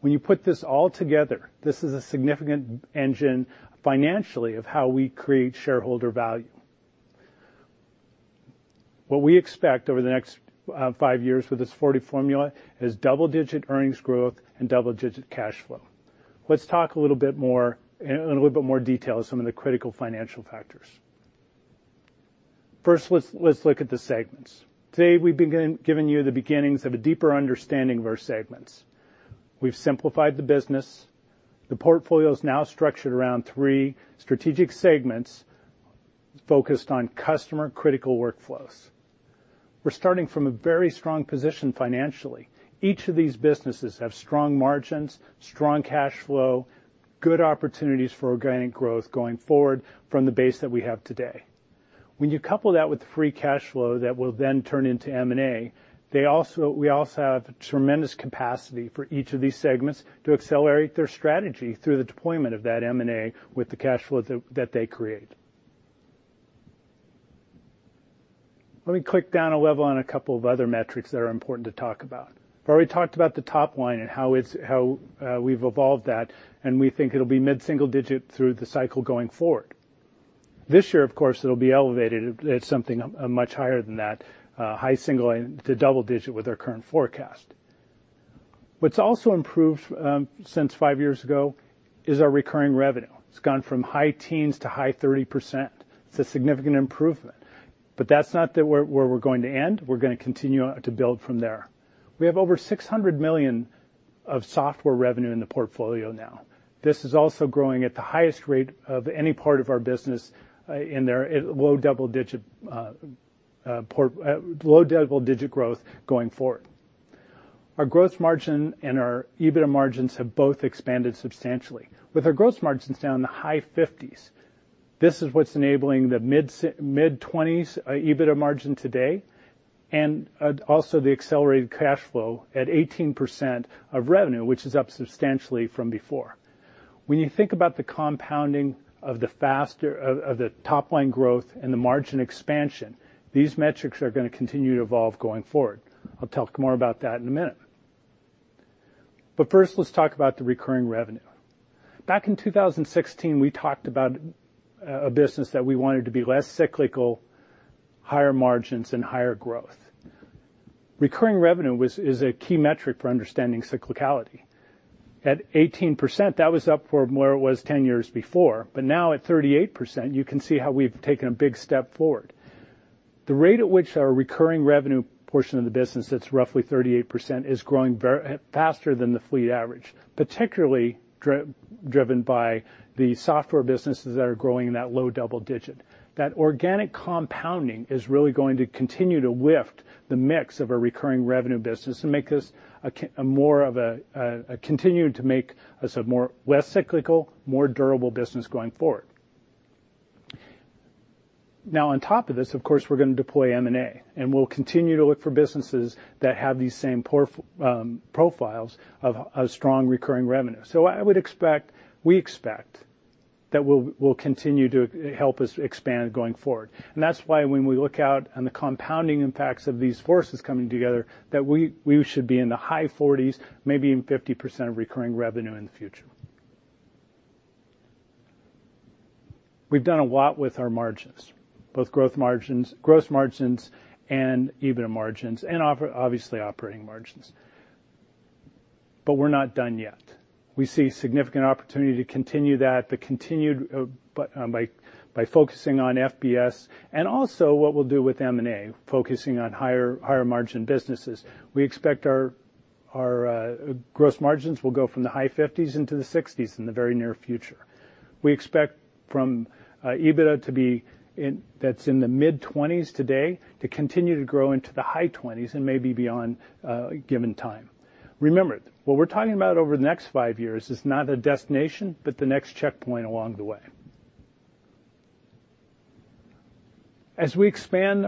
When you put this all together, this is a significant engine financially of how we create shareholder value. What we expect over the next five years with this Fortive Formula is double-digit earnings growth and double-digit cash flow. Let's talk a little bit more and a little bit more detail of some of the critical financial factors. First, let's look at the segments. Today, we've been giving you the beginnings of a deeper understanding of our segments. We've simplified the business. The portfolio is now structured around three strategic segments focused on customer critical workflows. We're starting from a very strong position financially. Each of these businesses has strong margins, strong cash flow, good opportunities for organic growth going forward from the base that we have today. When you couple that with free cash flow that will then turn into M&A, we also have tremendous capacity for each of these segments to accelerate their strategy through the deployment of that M&A with the cash flow that they create. Let me click down a level on a couple of other metrics that are important to talk about. We've already talked about the top line and how we've evolved that, and we think it'll be mid-single-digit% through the cycle going forward. This year, of course, it'll be elevated at something much higher than that, high single- to double-digit% with our current forecast. What's also improved since five years ago is our recurring revenue. It's gone from high teens% to high 30%. It's a significant improvement, but that's not where we're going to end. We're going to continue to build from there. We have over $600 million of software revenue in the portfolio now. This is also growing at the highest rate of any part of our business in their low double-digit% growth going forward. Our gross margin and our EBITDA margins have both expanded substantially. With our gross margins in the high 50s%, this is what's enabling the mid-20s% EBITDA margin today and also the accelerated cash flow at 18% of revenue, which is up substantially from before. When you think about the compounding of the top line growth and the margin expansion, these metrics are going to continue to evolve going forward. I'll talk more about that in a minute. But first, let's talk about the recurring revenue. Back in 2016, we talked about a business that we wanted to be less cyclical, higher margins, and higher growth. Recurring revenue is a key metric for understanding cyclicality. At 18%, that was up from where it was 10 years before, but now at 38%, you can see how we've taken a big step forward. The rate at which our recurring revenue portion of the business, that's roughly 38%, is growing faster than the fleet average, particularly driven by the software businesses that are growing in that low double digit. That organic compounding is really going to continue to lift the mix of our recurring revenue business and make this more of a less cyclical, more durable business going forward. Now, on top of this, of course, we're going to deploy M&A, and we'll continue to look for businesses that have these same profiles of strong recurring revenue. So I would expect, we expect that we'll continue to help us expand going forward. And that's why when we look out on the compounding impacts of these forces coming together, that we should be in the high 40s, maybe even 50% of recurring revenue in the future. We've done a lot with our margins, both gross margins and EBITDA margins and obviously operating margins, but we're not done yet. We see significant opportunity to continue that, but continued by focusing on FBS and also what we'll do with M&A, focusing on higher margin businesses. We expect our gross margins will go from the high 50s into the 60s in the very near future. We expect our EBITDA to be, that's in the mid-20s today, to continue to grow into the high 20s and maybe beyond given time. Remember, what we're talking about over the next five years is not a destination, but the next checkpoint along the way. As we expand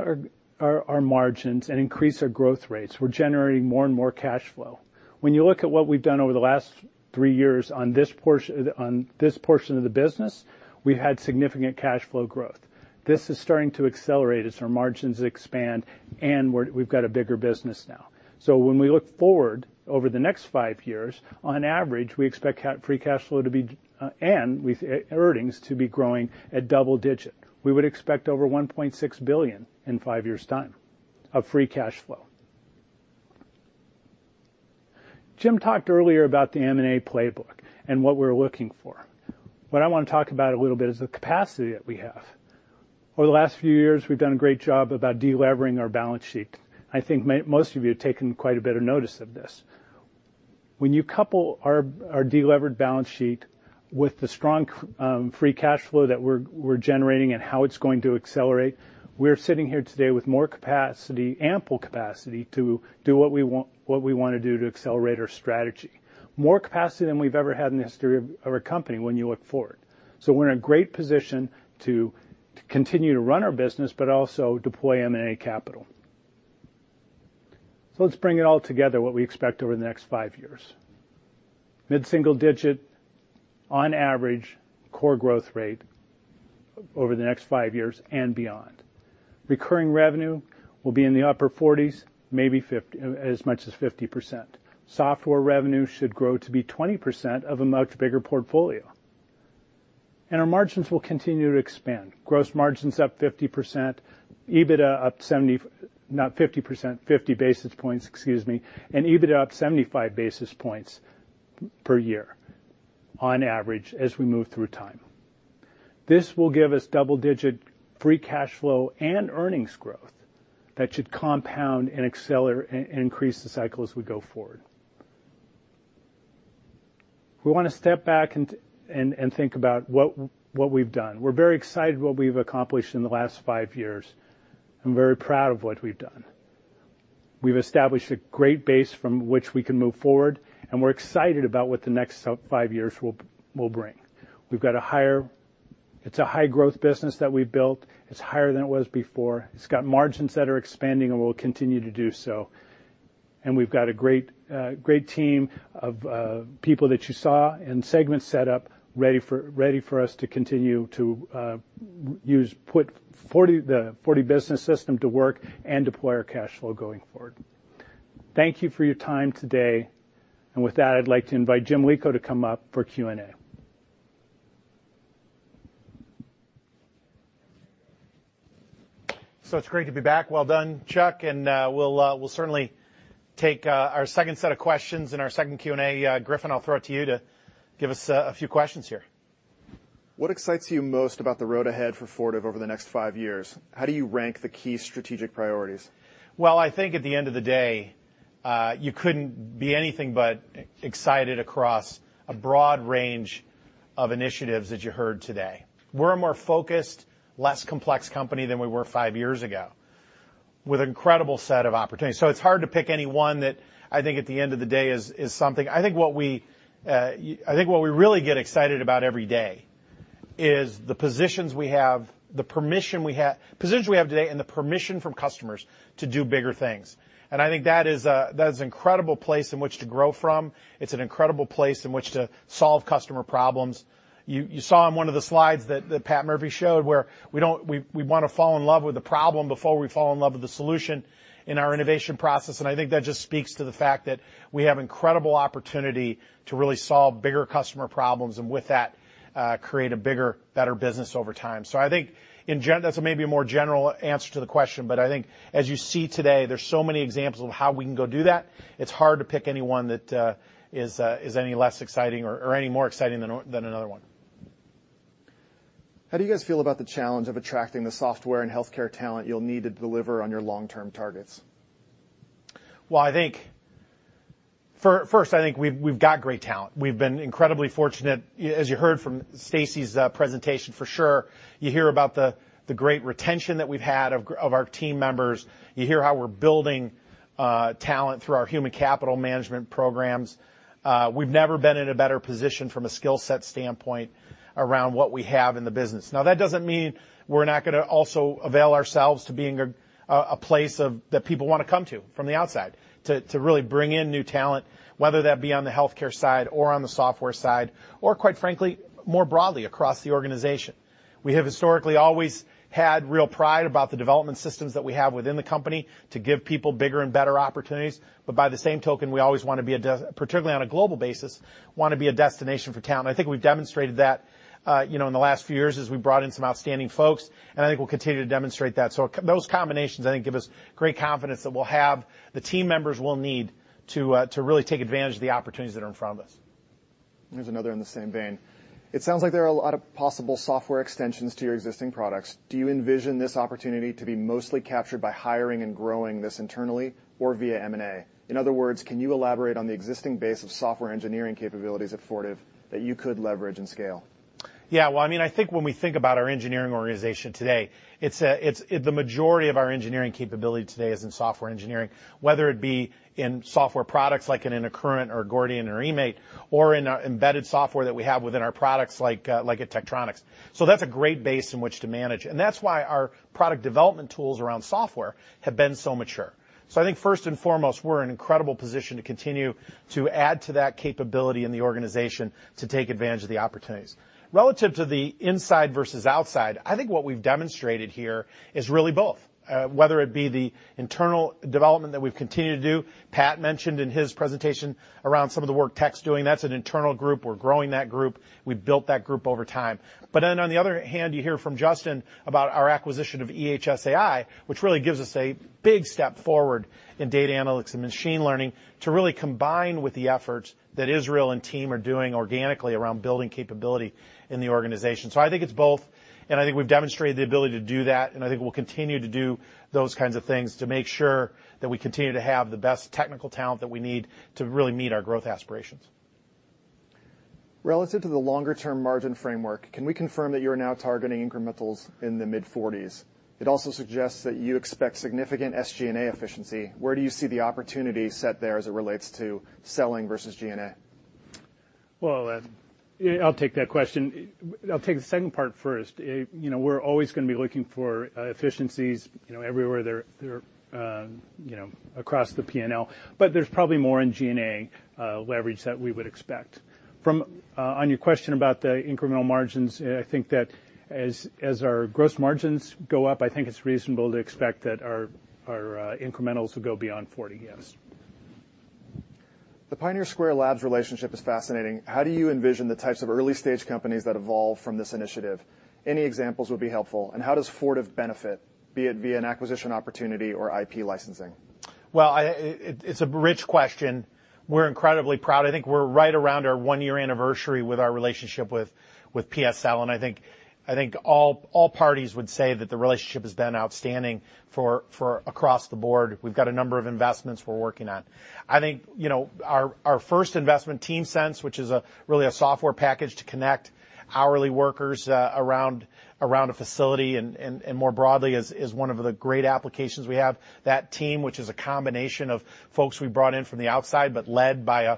our margins and increase our growth rates, we're generating more and more cash flow. When you look at what we've done over the last three years on this portion of the business, we've had significant cash flow growth. This is starting to accelerate as our margins expand and we've got a bigger business now. So when we look forward over the next five years, on average, we expect free cash flow to be and earnings to be growing at double digit. We would expect over $1.6 billion in five years' time of free cash flow. Jim talked earlier about the M&A playbook and what we're looking for. What I want to talk about a little bit is the capacity that we have. Over the last few years, we've done a great job about delevering our balance sheet. I think most of you have taken quite a bit of notice of this. When you couple our delevered balance sheet with the strong free cash flow that we're generating and how it's going to accelerate, we're sitting here today with more capacity, ample capacity to do what we want to do to accelerate our strategy. More capacity than we've ever had in the history of our company when you look forward. So we're in a great position to continue to run our business, but also deploy M&A capital. So let's bring it all together, what we expect over the next five years. Mid-single-digit, on average, core growth rate over the next five years and beyond. Recurring revenue will be in the upper 40s%, maybe as much as 50%. Software revenue should grow to be 20% of a much bigger portfolio, and our margins will continue to expand. Gross margins up 50%, EBITDA up 50 basis points, excuse me, and EBITDA up 75 basis points per year on average as we move through time. This will give us double-digit free cash flow and earnings growth that should compound and accelerate and increase the cycle as we go forward. We want to step back and think about what we've done. We're very excited about what we've accomplished in the last five years. I'm very proud of what we've done. We've established a great base from which we can move forward, and we're excited about what the next five years will bring. We've got a higher it's a high-growth business that we've built. It's higher than it was before. It's got margins that are expanding and will continue to do so. And we've got a great team of people that you saw and segments set up ready for us to continue to use the Fortive Business System to work and deploy our cash flow going forward. Thank you for your time today. And with that, I'd like to invite Jim Lico to come up for Q&A. It's great to be back. Well done, Chuck. We'll certainly take our second set of questions and our second Q&A. Griffin, I'll throw it to you to give us a few questions here. What excites you most about the road ahead for Fortive over the next five years? How do you rank the key strategic priorities? I think at the end of the day, you couldn't be anything but excited across a broad range of initiatives that you heard today. We're a more focused, less complex company than we were five years ago with an incredible set of opportunities. It's hard to pick any one that I think at the end of the day is something. I think what we really get excited about every day is the positions we have, the permission we have today, and the permission from customers to do bigger things. I think that is an incredible place in which to grow from. It's an incredible place in which to solve customer problems. You saw on one of the slides that Pat Murphy showed where we want to fall in love with the problem before we fall in love with the solution in our innovation process. And I think that just speaks to the fact that we have incredible opportunity to really solve bigger customer problems and with that create a bigger, better business over time. So I think that's maybe a more general answer to the question, but I think as you see today, there's so many examples of how we can go do that. It's hard to pick any one that is any less exciting or any more exciting than another one. How do you guys feel about the challenge of attracting the software and healthcare talent you'll need to deliver on your long-term targets? I think first, I think we've got great talent. We've been incredibly fortunate. As you heard from Stacey's presentation, for sure, you hear about the great retention that we've had of our team members. You hear how we're building talent through our human capital management programs. We've never been in a better position from a skill set standpoint around what we have in the business. Now, that doesn't mean we're not going to also avail ourselves to being a place that people want to come to from the outside to really bring in new talent, whether that be on the healthcare side or on the software side or, quite frankly, more broadly across the organization. We have historically always had real pride about the development systems that we have within the company to give people bigger and better opportunities. But by the same token, we always want to be a, particularly on a global basis, want to be a destination for talent. I think we've demonstrated that in the last few years as we brought in some outstanding folks, and I think we'll continue to demonstrate that. So those combinations, I think, give us great confidence that we'll have the team members we'll need to really take advantage of the opportunities that are in front of us. Here's another in the same vein. It sounds like there are a lot of possible software extensions to your existing products. Do you envision this opportunity to be mostly captured by hiring and growing this internally or via M&A? In other words, can you elaborate on the existing base of software engineering capabilities at Fortive that you could leverage and scale? Yeah. Well, I mean, I think when we think about our engineering organization today, the majority of our engineering capability today is in software engineering, whether it be in software products like Accruent or Gordian or eMaint or in embedded software that we have within our products like Tektronix. So that's a great base in which to manage. And that's why our product development tools around software have been so mature. So I think first and foremost, we're in an incredible position to continue to add to that capability in the organization to take advantage of the opportunities. Relative to the inside versus outside, I think what we've demonstrated here is really both, whether it be the internal development that we've continued to do. Pat mentioned in his presentation around some of the work Tek is doing. That's an internal group. We're growing that group. We've built that group over time. But then on the other hand, you hear from Justin about our acquisition of ehsAI, which really gives us a big step forward in data analytics and machine learning to really combine with the efforts that Israel and team are doing organically around building capability in the organization. So I think it's both, and I think we've demonstrated the ability to do that, and I think we'll continue to do those kinds of things to make sure that we continue to have the best technical talent that we need to really meet our growth aspirations. Relative to the longer-term margin framework, can we confirm that you're now targeting incrementals in the mid-40s? It also suggests that you expect significant SG&A efficiency. Where do you see the opportunity set there as it relates to selling versus G&A? I'll take that question. I'll take the second part first. We're always going to be looking for efficiencies everywhere across the P&L, but there's probably more in G&A leverage that we would expect. On your question about the incremental margins, I think that as our gross margins go up, I think it's reasonable to expect that our incrementals will go beyond 40%, yes. The Pioneer Square Labs relationship is fascinating. How do you envision the types of early-stage companies that evolve from this initiative? Any examples would be helpful. And how does Fortive benefit, be it via an acquisition opportunity or IP licensing? It's a rich question. We're incredibly proud. I think we're right around our one-year anniversary with our relationship with PSL. I think all parties would say that the relationship has been outstanding across the board. We've got a number of investments we're working on. I think our first investment, TeamSense, which is really a software package to connect hourly workers around a facility and more broadly is one of the great applications we have. That team, which is a combination of folks we brought in from the outside, but led by a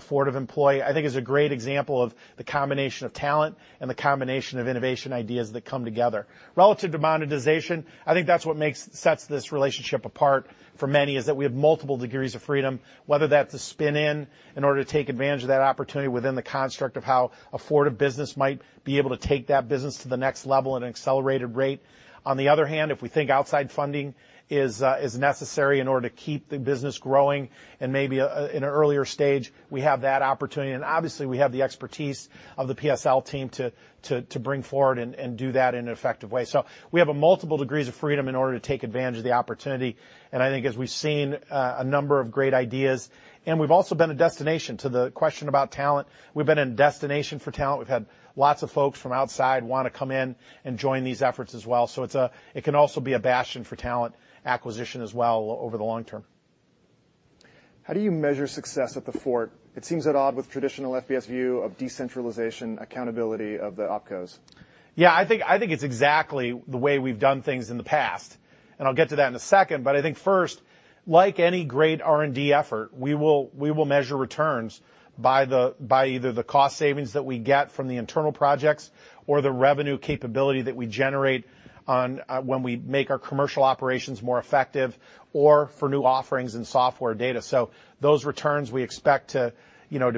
Fortive employee, I think is a great example of the combination of talent and the combination of innovation ideas that come together. Relative to monetization, I think that's what sets this relationship apart for many is that we have multiple degrees of freedom, whether that's a spin-in in order to take advantage of that opportunity within the construct of how a Fortive business might be able to take that business to the next level at an accelerated rate. On the other hand, if we think outside funding is necessary in order to keep the business growing and maybe in an earlier stage, we have that opportunity. And obviously, we have the expertise of the PSL team to bring forward and do that in an effective way. So we have multiple degrees of freedom in order to take advantage of the opportunity. And I think as we've seen a number of great ideas, and we've also been a destination to the question about talent. We've been a destination for talent. We've had lots of folks from outside want to come in and join these efforts as well, so it can also be a bastion for talent acquisition as well over the long term. How do you measure success at the Fort? It seems at odds with traditional FBS view of decentralization, accountability of the opcos. Yeah, I think it's exactly the way we've done things in the past. And I'll get to that in a second. But I think first, like any great R&D effort, we will measure returns by either the cost savings that we get from the internal projects or the revenue capability that we generate when we make our commercial operations more effective or for new offerings in software data. So those returns we expect to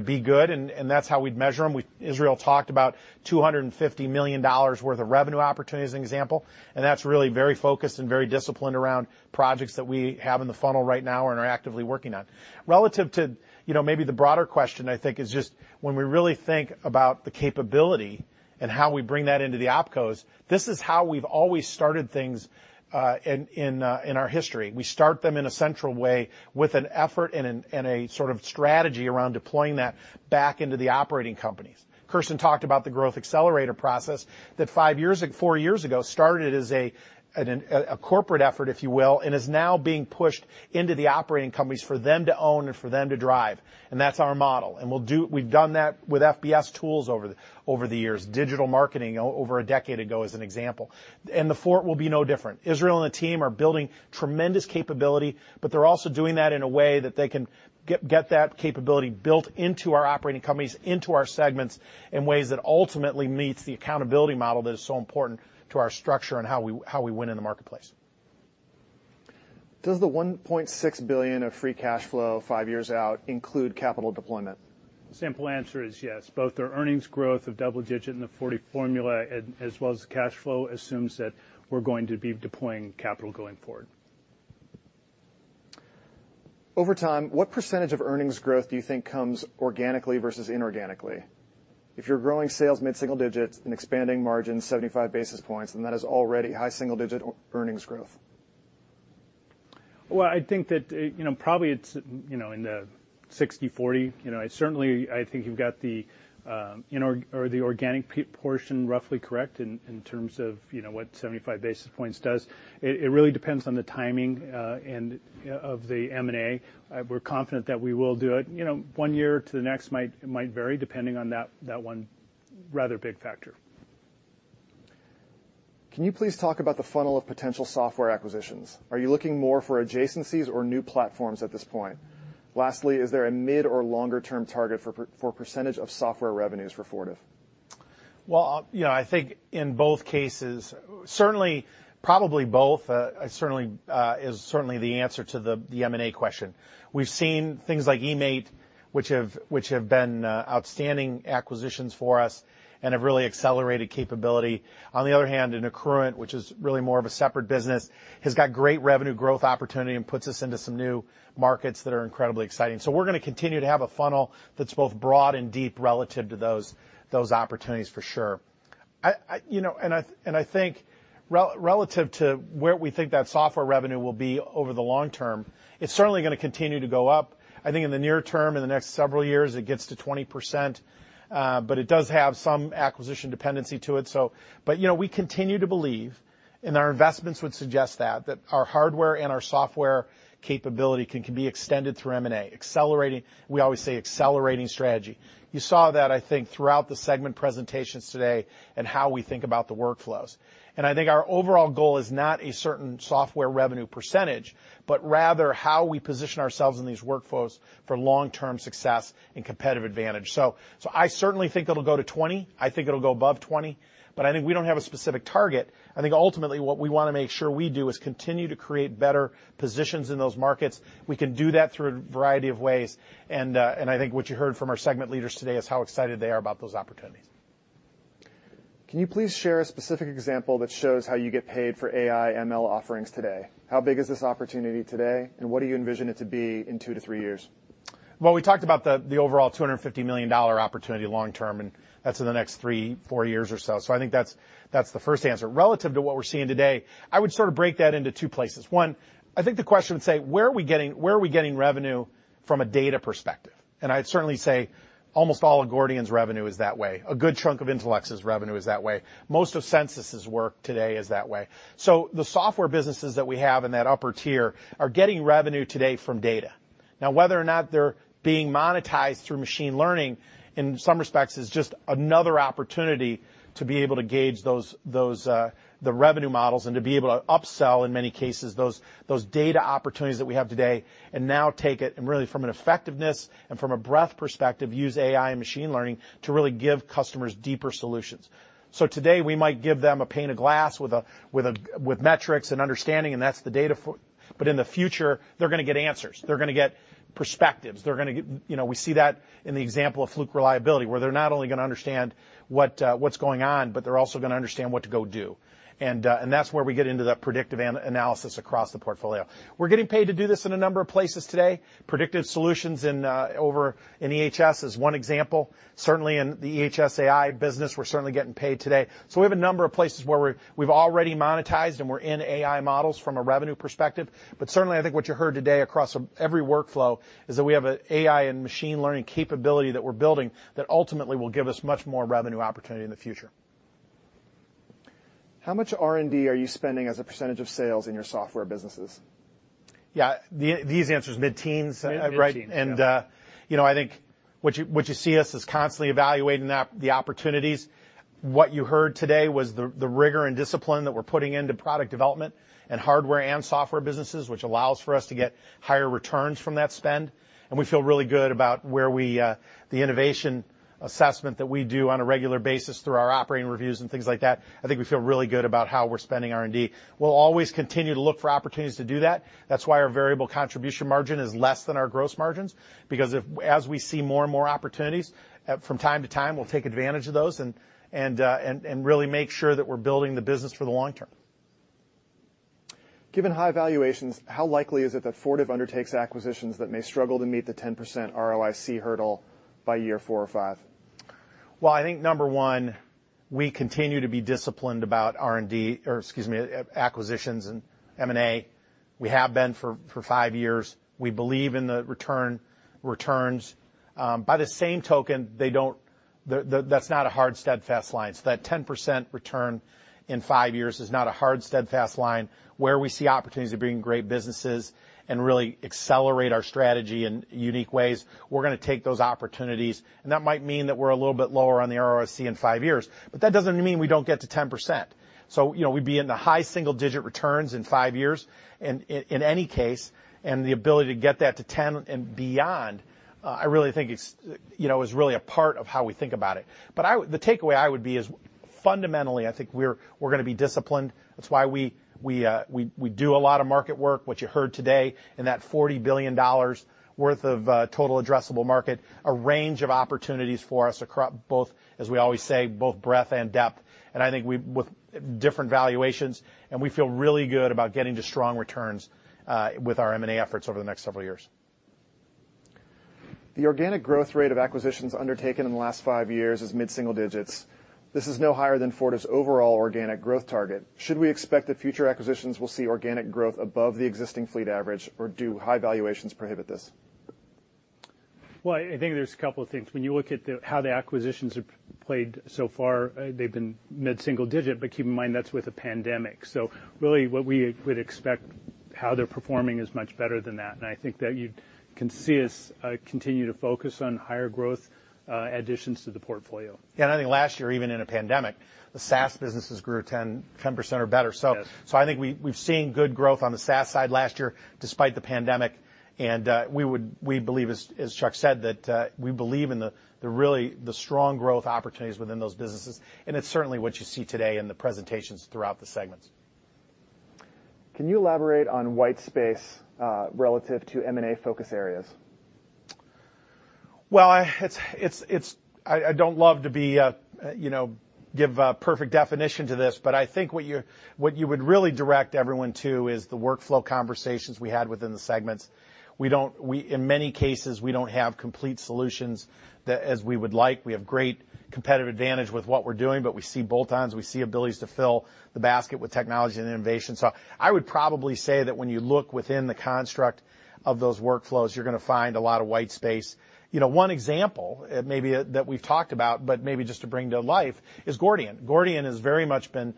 be good, and that's how we'd measure them. Israel talked about $250 million worth of revenue opportunity as an example. And that's really very focused and very disciplined around projects that we have in the funnel right now and are actively working on. Relative to maybe the broader question, I think, is just when we really think about the capability and how we bring that into the opcos, this is how we've always started things in our history. We start them in a central way with an effort and a sort of strategy around deploying that back into the operating companies. Kirsten talked about the growth accelerator process that four years ago started as a corporate effort, if you will, and is now being pushed into the operating companies for them to own and for them to drive, and that's our model, and we've done that with FBS tools over the years, digital marketing over a decade ago as an example, and the Fort will be no different. Israel and the team are building tremendous capability, but they're also doing that in a way that they can get that capability built into our operating companies, into our segments in ways that ultimately meets the accountability model that is so important to our structure and how we win in the marketplace. Does the $1.6 billion of free cash flow five years out include capital deployment? The simple answer is yes. Both our earnings growth of double-digit and the Fortive formula, as well as the cash flow, assumes that we're going to be deploying capital going forward. Over time, what percentage of earnings growth do you think comes organically versus inorganically? If you're growing sales mid-single digits and expanding margin 75 basis points, then that is already high single-digit earnings growth. I think that probably it's in the 60/40. Certainly, I think you've got the organic portion roughly correct in terms of what 75 basis points does. It really depends on the timing of the M&A. We're confident that we will do it. One year to the next might vary depending on that one rather big factor. Can you please talk about the funnel of potential software acquisitions? Are you looking more for adjacencies or new platforms at this point? Lastly, is there a mid or longer-term target for percentage of software revenues for Fortive? I think in both cases, certainly probably both is certainly the answer to the M&A question. We've seen things like eMaint, which have been outstanding acquisitions for us and have really accelerated capability. On the other hand, Accruent, which is really more of a separate business, has got great revenue growth opportunity and puts us into some new markets that are incredibly exciting. We're going to continue to have a funnel that's both broad and deep relative to those opportunities for sure. I think relative to where we think that software revenue will be over the long term, it's certainly going to continue to go up. I think in the near term, in the next several years, it gets to 20%, but it does have some acquisition dependency to it. But we continue to believe, and our investments would suggest that our hardware and our software capability can be extended through M&A. We always say accelerating strategy. You saw that, I think, throughout the segment presentations today and how we think about the workflows. And I think our overall goal is not a certain software revenue percentage, but rather how we position ourselves in these workflows for long-term success and competitive advantage. So I certainly think it'll go to 20%. I think it'll go above 20%, but I think we don't have a specific target. I think ultimately what we want to make sure we do is continue to create better positions in those markets. We can do that through a variety of ways. And I think what you heard from our segment leaders today is how excited they are about those opportunities. Can you please share a specific example that shows how you get paid for AI/ML offerings today? How big is this opportunity today, and what do you envision it to be in two to three years? We talked about the overall $250 million opportunity long-term, and that's in the next three, four years or so. So I think that's the first answer. Relative to what we're seeing today, I would sort of break that into two places. One, I think the question would say, where are we getting revenue from a data perspective? And I'd certainly say almost all of Gordian's revenue is that way. A good chunk of Intelex's revenue is that way. Most of Censis's work today is that way. So the software businesses that we have in that upper tier are getting revenue today from data. Now, whether or not they're being monetized through machine learning, in some respects, is just another opportunity to be able to gauge the revenue models and to be able to upsell, in many cases, those data opportunities that we have today and now take it and really, from an effectiveness and from a breadth perspective, use AI and machine learning to really give customers deeper solutions. So today, we might give them a pane of glass with metrics and understanding, and that's the data. But in the future, they're going to get answers. They're going to get perspectives. We see that in the example of Fluke Reliability, where they're not only going to understand what's going on, but they're also going to understand what to go do. And that's where we get into that predictive analysis across the portfolio. We're getting paid to do this in a number of places today. Predictive solutions in EHS is one example. Certainly, in the ehsAI business, we're certainly getting paid today. So we have a number of places where we've already monetized and we're in AI models from a revenue perspective. But certainly, I think what you heard today across every workflow is that we have an AI and machine learning capability that we're building that ultimately will give us much more revenue opportunity in the future. How much R&D are you spending as a percentage of sales in your software businesses? Yeah, these answers mid-teens. Mid-teens. And I think what you see us is constantly evaluating the opportunities. What you heard today was the rigor and discipline that we're putting into product development and hardware and software businesses, which allows for us to get higher returns from that spend. And we feel really good about the innovation assessment that we do on a regular basis through our operating reviews and things like that. I think we feel really good about how we're spending R&D. We'll always continue to look for opportunities to do that. That's why our variable contribution margin is less than our gross margins, because as we see more and more opportunities, from time to time, we'll take advantage of those and really make sure that we're building the business for the long term. Given high valuations, how likely is it that Fortive undertakes acquisitions that may struggle to meet the 10% ROIC hurdle by year four or five? I think number one, we continue to be disciplined about R&D or excuse me, acquisitions and M&A. We have been for five years. We believe in the returns. By the same token, that's not a hard steadfast line. So that 10% return in five years is not a hard steadfast line. Where we see opportunities to bring great businesses and really accelerate our strategy in unique ways, we're going to take those opportunities. And that might mean that we're a little bit lower on the ROIC in five years, but that doesn't mean we don't get to 10%. So we'd be in the high single-digit returns in five years in any case, and the ability to get that to 10 and beyond, I really think is really a part of how we think about it. But the takeaway I would say is fundamentally, I think we're going to be disciplined. That's why we do a lot of market work, what you heard today, and that $40 billion worth of total addressable market, a range of opportunities for us across both, as we always say, both breadth and depth. And I think with different valuations, and we feel really good about getting to strong returns with our M&A efforts over the next several years. The organic growth rate of acquisitions undertaken in the last five years is mid-single digits. This is no higher than Fortive's overall organic growth target. Should we expect that future acquisitions will see organic growth above the existing fleet average, or do high valuations prohibit this? I think there's a couple of things. When you look at how the acquisitions have played so far, they've been mid-single digit, but keep in mind that's with a pandemic. So really, what we would expect, how they're performing is much better than that. I think that you can see us continue to focus on higher growth additions to the portfolio. Yeah, and I think last year, even in a pandemic, the SaaS businesses grew 10% or better. So I think we've seen good growth on the SaaS side last year despite the pandemic. And we believe, as Chuck said, that we believe in the really strong growth opportunities within those businesses. And it's certainly what you see today in the presentations throughout the segments. Can you elaborate on white space relative to M&A focus areas? I don't love to give a perfect definition to this, but I think what you would really direct everyone to is the workflow conversations we had within the segments. In many cases, we don't have complete solutions as we would like. We have great competitive advantage with what we're doing, but we see bolt-ons. We see abilities to fill the basket with technology and innovation. So I would probably say that when you look within the construct of those workflows, you're going to find a lot of white space. One example maybe that we've talked about, but maybe just to bring to life, is Gordian. Gordian has very much been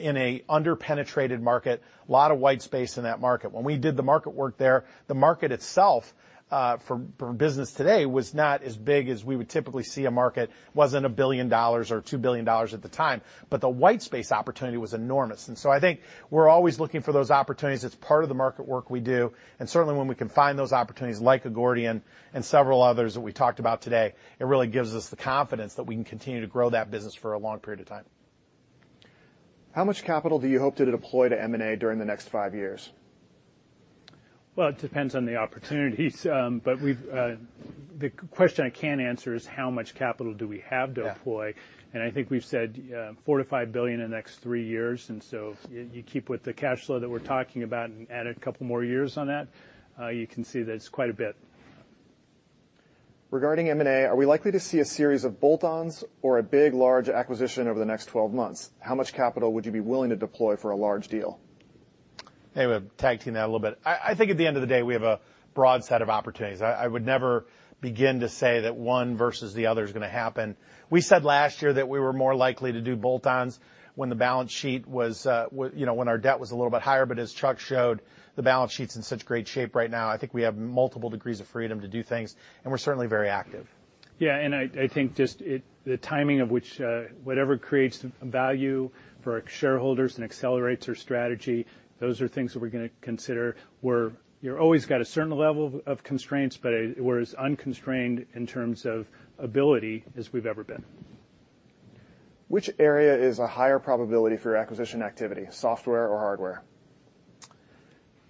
in an under-penetrated market, a lot of white space in that market. When we did the market work there, the market itself for business today was not as big as we would typically see a market, wasn't $1 billion or $2 billion at the time. But the white space opportunity was enormous. And so I think we're always looking for those opportunities. It's part of the market work we do. And certainly, when we can find those opportunities like a Gordian and several others that we talked about today, it really gives us the confidence that we can continue to grow that business for a long period of time. How much capital do you hope to deploy to M&A during the next five years? It depends on the opportunities. The question I can't answer is how much capital do we have to deploy. I think we've said $4-$5 billion in the next three years. You keep with the cash flow that we're talking about and add a couple more years on that, you can see that it's quite a bit. Regarding M&A, are we likely to see a series of bolt-ons or a big, large acquisition over the next 12 months? How much capital would you be willing to deploy for a large deal? I'm going to tag team that a little bit. I think at the end of the day, we have a broad set of opportunities. I would never begin to say that one versus the other is going to happen. We said last year that we were more likely to do bolt-ons when the balance sheet was, our debt was a little bit higher, but as Chuck showed, the balance sheet's in such great shape right now. I think we have multiple degrees of freedom to do things, and we're certainly very active. Yeah, and I think just the timing of which whatever creates value for shareholders and accelerates our strategy, those are things that we're going to consider. You're always got a certain level of constraints, but we're as unconstrained in terms of ability as we've ever been. Which area is a higher probability for your acquisition activity, software or hardware?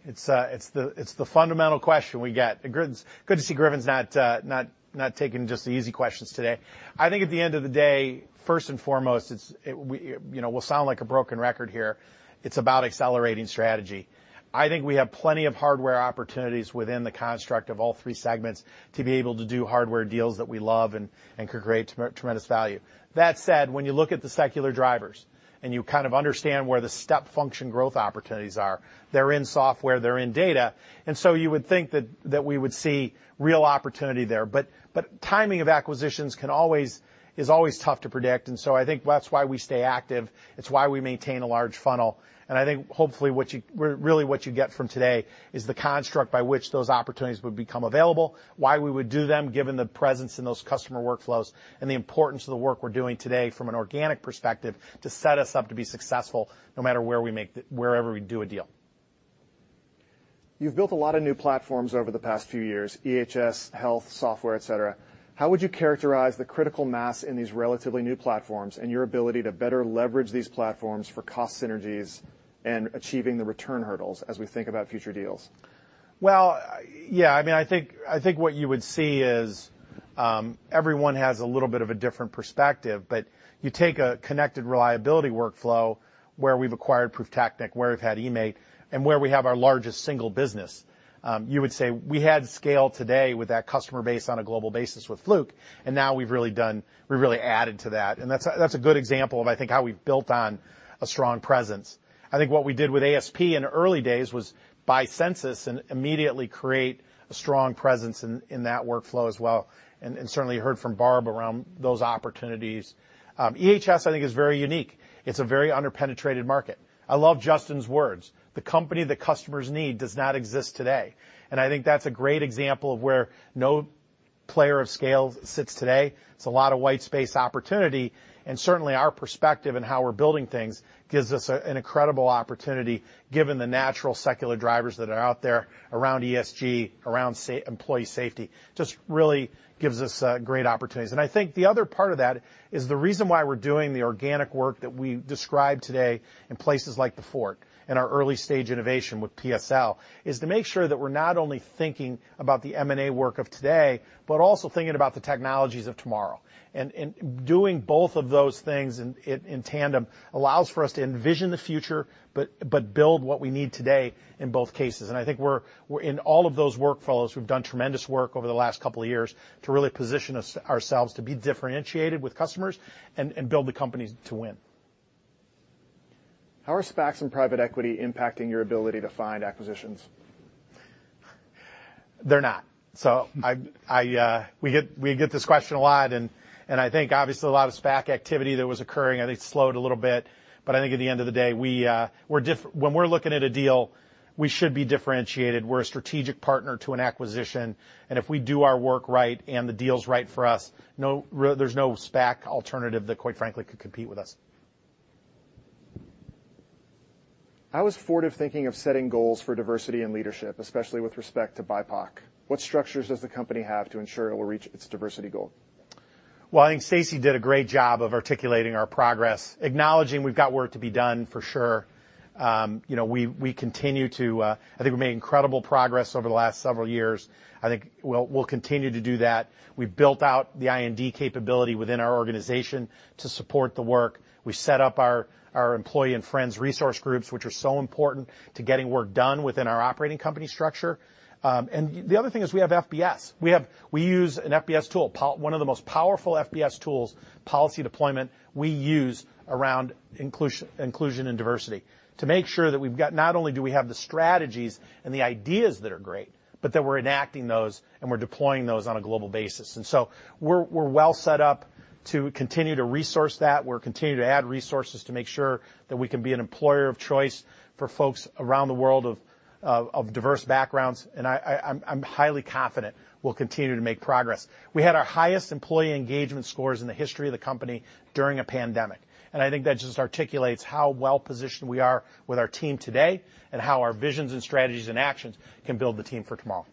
It's the fundamental question we get. Good to see Griffin's not taking just the easy questions today. I think at the end of the day, first and foremost, it will sound like a broken record here. It's about accelerating strategy. I think we have plenty of hardware opportunities within the construct of all three segments to be able to do hardware deals that we love and create tremendous value. That said, when you look at the secular drivers and you kind of understand where the step function growth opportunities are, they're in software, they're in data. And so you would think that we would see real opportunity there. But timing of acquisitions is always tough to predict. And so I think that's why we stay active. It's why we maintain a large funnel. And I think hopefully really what you get from today is the construct by which those opportunities would become available, why we would do them given the presence in those customer workflows and the importance of the work we're doing today from an organic perspective to set us up to be successful no matter wherever we do a deal. You've built a lot of new platforms over the past few years, EHS, health, software, etc. How would you characterize the critical mass in these relatively new platforms and your ability to better leverage these platforms for cost synergies and achieving the return hurdles as we think about future deals? Yeah, I mean, I think what you would see is everyone has a little bit of a different perspective. But you take a connected reliability workflow where we've acquired Prüftechnik, where we've had eMaint, and where we have our largest single business. You would say we had scale today with that customer base on a global basis with Fluke, and now we've really added to that. And that's a good example of, I think, how we've built on a strong presence. I think what we did with ASP in the early days was buy Censis and immediately create a strong presence in that workflow as well. And certainly heard from Barb around those opportunities. EHS, I think, is very unique. It's a very under-penetrated market. I love Justin's words. The company that customers need does not exist today. And I think that's a great example of where no player of scale sits today. It's a lot of white space opportunity. And certainly, our perspective and how we're building things gives us an incredible opportunity given the natural secular drivers that are out there around ESG, around employee safety, just really gives us great opportunities. And I think the other part of that is the reason why we're doing the organic work that we described today in places like the Fort and our early stage innovation with PSL is to make sure that we're not only thinking about the M&A work of today, but also thinking about the technologies of tomorrow. And doing both of those things in tandem allows for us to envision the future, but build what we need today in both cases. I think in all of those workflows, we've done tremendous work over the last couple of years to really position ourselves to be differentiated with customers and build the companies to win. How are SPACs and private equity impacting your ability to find acquisitions? They're not. So we get this question a lot. And I think, obviously, a lot of SPAC activity that was occurring, I think, slowed a little bit. But I think at the end of the day, when we're looking at a deal, we should be differentiated. We're a strategic partner to an acquisition. And if we do our work right and the deal's right for us, there's no SPAC alternative that, quite frankly, could compete with us. How is Fortive thinking of setting goals for diversity and leadership, especially with respect to BIPOC? What structures does the company have to ensure it will reach its diversity goal? I think Stacey did a great job of articulating our progress, acknowledging we've got work to be done for sure. We continue to, I think we made incredible progress over the last several years. I think we'll continue to do that. We've built out the I&D capability within our organization to support the work. We set up our employee and friends resource groups, which are so important to getting work done within our operating company structure. The other thing is we have FBS. We use an FBS tool, one of the most powerful FBS tools, policy deployment. We use around inclusion and diversity to make sure that we've got not only do we have the strategies and the ideas that are great, but that we're enacting those and we're deploying those on a global basis. We're well set up to continue to resource that. We're continuing to add resources to make sure that we can be an employer of choice for folks around the world of diverse backgrounds, and I'm highly confident we'll continue to make progress. We had our highest employee engagement scores in the history of the company during a pandemic, and I think that just articulates how well-positioned we are with our team today and how our visions and strategies and actions can build the team for tomorrow,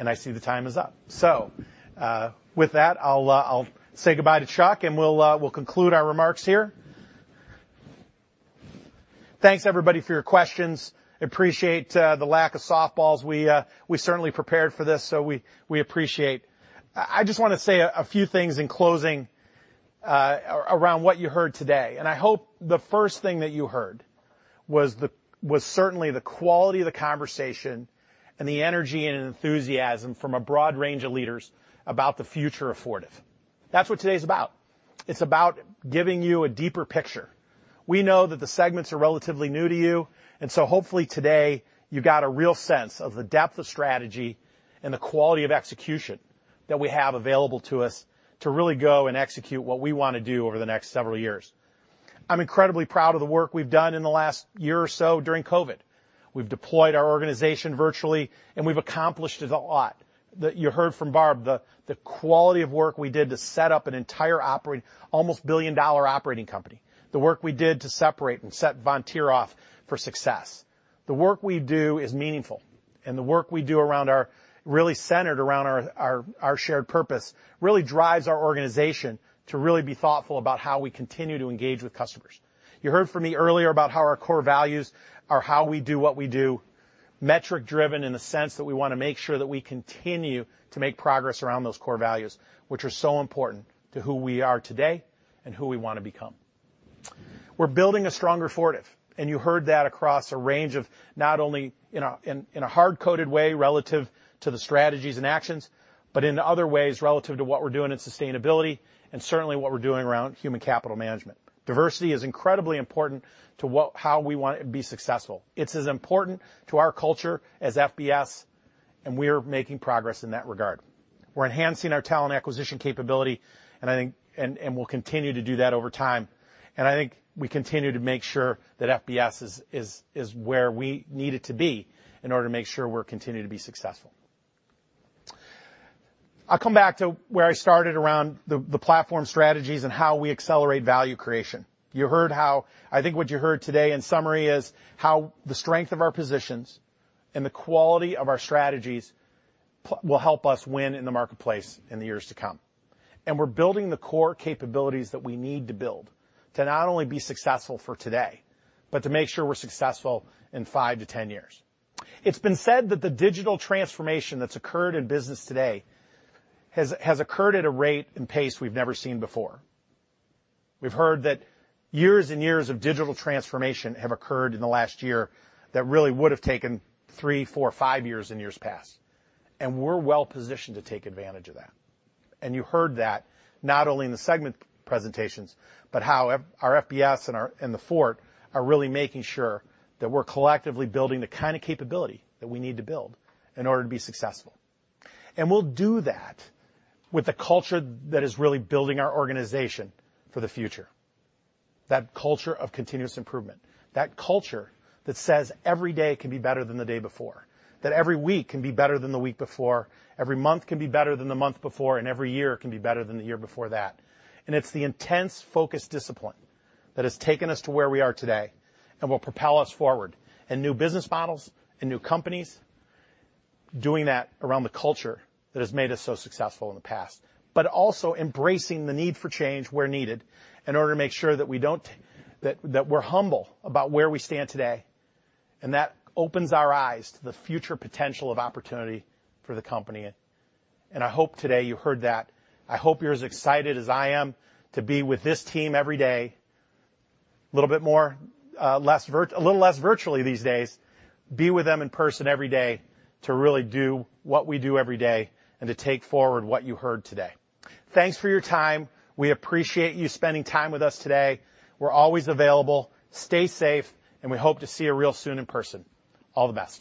and I see the time is up, so with that, I'll say goodbye to Chuck, and we'll conclude our remarks here. Thanks, everybody, for your questions. Appreciate the lack of softballs. We certainly prepared for this, so we appreciate. I just want to say a few things in closing around what you heard today. And I hope the first thing that you heard was certainly the quality of the conversation and the energy and enthusiasm from a broad range of leaders about the future of Fortive. That's what today's about. It's about giving you a deeper picture. We know that the segments are relatively new to you. And so hopefully today, you got a real sense of the depth of strategy and the quality of execution that we have available to us to really go and execute what we want to do over the next several years. I'm incredibly proud of the work we've done in the last year or so during COVID. We've deployed our organization virtually, and we've accomplished a lot. You heard from Barb the quality of work we did to set up an entire operating, almost $1 billion-dollar operating company. The work we did to separate and set Vontier off for success. The work we do is meaningful, and the work we do around our really centered around our shared purpose really drives our organization to really be thoughtful about how we continue to engage with customers. You heard from me earlier about how our core values are how we do what we do, metric-driven in the sense that we want to make sure that we continue to make progress around those core values, which are so important to who we are today and who we want to become. We're building a stronger Fortive, and you heard that across a range of not only in a hard-coded way relative to the strategies and actions, but in other ways relative to what we're doing in sustainability and certainly what we're doing around human capital management. Diversity is incredibly important to how we want to be successful. It's as important to our culture as FBS, and we are making progress in that regard. We're enhancing our talent acquisition capability, and we'll continue to do that over time, and I think we continue to make sure that FBS is where we need it to be in order to make sure we're continuing to be successful. I'll come back to where I started around the platform strategies and how we accelerate value creation. I think what you heard today in summary is how the strength of our positions and the quality of our strategies will help us win in the marketplace in the years to come, and we're building the core capabilities that we need to build to not only be successful for today, but to make sure we're successful in five to 10 years. It's been said that the digital transformation that's occurred in business today has occurred at a rate and pace we've never seen before. We've heard that years and years of digital transformation have occurred in the last year that really would have taken three, four, five years in years past. And we're well-positioned to take advantage of that. And you heard that not only in the segment presentations, but how our FBS and the Fort are really making sure that we're collectively building the kind of capability that we need to build in order to be successful. And we'll do that with a culture that is really building our organization for the future, that culture of continuous improvement, that culture that says every day can be better than the day before, that every week can be better than the week before, every month can be better than the month before, and every year can be better than the year before that. And it's the intense, focused discipline that has taken us to where we are today and will propel us forward in new business models and new companies, doing that around the culture that has made us so successful in the past, but also embracing the need for change where needed in order to make sure that we're humble about where we stand today. And that opens our eyes to the future potential of opportunity for the company. And I hope today you heard that. I hope you're as excited as I am to be with this team every day, a little bit less virtually these days, be with them in person every day to really do what we do every day and to take forward what you heard today. Thanks for your time. We appreciate you spending time with us today. We're always available. Stay safe, and we hope to see you real soon in person. All the best.